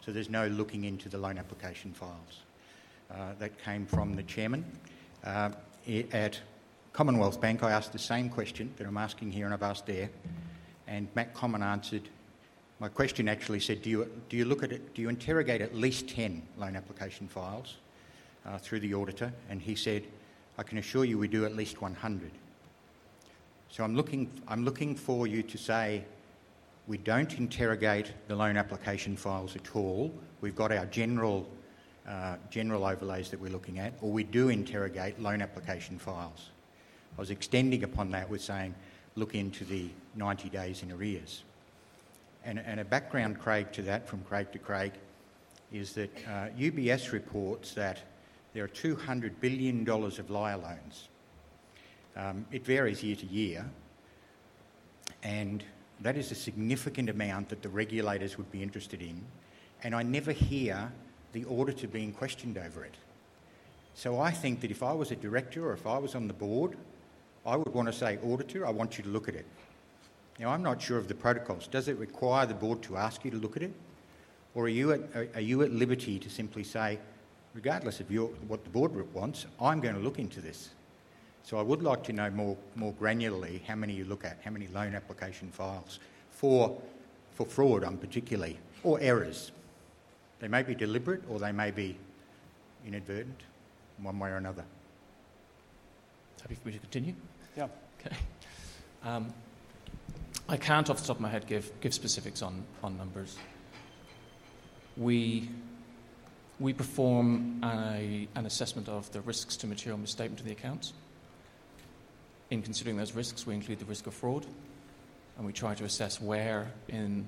So there's no looking into the loan application files. That came from the Chairman. At Commonwealth Bank, I asked the same question that I'm asking here, and I've asked there. And Matt Comyn answered. My question actually said, "Do you look at it? Do you interrogate at least 10 loan application files through the auditor?" And he said, "I can assure you we do at least 100." So I'm looking for you to say, "We don't interrogate the loan application files at all. We've got our general overlays that we're looking at, or we do interrogate loan application files." I was extending upon that with saying, "Look into the 90 days in arrears." And a background, Craig, to that from Craig to Craig is that UBS reports that there are 200 billion dollars of liar loans. It varies year to year, and that is a significant amount that the regulators would be interested in. And I never hear the auditor being questioned over it. So I think that if I was a director or if I was on the Board, I would want to say, "Auditor, I want you to look at it." Now, I'm not sure of the protocols. Does it require the Board to ask you to look at it? Or are you at liberty to simply say, "Regardless of what the Board wants, I'm going to look into this"? So I would like to know more granularly how many you look at, how many loan application files for fraud, particularly, or errors. They may be deliberate, or they may be inadvertent, one way or another. Do you want me to continue? Yeah. Okay. I can't, off the top of my head, give specifics on numbers. We perform an assessment of the risks to material misstatement of the accounts. In considering those risks, we include the risk of fraud, and we try to assess where in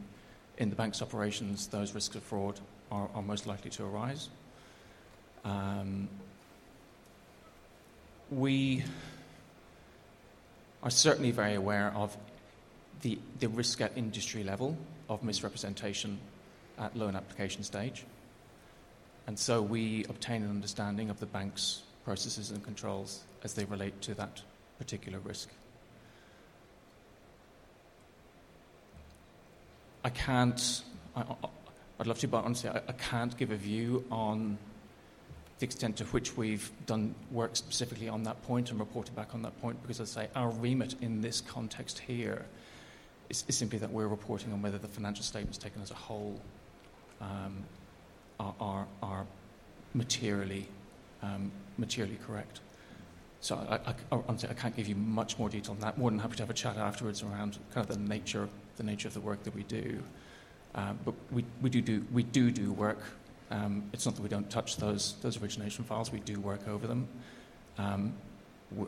the bank's operations those risks of fraud are most likely to arise. We are certainly very aware of the risk at industry level of misrepresentation at loan application stage, and so we obtain an understanding of the bank's processes and controls as they relate to that particular risk. I'd love to, but honestly, I can't give a view on the extent to which we've done work specifically on that point and reported back on that point because, as I say, our remit in this context here is simply that we're reporting on whether the financial statements taken as a whole are materially correct, so honestly, I can't give you much more detail on that. More than happy to have a chat afterwards around kind of the nature of the work that we do. But we do do work. It's not that we don't touch those origination files. We do work over them.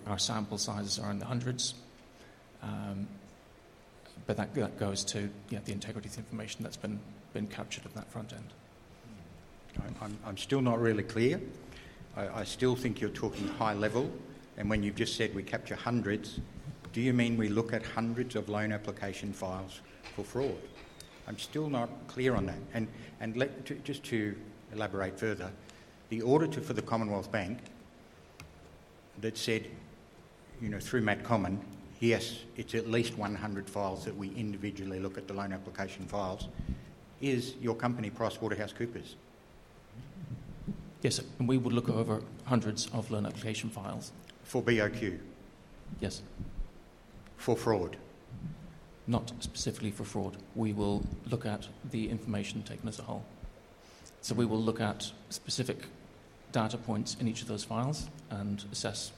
Our sample sizes are in the hundreds. But that goes to the integrity of the information that's been captured at that front end. I'm still not really clear. I still think you're talking high level. And when you've just said we capture hundreds, do you mean we look at hundreds of loan application files for fraud? I'm still not clear on that. And just to elaborate further, the auditor for the Commonwealth Bank that said through Matt Comyn, "Yes, it's at least 100 files that we individually look at the loan application files," is your company, PricewaterhouseCoopers? Yes. And we would look over hundreds of loan application files. For BOQ? Yes. For fraud? Not specifically for fraud. We will look at the information taken as a whole. So we will look at specific data points in each of those files and assess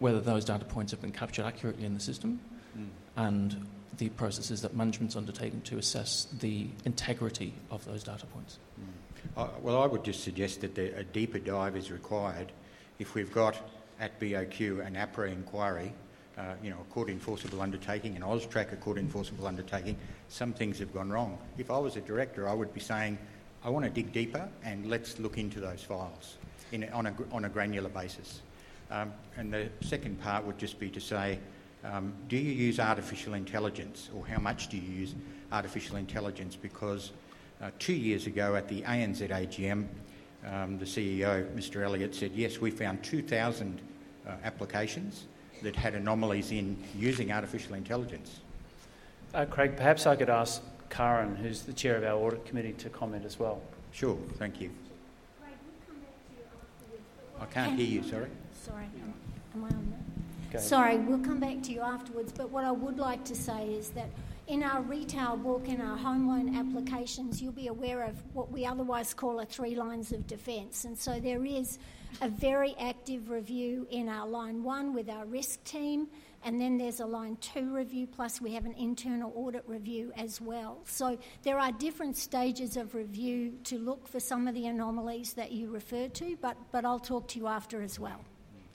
whether those data points have been captured accurately in the system and the processes that management's undertaken to assess the integrity of those data points. Well, I would just suggest that a deeper dive is required if we've got at BOQ an APRA inquiry, a court-enforceable undertaking, an AUSTRAC court-enforceable undertaking. Some things have gone wrong. If I was a director, I would be saying, "I want to dig deeper, and let's look into those files on a granular basis." And the second part would just be to say, "Do you use artificial intelligence, or how much do you use artificial intelligence?" Because two years ago at the ANZ AGM, the CEO, Mr. Elliott said, "Yes, we found 2,000 applications that had anomalies in using artificial intelligence." Craig, perhaps I could ask Karen, who's the Chair of our Audit Committee, to comment as well. Sure. Thank you. Sorry we'll come back to you afterwards, but what I would like to say is that in our retail book and our home loan applications, you'll be aware of what we otherwise call a three lines of defense. And so there is a very active review in our line one with our risk team, and then there's a line two review, plus we have an internal audit review as well. So there are different stages of review to look for some of the anomalies that you refer to, but I'll talk to you after as well.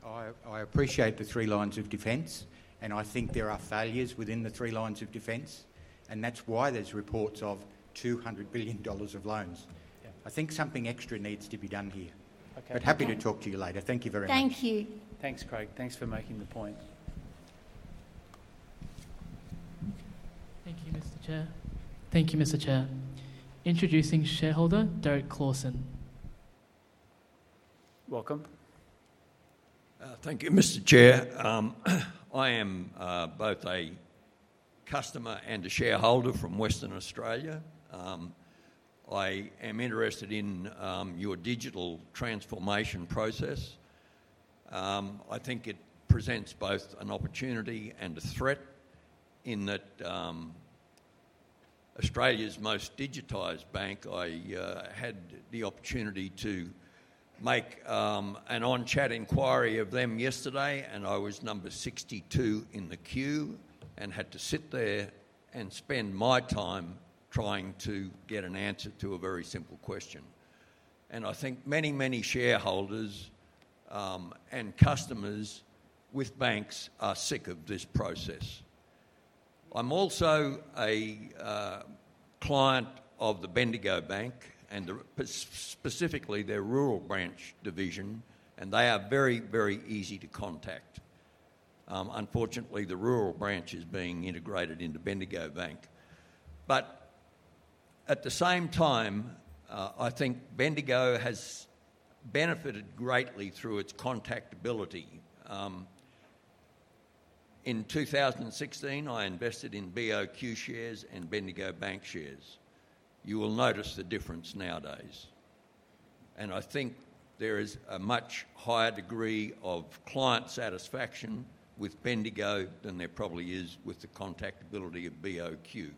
I appreciate the three lines of defense, and I think there are failures within the three lines of defense, and that's why there's reports of 200 billion dollars of loans. I think something extra needs to be done here. But happy to talk to you later. Thank you very much. Thank you. Thanks, Craig. Thanks for making the point. Thank you, Mr. Chair. Thank you, Mr. Chair. Introducing shareholder, Derek Clauson. Welcome. Thank you, Mr. Chair. I am both a customer and a shareholder from Western Australia. I am interested in your Digital Transformation process. I think it presents both an opportunity and a threat in that Australia's most digitised bank. I had the opportunity to make an on-chat inquiry of them yesterday, and I was number 62 in the queue and had to sit there and spend my time trying to get an answer to a very simple question. I think many, many shareholders and customers with banks are sick of this process. I'm also a client of the Bendigo Bank and specifically their rural branch division, and they are very, very easy to contact. Unfortunately, the rural branch is being integrated into Bendigo Bank. At the same time, I think Bendigo has benefited greatly through its contact ability. In 2016, I invested in BOQ shares and Bendigo Bank shares. You will notice the difference nowadays. I think there is a much higher degree of client satisfaction with Bendigo than there probably is with the contact ability of BOQ.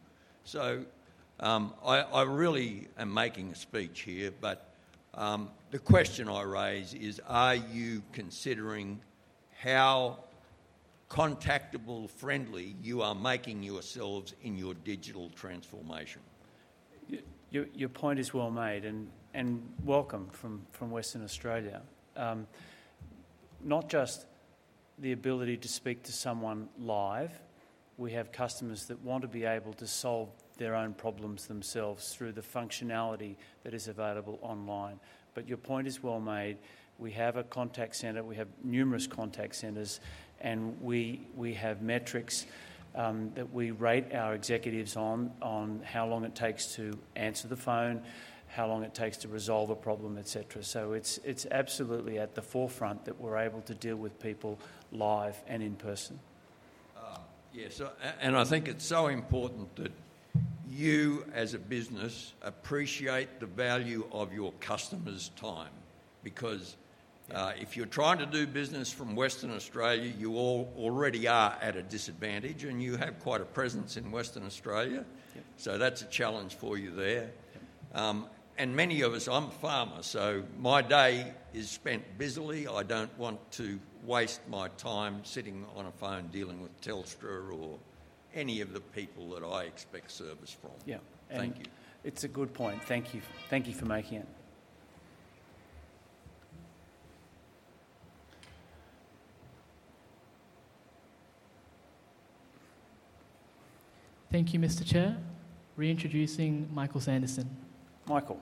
I really am making a speech here, but the question I raise is, are you considering how contactable-friendly you are making yourselves in your Digital Transformation? Your point is well made and welcome from Western Australia. Not just the ability to speak to someone live. We have customers that want to be able to solve their own problems themselves through the functionality that is available online. But your point is well made. We have a contact center. We have numerous contact centers, and we have metrics that we rate our executives on, on how long it takes to answer the phone, how long it takes to resolve a problem, etc. So it's absolutely at the forefront that we're able to deal with people live and in person. Yeah. And I think it's so important that you, as a business, appreciate the value of your customers' time because if you're trying to do business from Western Australia, you all already are at a disadvantage, and you have quite a presence in Western Australia. So that's a challenge for you there. And many of us, I'm a farmer, so my day is spent busily. I don't want to waste my time sitting on a phone dealing with Telstra or any of the people that I expect service from. Thank you. It's a good point. Thank you for making it. Thank you, Mr. Chair. Reintroducing Michael Sanderson. Michael.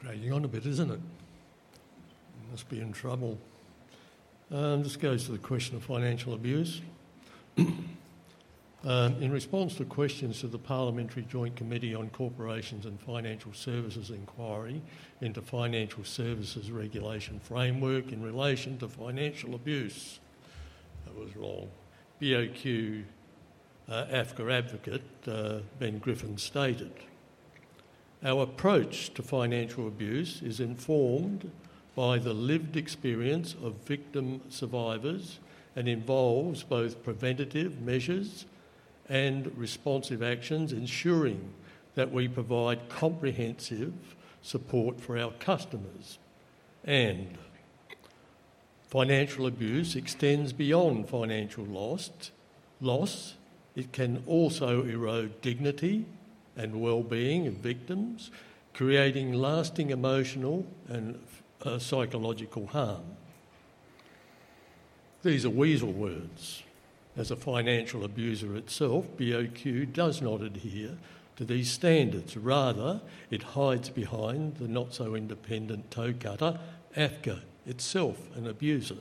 Dragging on a bit, isn't it? You must be in trouble. This goes to the question of financial abuse. In response to questions to the Parliamentary Joint Committee on Corporations and Financial Services' inquiry into Financial Services Regulation Framework in relation to financial abuse. I was wrong. BOQ AFCA advocate Ben Griffin stated, "Our approach to financial abuse is informed by the lived experience of victim survivors and involves both preventative measures and responsive actions, ensuring that we provide comprehensive support for our customers," and financial abuse extends beyond financial loss. It can also erode dignity and well-being of victims, creating lasting emotional and psychological harm. These are weasel words. As a financial abuser itself, BOQ does not adhere to these standards. Rather, it hides behind the not-so-independent toe-cutter, AFCA, itself an abuser.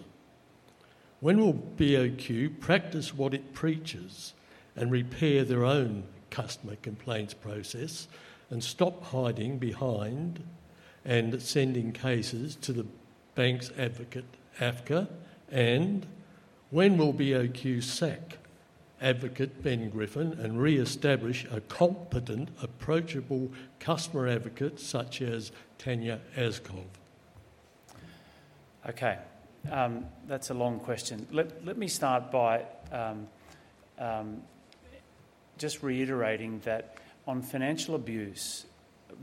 When will BOQ practice what it preaches and repair their own customer complaints process and stop hiding behind and sending cases to the bank's advocate, AFCA? And when will BOQ sack advocate Ben Griffin and re-establish a competent, approachable customer advocate such as Tanya Aazkov? Okay. That's a long question. Let me start by just reiterating that on financial abuse,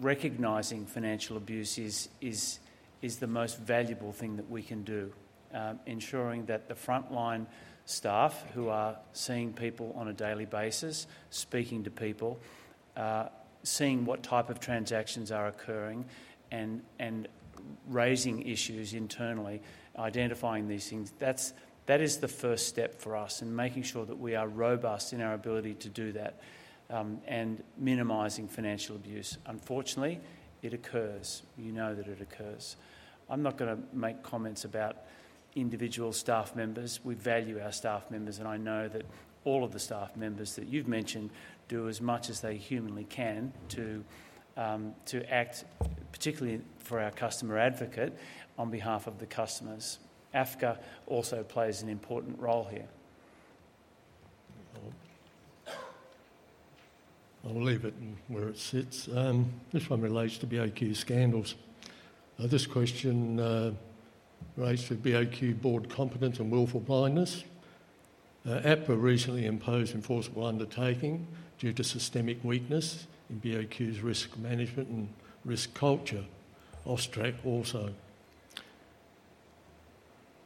recognizing financial abuse is the most valuable thing that we can do, ensuring that the frontline staff who are seeing people on a daily basis, speaking to people, seeing what type of transactions are occurring, and raising issues internally, identifying these things, that is the first step for us in making sure that we are robust in our ability to do that and minimizing financial abuse. Unfortunately, it occurs. You know that it occurs. I'm not going to make comments about individual staff members. We value our staff members, and I know that all of the staff members that you've mentioned do as much as they humanly can to act, particularly for our customer advocate, on behalf of the customers. AFCA also plays an important role here. I'll leave it where it sits. This one relates to BOQ scandals. This question raised for BOQ Board competence and willful blindness. APRA recently imposed enforceable undertaking due to systemic weakness in BOQ's risk management and risk culture. AUSTRAC also.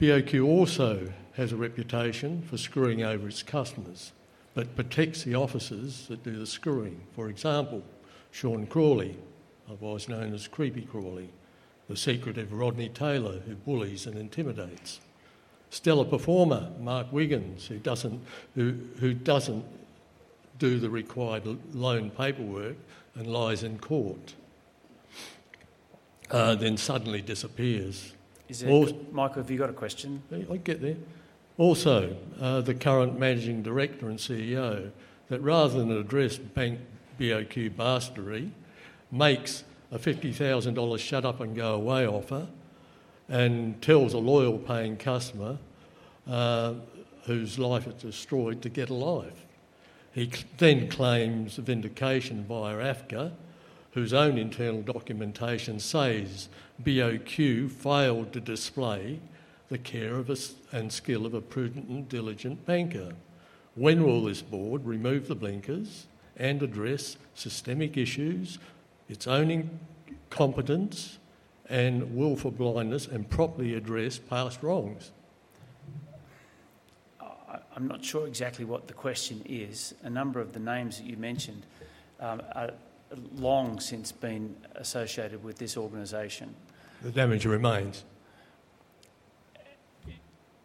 BOQ also has a reputation for screwing over its customers but protects the officers that do the screwing. For example, Sean Crawley, otherwise known as Creepy Crawley, the Secretive Rodney Taylor who bullies and intimidates. Stellar performer, Mark Wiggins, who doesn't do the required loan paperwork and lies in court, then suddenly disappears. Is it? Michael, have you got a question? I'll get there. Also, the current managing director and CEO that rather than address bank BOQ bastardy makes a 50,000 dollar shut-up-and-go-away offer and tells a loyal paying customer whose life is destroyed to get a life. He then claims vindication via AFCA whose own internal documentation says BOQ failed to display the care and skill of a prudent and diligent banker. When will this board remove the blinkers and address systemic issues, its own competence and willful blindness, and properly address past wrongs? I'm not sure exactly what the question is. A number of the names that you mentioned are long since been associated with this organization. The damage remains.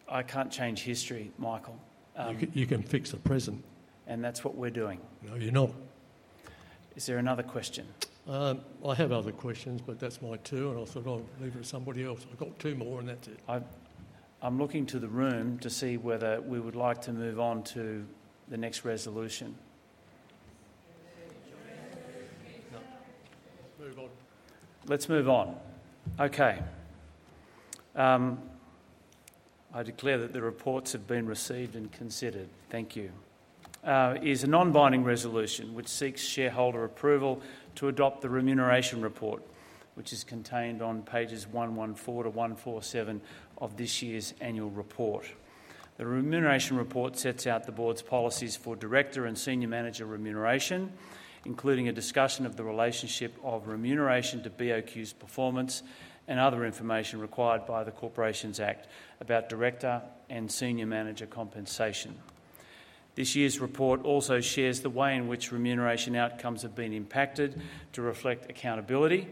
I can't change history, Michael. You can fix the present. And that's what we're doing. No, you're not. Is there another question? I have other questions, but that's my two, and I thought I'll leave it to somebody else. I've got two more, and that's it. I'm looking to the room to see whether we would like to move on to the next resolution. Let's move on. Let's move on. Okay. I declare that the reports have been received and considered. Thank you. Is a non-binding resolution which seeks shareholder approval to adopt the Remuneration Report, which is contained on pages 114-147 of this year's Annual Report. The Remuneration Report sets out the Board's policies for Director and Senior Manager remuneration, including a discussion of the relationship of remuneration to BOQ's performance and other information required by the Corporations Act about Director and Senior Manager compensation. This year's report also shares the way in which remuneration outcomes have been impacted to reflect accountability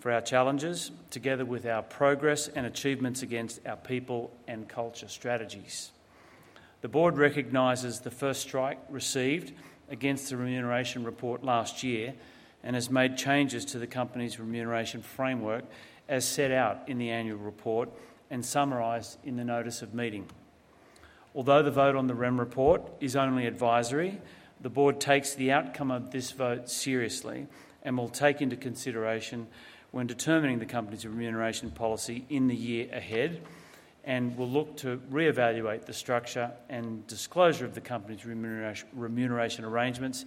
for our challenges, together with our progress and achievements against our people and culture strategies. The Board recognises the first strike received against the Remuneration Report last year and has made changes to the company's remuneration framework as set out in the Annual Report and summarised in the Notice of Meeting. Although the vote on the Remuneration Report is only advisory, the Board takes the outcome of this vote seriously and will take into consideration when determining the company's remuneration policy in the year ahead and will look to re-evaluate the structure and disclosure of the company's remuneration arrangements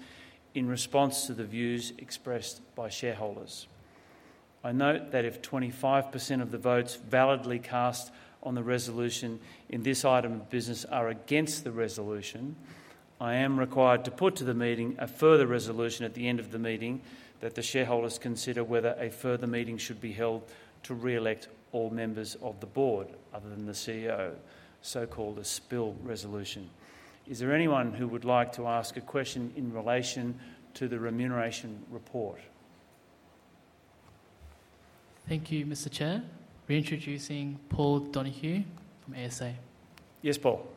in response to the views expressed by shareholders. I note that if 25% of the votes validly cast on the resolution in this item of business are against the resolution, I am required to put to the meeting a further resolution at the end of the meeting that the shareholders consider whether a further meeting should be held to re-elect all members of the Board other than the CEO, so-called a spill resolution. Is there anyone who would like to ask a question in relation to the Remuneration Report? Thank you, Mr. Chair. Reintroducing Paul Donohue from ASA. Yes, Paul.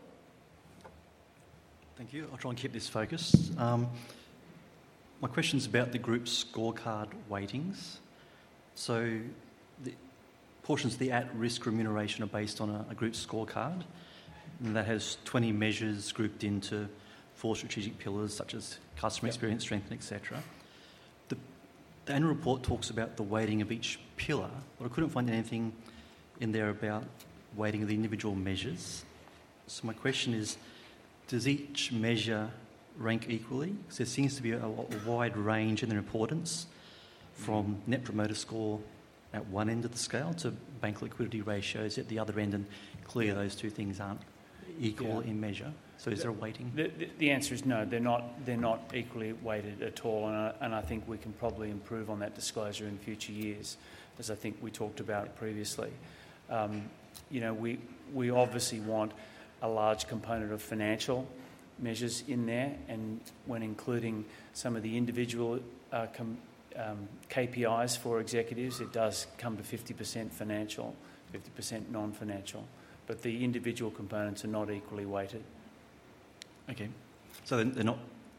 Thank you. I'll try and keep this focused. My question's about the group scorecard weightings. So portions of the at-risk remuneration are based on a group scorecard that has 20 measures grouped into four strategic pillars such as customer experience strengthening, etc. The Annual Report talks about the weighting of each pillar, but I couldn't find anything in there about weighting the individual measures. So my question is, does each measure rank equally? Because there seems to be a wide range in their importance from Net Promoter Score at one end of the scale to bank liquidity ratios at the other end. And clearly, those two things aren't equal in measure. So is there a weighting? The answer is no. They're not equally weighted at all. And I think we can probably improve on that disclosure in future years as I think we talked about previously. We obviously want a large component of financial measures in there. And when including some of the individual KPIs for executives, it does come to 50% financial, 50% non-financial. But the individual components are not equally weighted. Okay. So they're not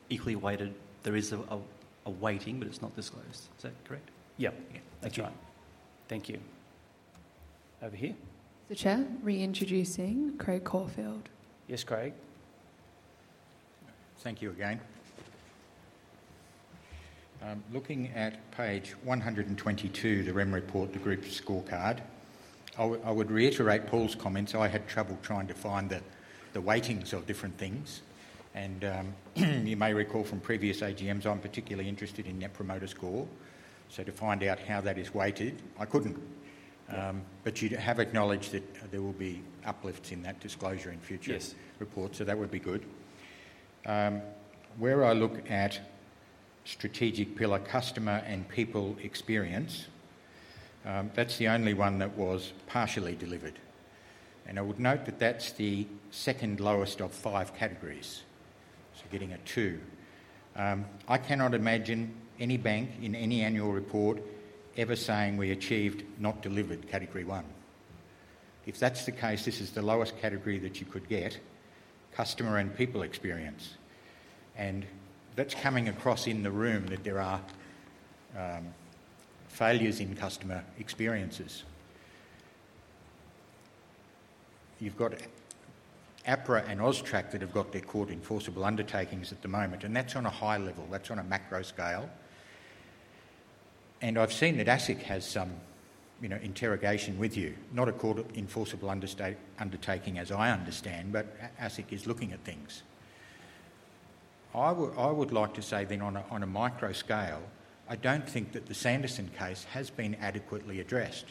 equally weighted. There is a weighting, but it's not disclosed. Is that correct? Yeah. That's right. Thank you. Over here. Mr. Chair, reintroducing Craig Caulfield. Yes, Craig. Thank you again. Looking at page 122, the Rem Report, the group scorecard, I would reiterate Paul's comments. I had trouble trying to find the weightings of different things. And you may recall from previous AGMs, I'm particularly interested in Net Promoter Score. So to find out how that is weighted, I couldn't. But you have acknowledged that there will be uplifts in that disclosure in future reports. So that would be good. Where I look at strategic pillar customer and people experience, that's the only one that was partially delivered. And I would note that that's the second lowest of five categories. So getting a two. I cannot imagine any bank in any Annual Report ever saying we achieved not delivered category one. If that's the case, this is the lowest category that you could get, customer and people experience. And that's coming across in the room that there are failures in customer experiences. You've got APRA and AUSTRAC that have got their court enforceable undertakings at the moment. And that's on a high level. That's on a macro scale. And I've seen that ASIC has some interrogation with you. Not a court enforceable undertaking as I understand, but ASIC is looking at things. I would like to say then on a micro scale, I don't think that the Sanderson case has been adequately addressed.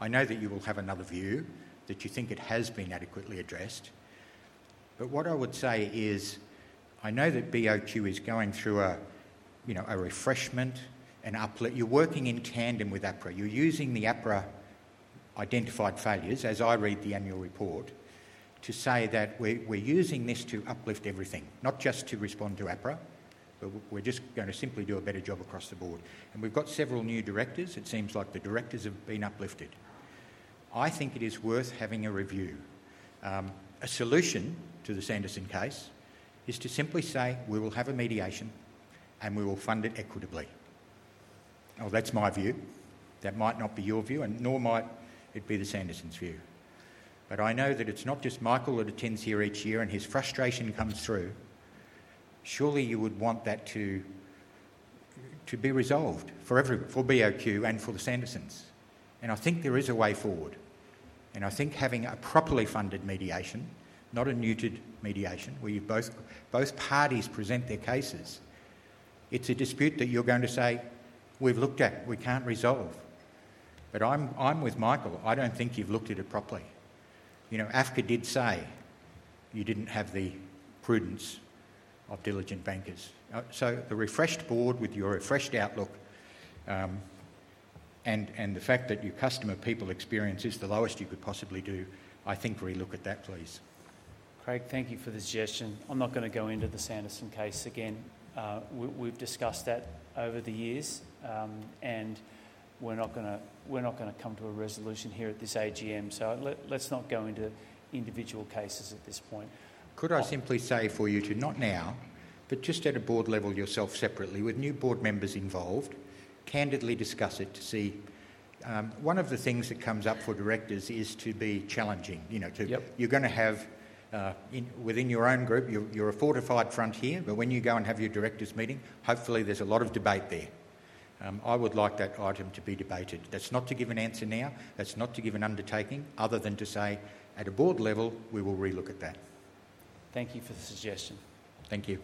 I know that you will have another view that you think it has been adequately addressed. But what I would say is I know that BOQ is going through a refreshment, an uplift. You're working in tandem with APRA. You're using the APRA identified failures, as I read the Annual Report, to say that we're using this to uplift everything, not just to respond to APRA, but we're just going to simply do a better job across the Board. And we've got several new directors. It seems like the directors have been uplifted. I think it is worth having a review. A solution to the Sanderson case is to simply say, "We will have a mediation and we will fund it equitably." Well, that's my view. That might not be your view, and nor might it be the Sanderson's view. But I know that it's not just Michael that attends here each year and his frustration comes through. Surely you would want that to be resolved for BOQ and for the Sandersons. And I think there is a way forward. And I think having a properly funded mediation, not a neutered mediation where both parties present their cases, it's a dispute that you're going to say, "We've looked at it. We can't resolve." But I'm with Michael. I don't think you've looked at it properly. AFCA did say you didn't have the prudence of diligent bankers. So the refreshed board with your refreshed outlook and the fact that your customer people experience is the lowest you could possibly do, I think relook at that, please. Craig, thank you for the suggestion. I'm not going to go into the Sanderson case again. We've discussed that over the years, and we're not going to come to a resolution here at this AGM. So let's not go into individual cases at this point. Could I simply say for you to not now, but just at a board level yourself separately with new board members involved, candidly discuss it to see one of the things that comes up for directors is to be challenging. You're going to have within your own group, you're a fortified frontier, but when you go and have your directors meeting, hopefully there's a lot of debate there. I would like that item to be debated. That's not to give an answer now. That's not to give an undertaking other than to say, "At a board level, we will relook at that." Thank you for the suggestion. Thank you.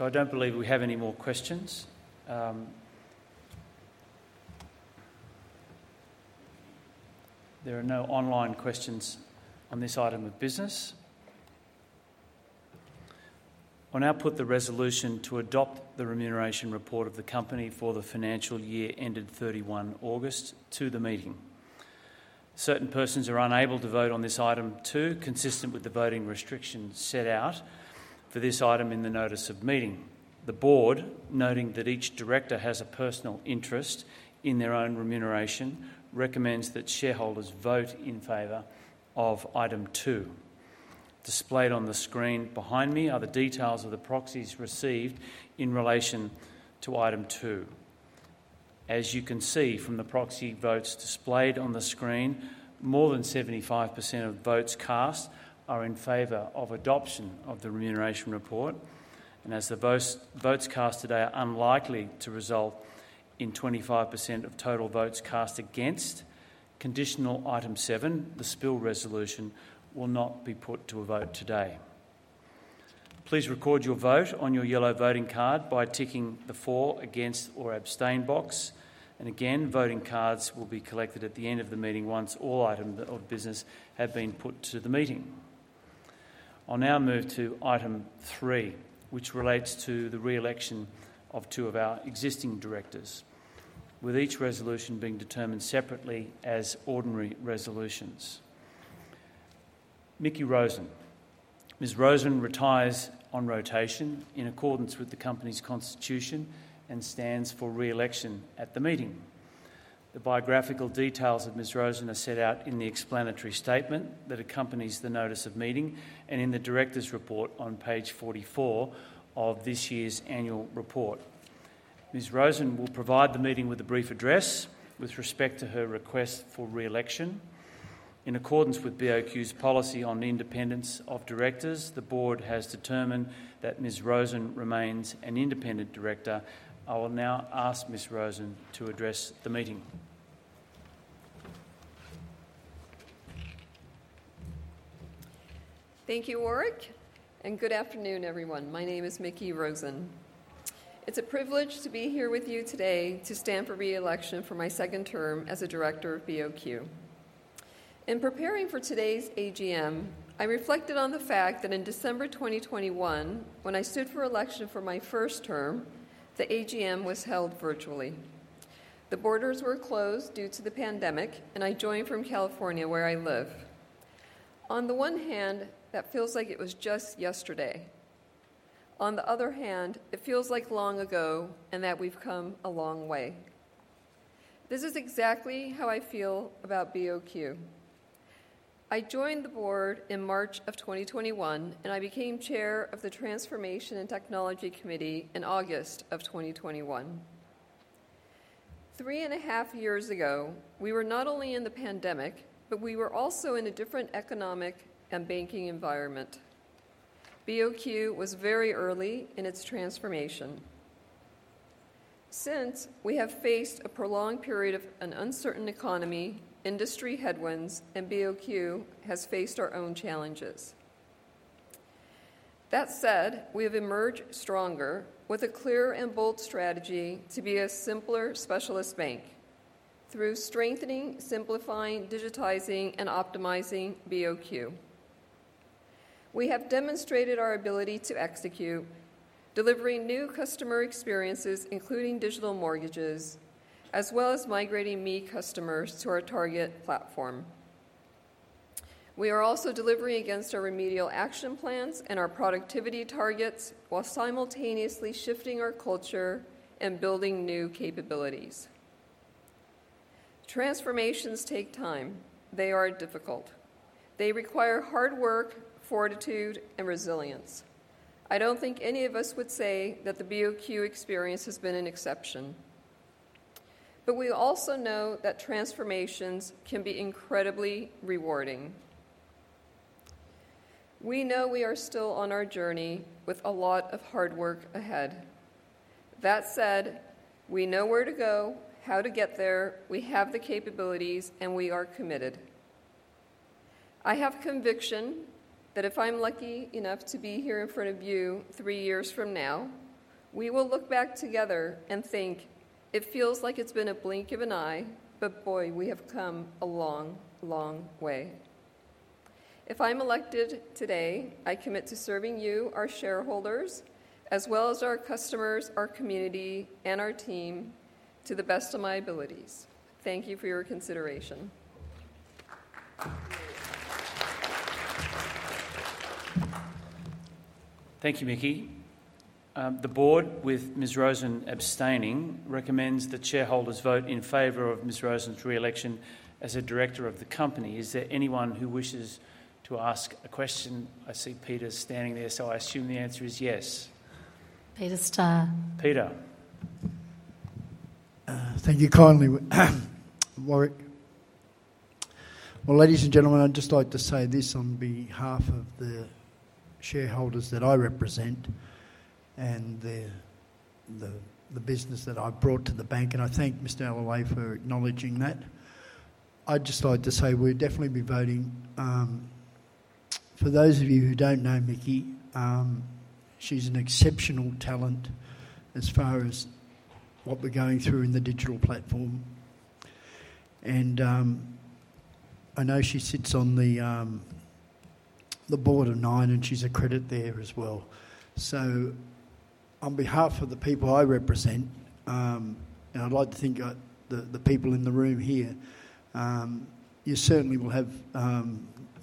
I don't believe we have any more questions. There are no online questions on this item of business. I'll now put the resolution to adopt the Remuneration Report of the company for the financial year ended 31 August to the meeting. Certain persons are unable to vote on this item too, consistent with the voting restrictions set out for this item in the Notice of Meeting. The Board, noting that each director has a personal interest in their own remuneration, recommends that shareholders vote in favor of item 2. Displayed on the screen behind me are the details of the proxies received in relation to item two. As you can see from the proxy votes displayed on the screen, more than 75% of votes cast are in favor of adoption of the Remuneration Report. As the votes cast today are unlikely to result in 25% of total votes cast against conditional Item 7, the spill resolution will not be put to a vote today. Please record your vote on your yellow voting card by ticking the for, against, or abstain box. And again, voting cards will be collected at the end of the meeting once all items of business have been put to the meeting. I'll now move to Item 3, which relates to the re-election of two of our existing directors, with each resolution being determined separately as ordinary resolutions. Mickie Rosen. Ms. Rosen retires on rotation in accordance with the company's constitution and stands for re-election at the meeting. The biographical details of Ms. Rosen are set out in the explanatory statement that accompanies the Notice of Meeting and in the Directors' Report on page 44 of this year's Annual Report. Ms. Rosen will provide the meeting with a brief address with respect to her request for re-election. In accordance with BOQ's policy on independence of directors, the Board has determined that Ms. Rosen remains an Independent Director. I will now ask Ms. Rosen to address the meeting. Thank you, Warwick. And good afternoon, everyone. My name is Mickie Rosen. It's a privilege to be here with you today to stand for re-election for my second term as a director of BOQ. In preparing for today's AGM, I reflected on the fact that in December 2021, when I stood for election for my first term, the AGM was held virtually. The borders were closed due to the pandemic, and I joined from California where I live. On the one hand, that feels like it was just yesterday. On the other hand, it feels like long ago and that we've come a long way. This is exactly how I feel about BOQ. I joined the Board in March of 2021, and I became Chair of the Transformation and Technology Committee in August of 2021. Three and a half years ago, we were not only in the pandemic, but we were also in a different economic and banking environment. BOQ was very early in its transformation. Since, we have faced a prolonged period of an uncertain economy, industry headwinds, and BOQ has faced our own challenges. That said, we have emerged stronger with a clear and bold strategy to be a simpler specialist bank through strengthening, simplifying, digitizing, and optimizing BOQ. We have demonstrated our ability to execute, delivering new customer experiences, including digital mortgages, as well as migrating ME customers to our target platform. We are also delivering against our Remedial Action Plans and our productivity targets while simultaneously shifting our culture and building new capabilities. Transformations take time. They are difficult. They require hard work, fortitude, and resilience. I don't think any of us would say that the BOQ experience has been an exception. But we also know that transformations can be incredibly rewarding. We know we are still on our journey with a lot of hard work ahead. That said, we know where to go, how to get there, we have the capabilities, and we are committed. I have conviction that if I'm lucky enough to be here in front of you three years from now, we will look back together and think, "It feels like it's been a blink of an eye, but boy, we have come a long, long way." If I'm elected today, I commit to serving you, our shareholders, as well as our customers, our community, and our team to the best of my abilities. Thank you for your consideration. Thank you, Mickie. The Board, with Ms. Rosen abstaining, recommends the shareholders vote in favor of Ms. Rosen's re-election as a Director of the Company. Is there anyone who wishes to ask a question? I see Peter's standing there, so I assume the answer is yes. Peter Starr? Peter. Thank you kindly, Warwick. Ladies and gentlemen, I'd just like to say this on behalf of the shareholders that I represent and the business that I brought to the bank. I thank Mr. Allaway for acknowledging that. I'd just like to say we'll definitely be voting. For those of you who don't know Mickie, she's an exceptional talent as far as what we're going through in the digital platform. I know she sits on the Board of Nine, and she's a credit there as well. On behalf of the people I represent, I'd like to thank the people in the room here. You certainly will have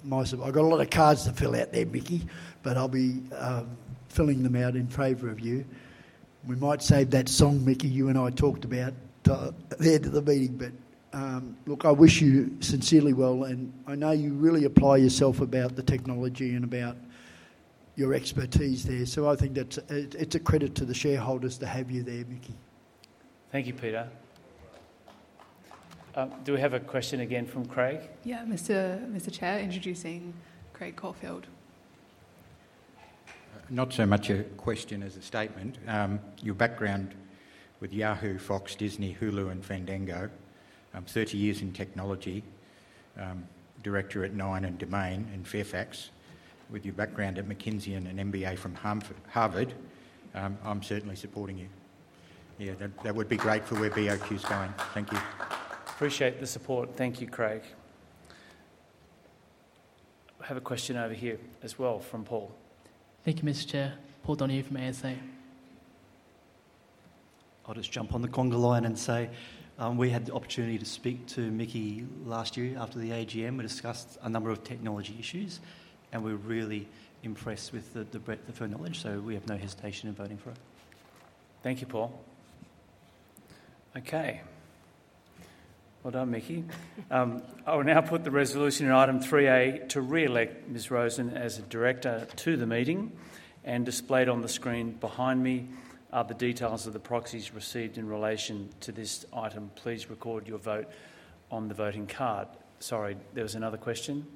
my support. I've got a lot of cards to fill out there, Mickie, but I'll be filling them out in favor of you. We might save that song, Mickie, you and I talked about there at the meeting. But look, I wish you sincerely well, and I know you really apply yourself about the technology and about your expertise there. So I think it's a credit to the shareholders to have you there, Mickie. Thank you, Peter. Do we have a question again from Craig? Yeah, Mr. Chair introducing Craig Caulfield. Not so much a question as a statement. Your background with Yahoo, Fox, Disney, Hulu, and Fandango. 30 years in technology. Director at Nine and Domain and Fairfax. With your background at McKinsey and an MBA from Harvard, I'm certainly supporting you. Yeah, that would be great for where BOQ's going. Thank you. Appreciate the support. Thank you, Craig. I have a question over here as well from Paul. T Thank you, Mr. Chair. Paul Donohue from ASA. I'll just jump on the conga line and say we had the opportunity to speak to Mickie last year after the AGM. We discussed a number of technology issues, and we're really impressed with the breadth of her knowledge. So we have no hesitation in voting for her. Thank you, Paul. Okay. Well done, Mickie. I will now put the resolution in item 3A to re-elect Ms. Rosen as a Director to the Meeting. And displayed on the screen behind me are the details of the proxies received in relation to this item. Please record your vote on the voting card. Sorry, there was another question.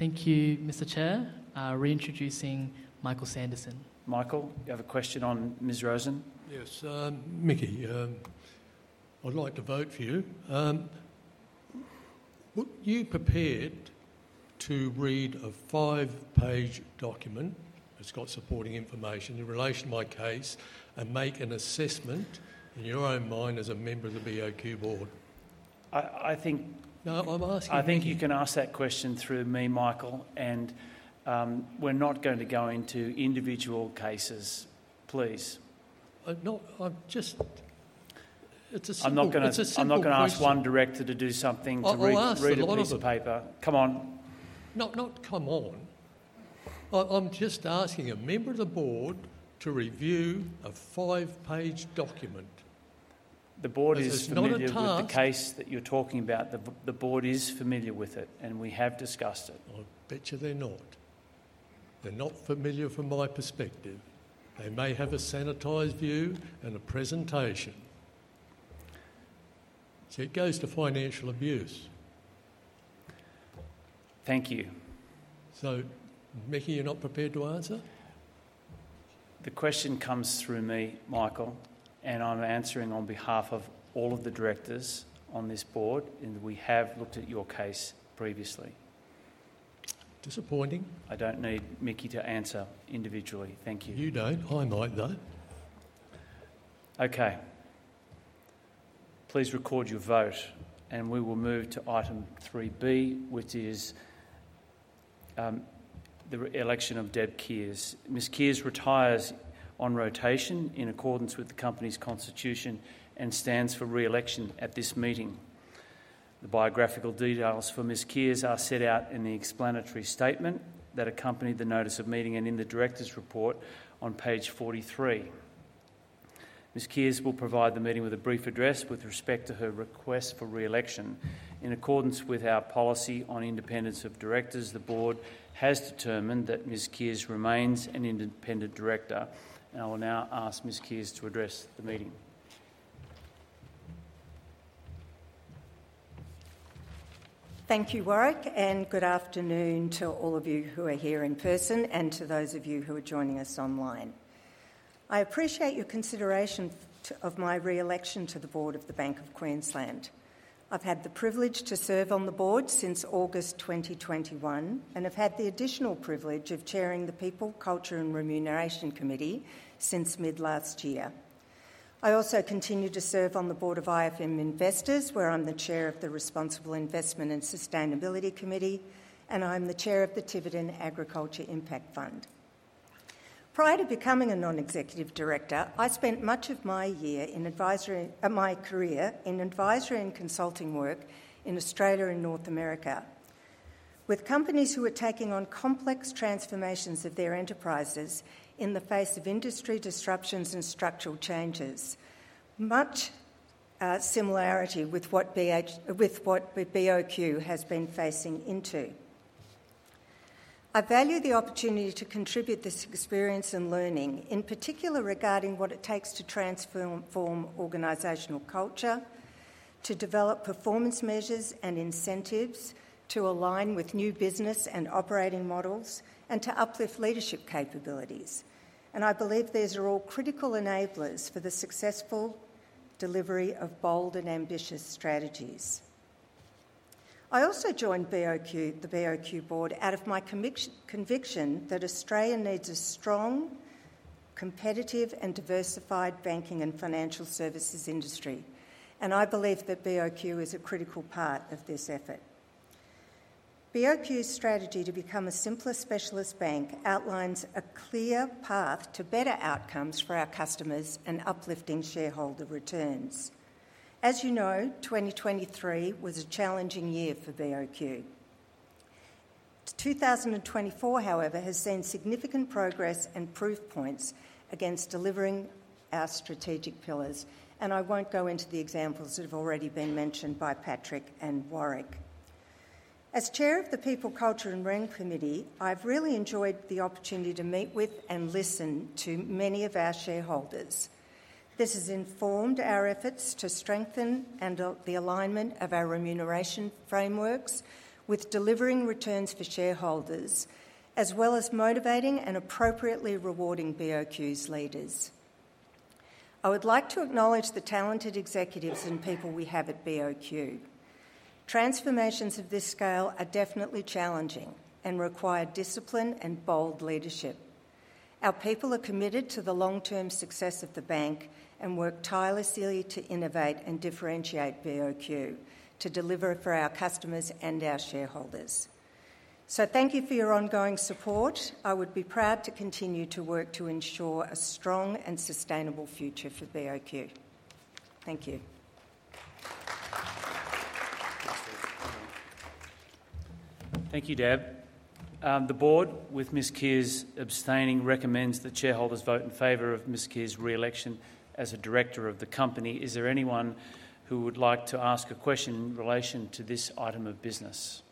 Thank you, Mr. Chair. Reintroducing Michael Sanderson. Michael, you have a question on Ms. Rosen? Yes. Mickie, I'd like to vote for you. Were you prepared to read a five-page document that's got supporting information in relation to my case and make an assessment in your own mind as a member of the BOQ Board? I think. No, I'm asking you. I think you can ask that question through me, Michael. And we're not going to go into individual cases, please. No, I'm just. It's a simple question. I'm not going to ask one director to do something to read a piece of paper. Come on. Not come on. I'm just asking a member of the Board to review a five-page document. The Board is familiar with the case that you're talking about. The Board is familiar with it, and we have discussed it. I bet you they're not. They're not familiar from my perspective. They may have a sanitized view and a presentation. So it goes to financial abuse. Thank you. So, Mickie, you're not prepared to answer? The question comes through me, Michael, and I'm answering on behalf of all of the directors on this board. And we have looked at your case previously. Disappointing. I don't need Mickie to answer individually. Thank you. You don't. I might, though. Okay. Please record your vote. And we will move to item 3B, which is the election of Deb Kiers. Ms. Kiers retires on rotation in accordance with the company's constitution and stands for re-election at this meeting. The biographical details for Ms. Kiers are set out in the explanatory statement that accompanied the Notice of Meeting and in the Directors' Report on page 43. Ms. Kiers will provide the meeting with a brief address with respect to her request for re-election. In accordance with our policy on independence of directors, the Board has determined that Ms. Kiers remains an Independent Director. And I will now ask Ms. Kiers to address the meeting. Thank you, Warwick. And good afternoon to all of you who are here in person and to those of you who are joining us online. I appreciate your consideration of my re-election to the Board of the Bank of Queensland. I've had the privilege to serve on the Board since August 2021 and have had the additional privilege of chairing the People, Culture and Remuneration Committee since mid-last year. I also continue to serve on the Board of IFM Investors, where I'm the Chair of the Responsible Investment and Sustainability Committee, and I'm the Chair of the Tiverton Agriculture Impact Fund. Prior to becoming a Non-Executive Director, I spent much of my career in Advisory and Consulting work in Australia and North America with companies who were taking on complex transformations of their enterprises in the face of industry disruptions and structural changes, much similarity with what BOQ has been facing into. I value the opportunity to contribute this experience and learning, in particular regarding what it takes to transform organizational culture, to develop performance measures and incentives, to align with new business and operating models, and to uplift leadership capabilities, and I believe these are all critical enablers for the successful delivery of bold and ambitious strategies. I also joined the BOQ Board out of my conviction that Australia needs a strong, competitive, and diversified banking and financial services industry, and I believe that BOQ is a critical part of this effort. BOQ's strategy to become a simpler specialist bank outlines a clear path to better outcomes for our customers and uplifting shareholder returns. As you know, 2023 was a challenging year for BOQ. 2024, however, has seen significant progress and proof points against delivering our strategic pillars, and I won't go into the examples that have already been mentioned by Patrick and Warwick. As Chair of the People, Culture and Remuneration Committee, I've really enjoyed the opportunity to meet with and listen to many of our shareholders. This has informed our efforts to strengthen the alignment of our remuneration frameworks with delivering returns for shareholders, as well as motivating and appropriately rewarding BOQ's leaders. I would like to acknowledge the talented executives and people we have at BOQ. Transformations of this scale are definitely challenging and require discipline and bold leadership. Our people are committed to the long-term success of the bank and work tirelessly to innovate and differentiate BOQ to deliver for our customers and our shareholders. So thank you for your ongoing support. I would be proud to continue to work to ensure a strong and sustainable future for BOQ. Thank you. Thank you, Deb. The Board, with Ms. Kiers abstaining, recommends that shareholders vote in favor of Ms. Kiers' re-election as a Director of the Company. Is there anyone who would like to ask a question in relation to this item of business?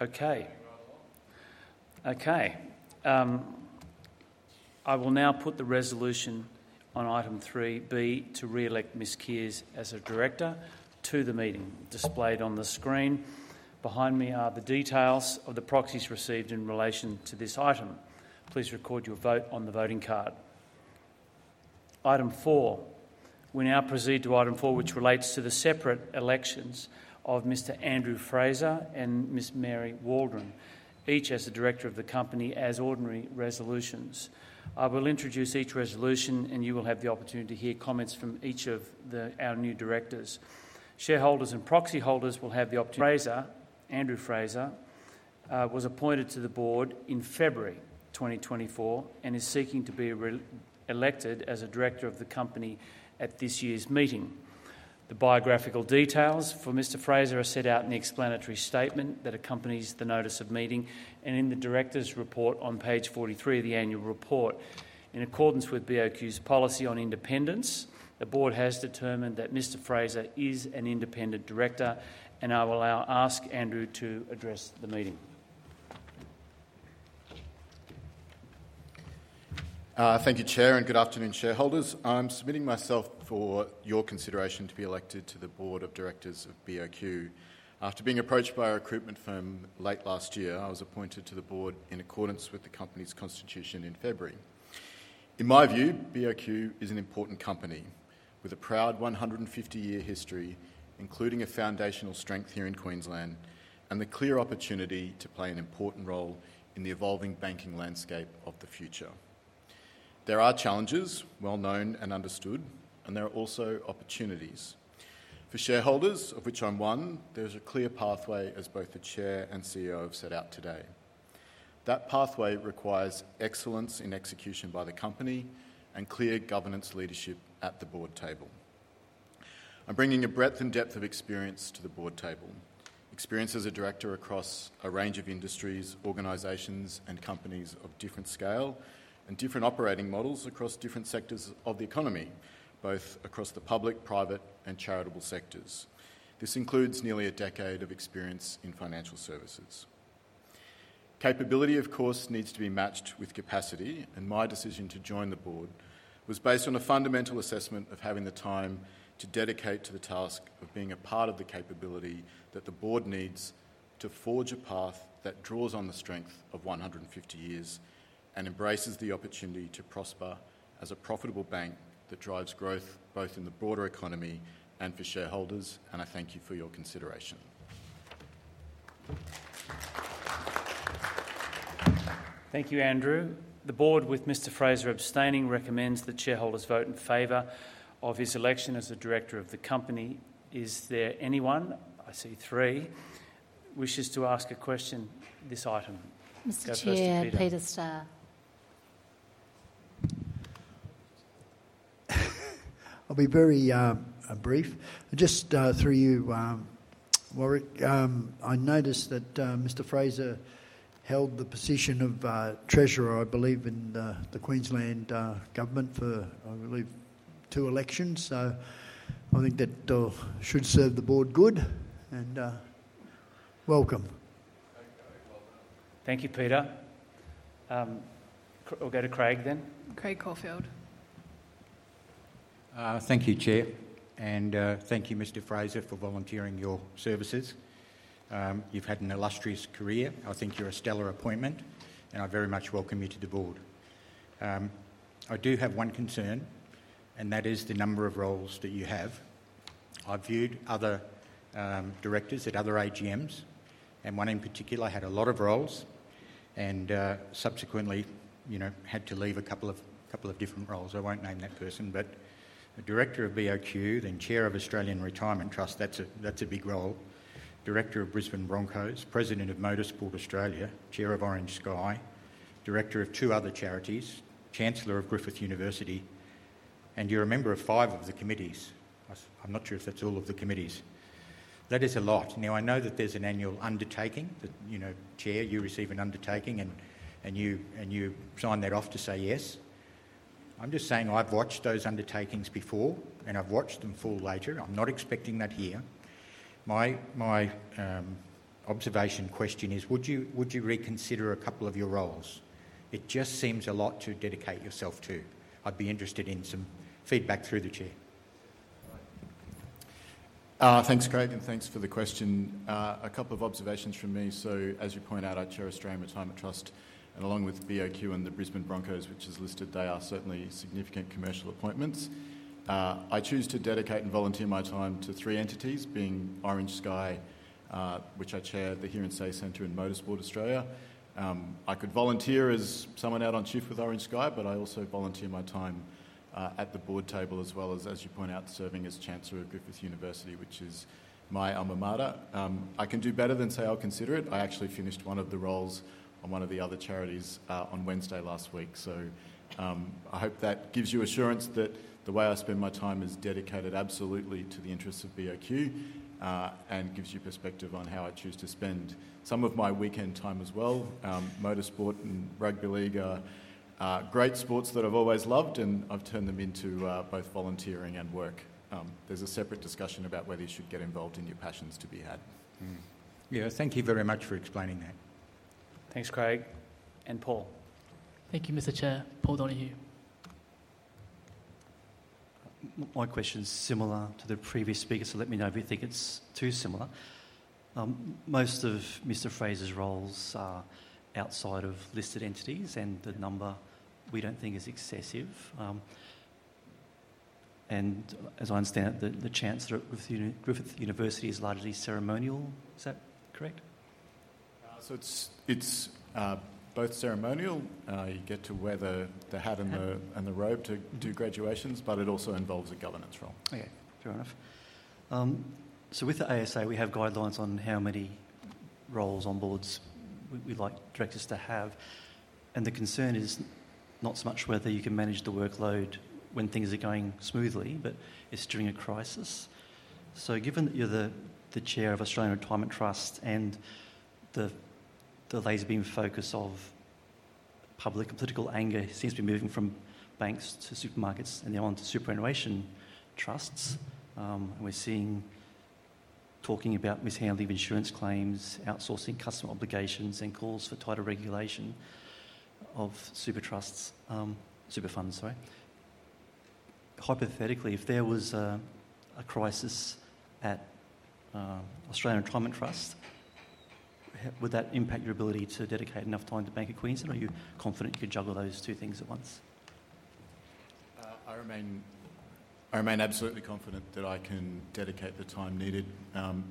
Okay. Okay. I will now put the resolution on item 3B to re-elect Ms. Kiers as a Director to the Meeting, displayed on the screen. Behind me are the details of the proxies received in relation to this item. Please record your vote on the voting card. Item 4. We now proceed to item 4, which relates to the separate elections of Mr. Andrew Fraser and Ms. Mary Waldron, each as a Director of the Company as ordinary resolutions. I will introduce each resolution, and you will have the opportunity to hear comments from each of our new directors. Shareholders and proxy holders will have the opportunity. Fraser, Andrew Fraser, was appointed to the Board in February 2024 and is seeking to be elected as a Director of the Company at this year's meeting. The biographical details for Mr. Fraser are set out in the explanatory statement that accompanies the Notice of Meeting and in the Directors' Report on page 43 of the Annual Report. In accordance with BOQ's policy on independence, the Board has determined that Mr. Fraser is an Independent Director, and I will now ask Andrew to address the meeting. Thank you, Chair, and good afternoon, shareholders. I'm submitting myself for your consideration to be elected to the Board of directors of BOQ. After being approached by a recruitment firm late last year, I was appointed to the Board in accordance with the company's constitution in February. In my view, BOQ is an important company with a proud 150-year history, including a foundational strength here in Queensland and the clear opportunity to play an important role in the evolving banking landscape of the future. There are challenges well known and understood, and there are also opportunities. For shareholders, of which I'm one, there is a clear pathway, as both the chair and CEO have set out today. That pathway requires excellence in execution by the company and clear governance leadership at the Board table. I'm bringing a breadth and depth of experience to the Board table. Experience as a director across a range of industries, organizations, and companies of different scale and different operating models across different sectors of the economy, both across the public, private, and charitable sectors. This includes nearly a decade of experience in financial services. Capability, of course, needs to be matched with capacity, and my decision to join the Board was based on a fundamental assessment of having the time to dedicate to the task of being a part of the capability that the Board needs to forge a path that draws on the strength of 150 years and embraces the opportunity to prosper as a profitable bank that drives growth both in the broader economy and for shareholders. And I thank you for your consideration. Thank you, Andrew. The Board, with Mr. Fraser abstaining, recommends that shareholders vote in favor of his election as a Director of the Company. Is there anyone? I see three. Wishes to ask a question this item. Mr. Chair, Mr. Peter Starr. I'll be very brief. Just through you, Warwick, I noticed that Mr. Fraser held the position of treasurer, I believe, in the Queensland government for, I believe, two elections. So I think that should serve the Board good. And welcome. Thank you, Peter. We'll go to Craig then. Craig Caulfield. Thank you, Chair. And thank you, Mr. Fraser, for volunteering your services. You've had an illustrious career. I think you're a stellar appointment, and I very much welcome you to the Board. I do have one concern, and that is the number of roles that you have. I've viewed other directors at other AGMs, and one in particular had a lot of roles and subsequently had to leave a couple of different roles. I won't name that person, but a Director of BOQ, then Chair of Australian Retirement Trust, that's a big role. Director of Brisbane Broncos, President of Motorsport Australia, chair of Orange Sky, Director of two other charities, Chancellor of Griffith University, and you're a member of five of the committees. I'm not sure if that's all of the committees. That is a lot. Now, I know that there's an annual undertaking. Chair, you receive an undertaking, and you sign that off to say yes. I'm just saying I've watched those undertakings before, and I've watched them fall later. I'm not expecting that here. My observation question is, would you reconsider a couple of your roles? It just seems a lot to dedicate yourself to. I'd be interested in some feedback through the Chair. Thanks, Craig, and thanks for the question. A couple of observations from me. So, as you point out, I chair Australian Retirement Trust. And along with BOQ and the Brisbane Broncos, which is listed, they are certainly significant commercial appointments. I choose to dedicate and volunteer my time to three entities, being Orange Sky, which I chair, the Hear and Say Centre could volunteer as someone out in the field with Orange Sky, but I also volunteer my time at the Board table, as well as, as you point out, serving as chancellor of Griffith University, which is my alma mater. I can do better than say I'll consider it. I actually finished one of the roles on one of the other charities on Wednesday last week. So I hope that gives you assurance that the way I spend my time is dedicated absolutely to the interests of BOQ and gives you perspective on how I choose to spend some of my weekend time as well. Motorsport and Rugby League are great sports that I've always loved, and I've turned them into both volunteering and work. There's a separate discussion about whether you should get involved in your passions to be had. Yeah, thank you very much for explaining that. Thanks, Craig. And Paul. Thank you, Mr. Chair. Paul Donohue. My question is similar to the previous speaker, so let me know if you think it's too similar. Most of Mr. Fraser's roles are outside of listed entities, and the number we don't think is excessive. And as I understand it, the Chancellor of Griffith University is largely ceremonial. Is that correct? So it's both ceremonial. You get to wear the hat and the robe to do graduations, but it also involves a governance role. Okay, fair enough. So with the ASA, we have guidelines on how many roles on boards we'd like directors to have. And the concern is not so much whether you can manage the workload when things are going smoothly, but it's during a crisis. So given that you're the chair of Australian Retirement Trust and the laser beam focus of public and political anger seems to be moving from banks to supermarkets and then on to superannuation trusts, and we're seeing talking about mishandling of insurance claims, outsourcing customer obligations, and calls for tighter regulation of super funds, sorry. Hypothetically, if there was a crisis at Australian Retirement Trust, would that impact your ability to dedicate enough time to Bank of Queensland? Are you confident you could juggle those two things at once? I remain absolutely confident that I can dedicate the time needed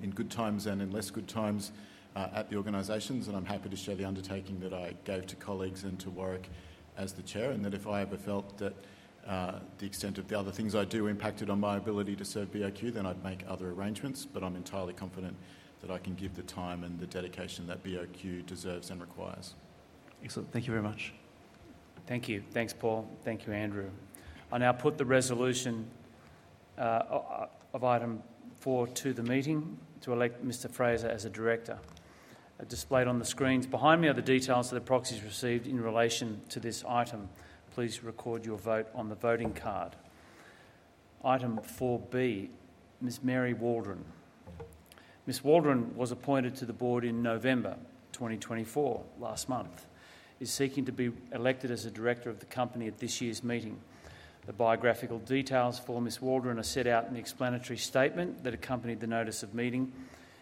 in good times and in less good times at the organizations. And I'm happy to share the undertaking that I gave to colleagues and to Warwick as the Chair, and that if I ever felt that the extent of the other things I do impacted on my ability to serve BOQ, then I'd make other arrangements. But I'm entirely confident that I can give the time and the dedication that BOQ deserves and requires. Excellent. Thank you very much. Thank you. Thanks, Paul. Thank you, Andrew. I now put the resolution of item 4 to the meeting to elect Mr. Fraser as a director. Displayed on the screens behind me are the details of the proxies received in relation to this item. Please record your vote on the voting card. Item 4B, Ms. Mary Waldron. Ms. Waldron was appointed to the Board in November 2024, last month, is seeking to be elected as a Director of the Company at this year's meeting. The biographical details for Ms. Waldron are set out in the explanatory statement that accompanied the Notice of Meeting.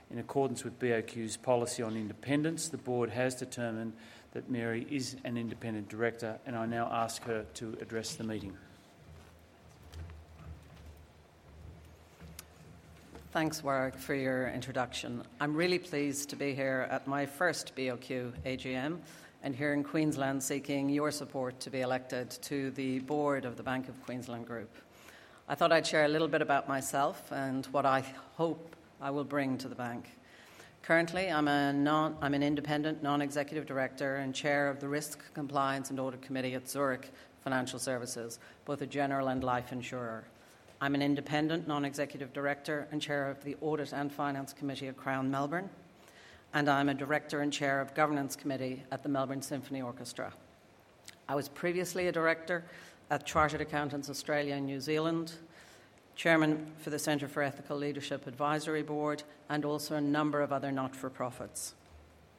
In accordance with BOQ's policy on independence, the Board has determined that Mary is an independent director, and I now ask her to address the meeting. Thanks, Warwick, for your introduction. I'm really pleased to be here at my first BOQ AGM and here in Queensland seeking your support to be elected to the Board of the Bank of Queensland Group. I thought I'd share a little bit about myself and what I hope I will bring to the bank. Currently, I'm an Independent Non-Executive Director and Chair of the Risk Compliance and Audit Committee at Zurich Financial Services, both a general and life insurer. I'm an Independent Non-Executive Director and Chair of the Audit and Finance Committee at Crown Melbourne, and I'm a Director and Chair of Governance Committee at the Melbourne Symphony Orchestra. I was previously a Director at Chartered Accountants Australia and New Zealand, Chairman for the Centre for Ethical Leadership Advisory Board, and also a number of other not-for-profits.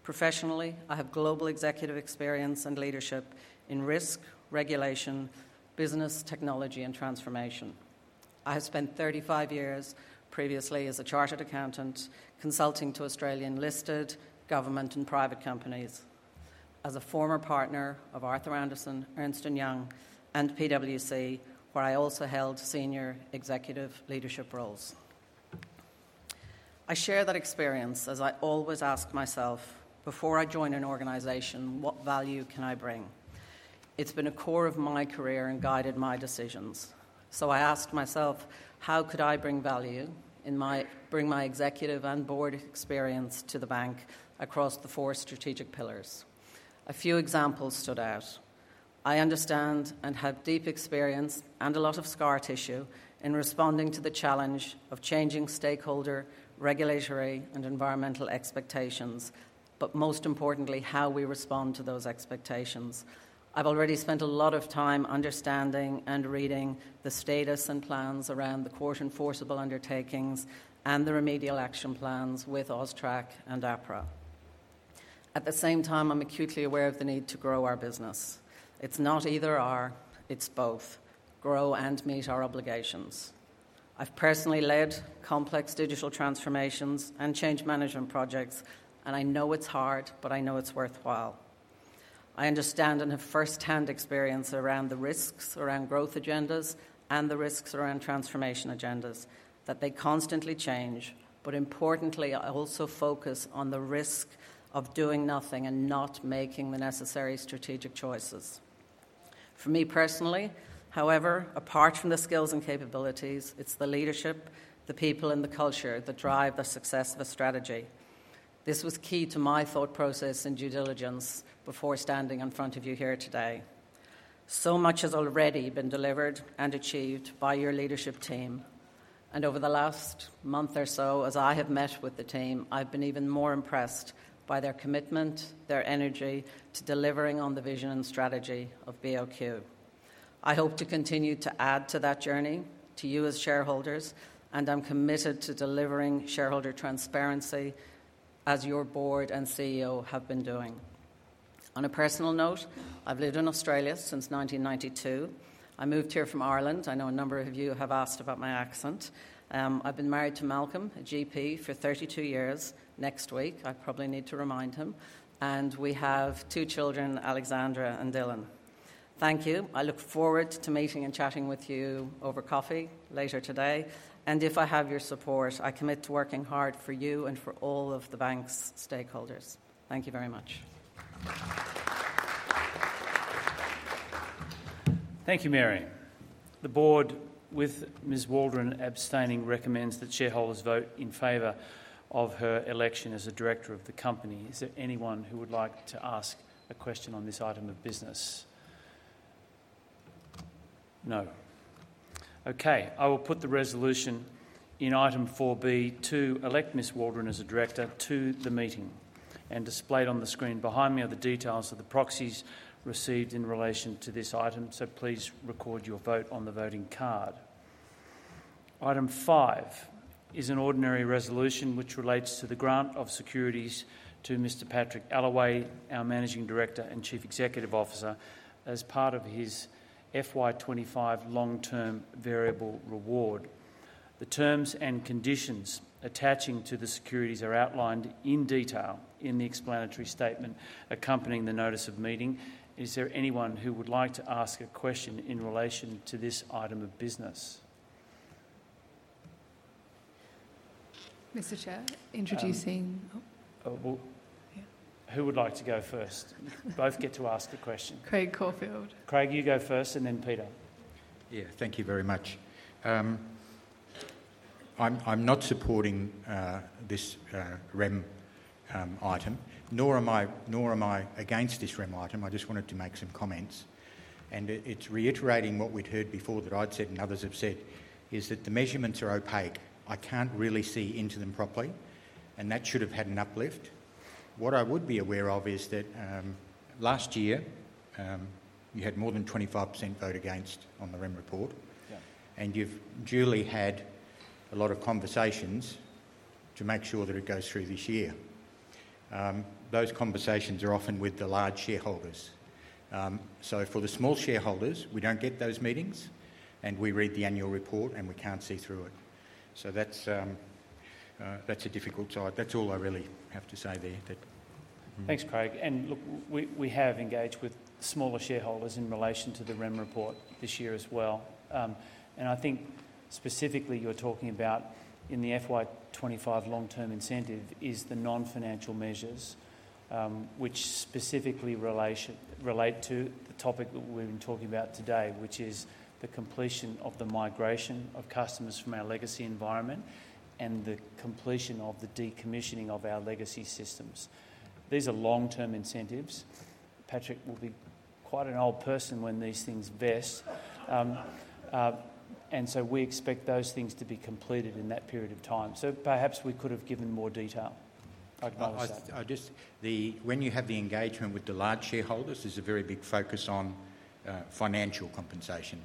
Professionally, I have global executive experience and leadership in risk, regulation, business, technology, and transformation. I have spent 35 years previously as a chartered accountant consulting to Australian-listed government and private companies as a former partner of Arthur Andersen, Ernst & Young, and PwC, where I also held senior executive leadership roles. I share that experience as I always ask myself, before I join an organization, what value can I bring? It's been a core of my career and guided my decisions. So I asked myself, how could I bring value in my executive and board experience to the bank across the four strategic pillars? A few examples stood out. I understand and have deep experience and a lot of scar tissue in responding to the challenge of changing stakeholder, regulatory, and environmental expectations, but most importantly, how we respond to those expectations. I've already spent a lot of time understanding and reading the status and plans around the Court-Enforceable Undertakings and the Remedial Action Plans with AUSTRAC and APRA. At the same time, I'm acutely aware of the need to grow our business. It's not either/or. It's both. Grow and meet our obligations. I've personally led complex digital transformations and change management projects, and I know it's hard, but I know it's worthwhile. I understand and have firsthand experience around the risks around growth agendas and the risks around transformation agendas that they constantly change, but importantly, I also focus on the risk of doing nothing and not making the necessary strategic choices. For me personally, however, apart from the skills and capabilities, it's the leadership, the people, and the culture that drive the success of a strategy. This was key to my thought process and due diligence before standing in front of you here today. So much has already been delivered and achieved by your leadership team, and over the last month or so, as I have met with the team, I've been even more impressed by their commitment, their energy to delivering on the vision and strategy of BOQ. I hope to continue to add to that journey to you as shareholders, and I'm committed to delivering shareholder transparency as your board and CEO have been doing. On a personal note, I've lived in Australia since 1992. I moved here from Ireland. I know a number of you have asked about my accent. I've been married to Malcolm, a GP, for 32 years. Next week, I probably need to remind him. And we have two children, Alexandra and Dylan. Thank you. I look forward to meeting and chatting with you over coffee later today. And if I have your support, I commit to working hard for you and for all of the bank's stakeholders. Thank you very much. Thank you, Mary. The Board, with Ms. Waldron abstaining, recommends that shareholders vote in favor of her election as a Director of the Company. Is there anyone who would like to ask a question on this item of business? No. Okay, I will put the resolution in item 4B to elect Ms. Waldron as a Director to the Meeting. And displayed on the screen behind me are the details of the proxies received in relation to this item, so please record your vote on the voting card. Item 5 is an ordinary resolution which relates to the grant of securities to Mr. Patrick Allaway, our Managing Director and Chief Executive Officer, as part of his FY 2025 long-term variable reward. The terms and conditions attaching to the securities are outlined in detail in the explanatory statement accompanying the Notice of Meeting. Is there anyone who would like to ask a question in relation to this item of business? Mr. Chair, introducing. Who would like to go first? Both get to ask the question. Craig Caulfield. Craig, you go first, and then Peter. Yeah, thank you very much. I'm not supporting this Rem item, nor am I against this Rem item. I just wanted to make some comments. And it's reiterating what we'd heard before that I'd said and others have said, is that the measurements are opaque. I can't really see into them properly, and that should have had an uplift. What I would be aware of is that last year you had more than 25% vote against on the Rem Report, and you've duly had a lot of conversations to make sure that it goes through this year. Those conversations are often with the large shareholders. So for the small shareholders, we don't get those meetings, and we read the Annual Report, and we can't see through it. So that's a difficult side. That's all I really have to say there. Thanks, Craig. And look, we have engaged with smaller shareholders in relation to the Rem Report this year as well. And I think specifically you're talking about in the FY 2025 long-term incentive is the non-financial measures, which specifically relate to the topic that we've been talking about today, which is the completion of the migration of customers from our legacy environment and the completion of the decommissioning of our legacy systems. These are long-term incentives. Patrick will be quite an old person when these things vest. And so we expect those things to be completed in that period of time. So perhaps we could have given more detail. I acknowledge that. When you have the engagement with the large shareholders, there's a very big focus on financial compensation.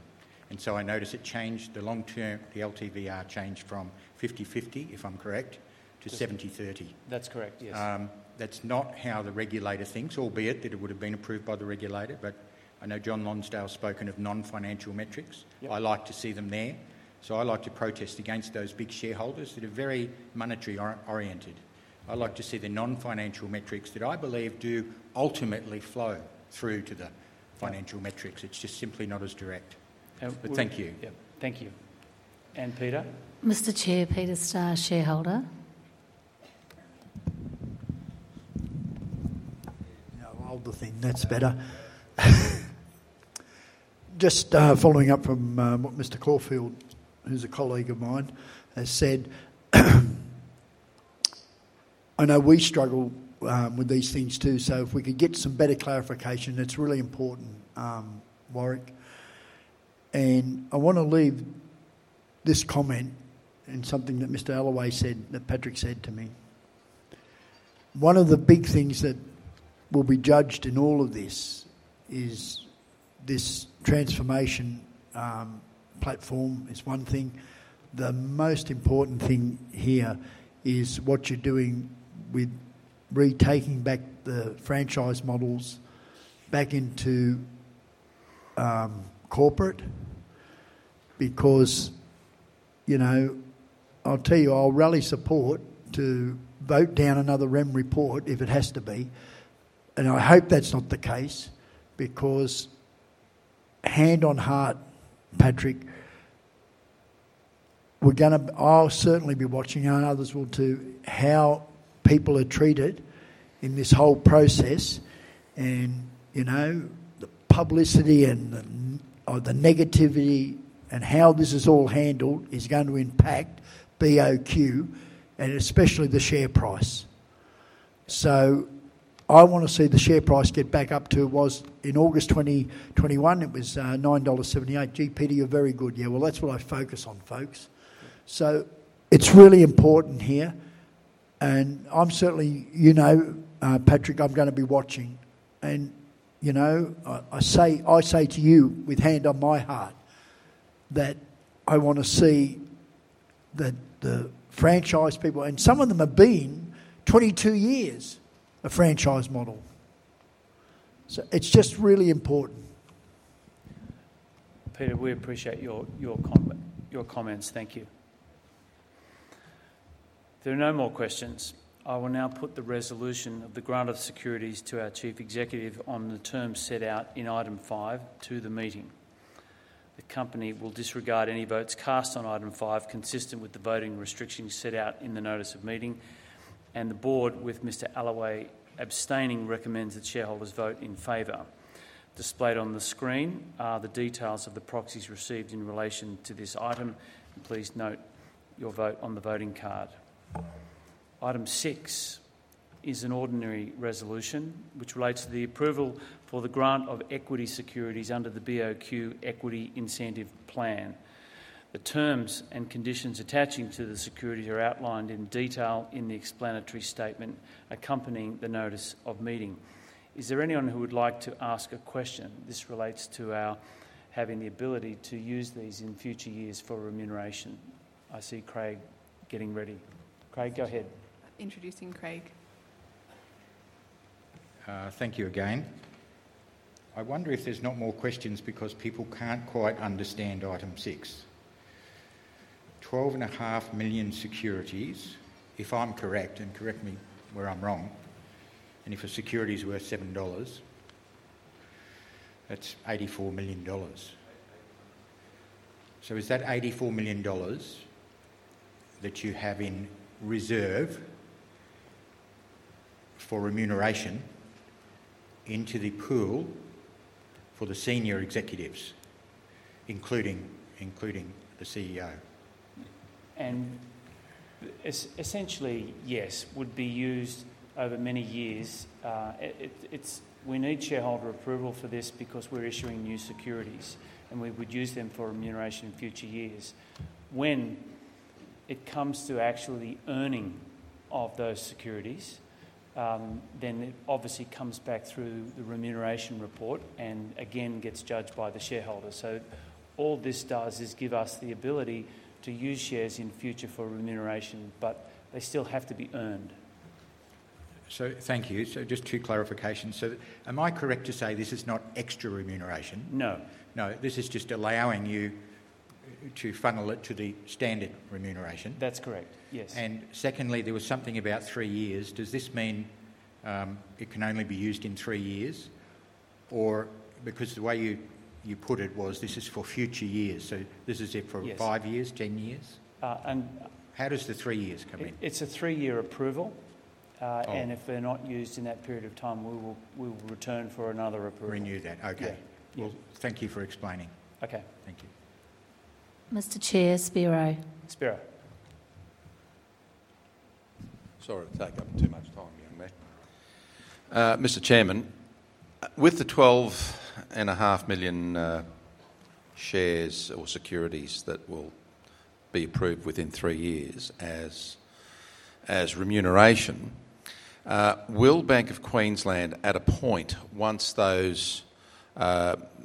And so I notice it changed the long-term, the LTVR changed from 50/50, if I'm correct, to 70/30. That's correct, yes. That's not how the regulator thinks, albeit that it would have been approved by the regulator. But I know John Lonsdale has spoken of non-financial metrics. I like to see them there. So I like to protest against those big shareholders that are very monetary oriented. I like to see the non-financial metrics that I believe do ultimately flow through to the financial metrics. It's just simply not as direct. But thank you. Thank you. And Peter? Mr. Chair, Peter Starr, shareholder. Now, I'll do the thing. That's better. Just following up from what Mr. Caulfield, who's a colleague of mine, has said, I know we struggle with these things too. So if we could get some better clarification, it's really important, Warwick. And I want to leave this comment and something that Mr. Allaway said, that Patrick said to me. One of the big things that will be judged in all of this is this transformation platform is one thing. The most important thing here is what you're doing with retaking the franchise models back into corporate. Because I'll tell you, I'll rally support to vote down another Rem Report if it has to be. And I hope that's not the case because hand on heart. Patrick, I'll certainly be watching, and others will too, how people are treated in this whole process. And the publicity and the negativity and how this is all handled is going to impact BOQ, and especially the share price. So I want to see the share price get back up to it was in August 2021, it was 9.78 dollars. GPD, you're very good. Yeah, well, that's what I focus on, folks. So it's really important here. I'm certainly, Patrick, I'm going to be watching. I say to you with hand on my heart that I want to see the franchise people, and some of them have been 22 years a franchise model. So it's just really important. Peter, we appreciate your comments. Thank you. There are no more questions. I will now put the resolution of the grant of securities to our Chief Executive on the terms set out in item 5 to the meeting. The company will disregard any votes cast on item 5 consistent with the voting restrictions set out in the Notice of Meeting. The Board, with Mr. Allaway abstaining, recommends that shareholders vote in favour. Displayed on the screen are the details of the proxies received in relation to this item. Please note your vote on the voting card. Item 6 is an ordinary resolution which relates to the approval for the grant of equity securities under the BOQ Equity Incentive Plan. The terms and conditions attaching to the securities are outlined in detail in the explanatory statement accompanying the Notice of Meeting. Is there anyone who would like to ask a question? This relates to our having the ability to use these in future years for remuneration. I see Craig getting ready. Craig, go ahead. Introducing Craig. Thank you again. I wonder if there's not more questions because people can't quite understand item 6. 12.5 million securities, if I'm correct, and correct me where I'm wrong, and if a security is worth 7 dollars, that's 84 million dollars. So is that 84 million dollars that you have in reserve for remuneration into the pool for the senior executives, including the CEO? And, essentially, yes, would be used over many years. We need shareholder approval for this because we're issuing new securities, and we would use them for remuneration in future years. When it comes to actually earning of those securities, then it obviously comes back through the Remuneration Report and again gets judged by the shareholders. So all this does is give us the ability to use shares in future for remuneration, but they still have to be earned. So thank you. So just two clarifications. So am I correct to say this is not extra remuneration? No. This is just allowing you to funnel it to the standard remuneration. That's correct, yes. And secondly, there was something about three years. Does this mean it can only be used in three years? Or, because the way you put it was this is for future years. So this is it for five years, ten years? And how does the three years come in? It's a three-year approval. And if they're not used in that period of time, we will return for another approval. Renew that, okay. Well, thank you for explaining. Thank you. Mr. Chair, Spiro. Spiro. Sorry to take up too much time here, mate. Mr. Chairman, with the 12.5 million shares or securities that will be approved within three years as remuneration, will Bank of Queensland at a point, once those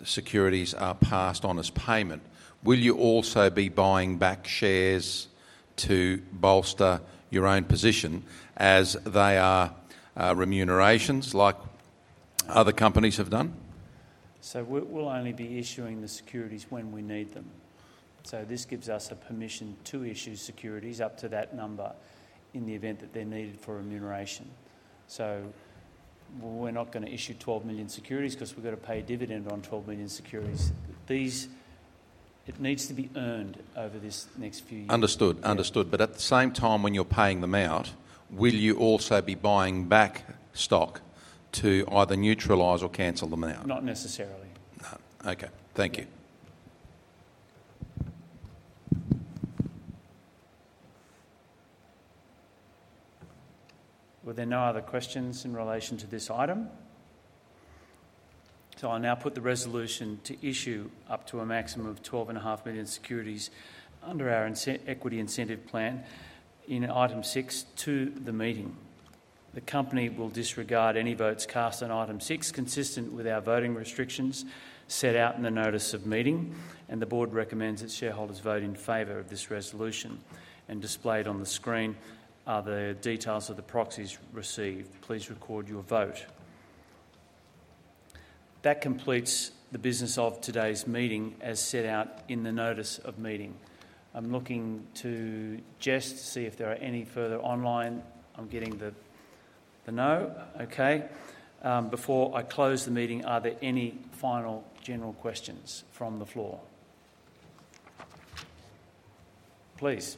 securities are passed on as payment, will you also be buying back shares to bolster your own position as they are remunerations like other companies have done? So we'll only be issuing the securities when we need them. So this gives us a permission to issue securities up to that number in the event that they're needed for remuneration. So we're not going to issue 12 million securities because we're going to pay a dividend on 12 million securities. It needs to be earned over this next few years. Understood. Understood. But at the same time when you're paying them out, will you also be buying back stock to either neutralize or cancel them out? Not necessarily. No. Okay. Thank you. Were there no other questions in relation to this item? I'll now put the resolution to issue up to a maximum of 12.5 million securities under our equity incentive plan in item 6 to the meeting. The company will disregard any votes cast on item 6 consistent with our voting restrictions set out in the Notice of Meeting, and the Board recommends that shareholders vote in favor of this resolution. Displayed on the screen are the details of the proxies received. Please record your vote. That completes the business of today's meeting as set out in the Notice of Meeting. I'm looking to Jess to see if there are any further online. I'm getting the no. Okay. Before I close the meeting, are there any final general questions from the floor? Please.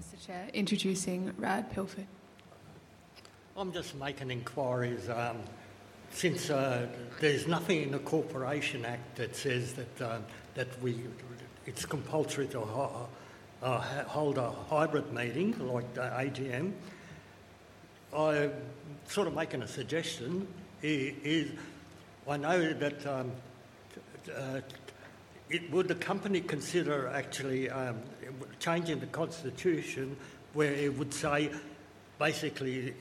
Mr. Chair, introducing Rad Pijik. I'm just making inquiries. Since there's nothing in the Corporations Act that says that it's compulsory to hold a hybrid meeting like the AGM, I'm sort of making a suggestion. I know that would the company consider actually changing the constitution where it would say, basically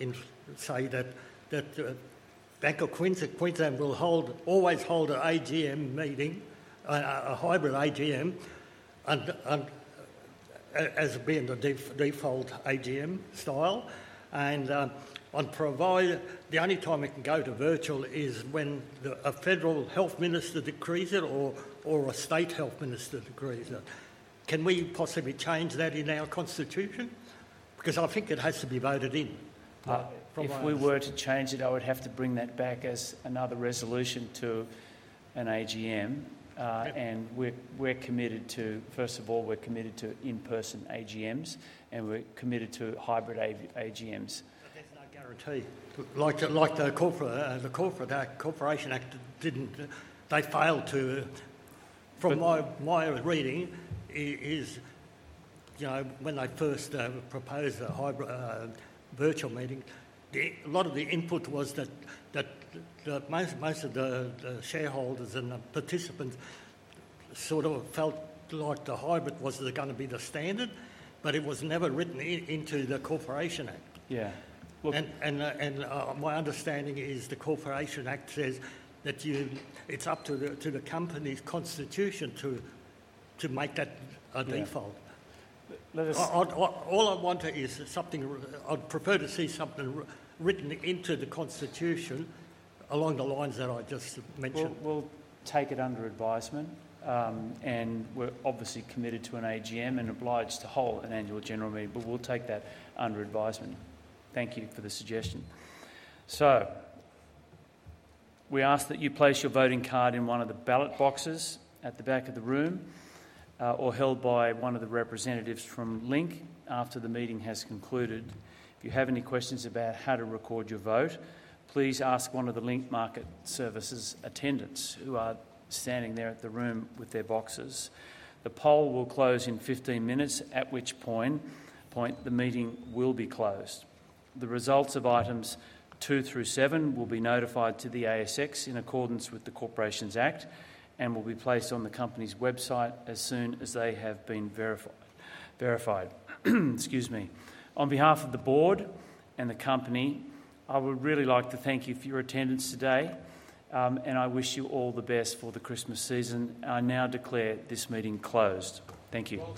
say that Bank of Queensland will always hold an AGM meeting, a hybrid AGM, as being the default AGM style? And the only time it can go to virtual is when a federal health minister decrees it or a state health minister decrees it. Can we possibly change that in our constitution? Because I think it has to be voted in. If we were to change it, I would have to bring that back as another resolution to an AGM. And we're committed to, first of all, we're committed to in-person AGMs, and we're committed to hybrid AGMs. But that's no guarantee. Like the Corporations Act, they failed to. From my reading, when they first proposed a virtual meeting, a lot of the input was that most of the shareholders and the participants sort of felt like the hybrid was going to be the standard, but it was never written into the Corporations Act. Yeah. And my understanding is the Corporations Act says that it's up to the company's constitution to make that a default. All I want is something. I'd prefer to see something written into the constitution along the lines that I just mentioned. We'll take it under advisement. We're obviously committed to an AGM and obliged to hold an annual general meeting, but we'll take that under advisement. Thank you for the suggestion. We ask that you place your voting card in one of the ballot boxes at the back of the room or held by one of the representatives from Link after the meeting has concluded. If you have any questions about how to record your vote, please ask one of the Link Market Services attendants who are standing there at the room with their boxes. The poll will close in 15 minutes, at which point the meeting will be closed. The results of items 2 through 7 will be notified to the ASX in accordance with the Corporations Act and will be placed on the company's website as soon as they have been verified. Excuse me. On behalf of the Board and the Company, I would really like to thank you for your attendance today, and I wish you all the best for the Christmas season. I now declare this meeting closed. Thank you.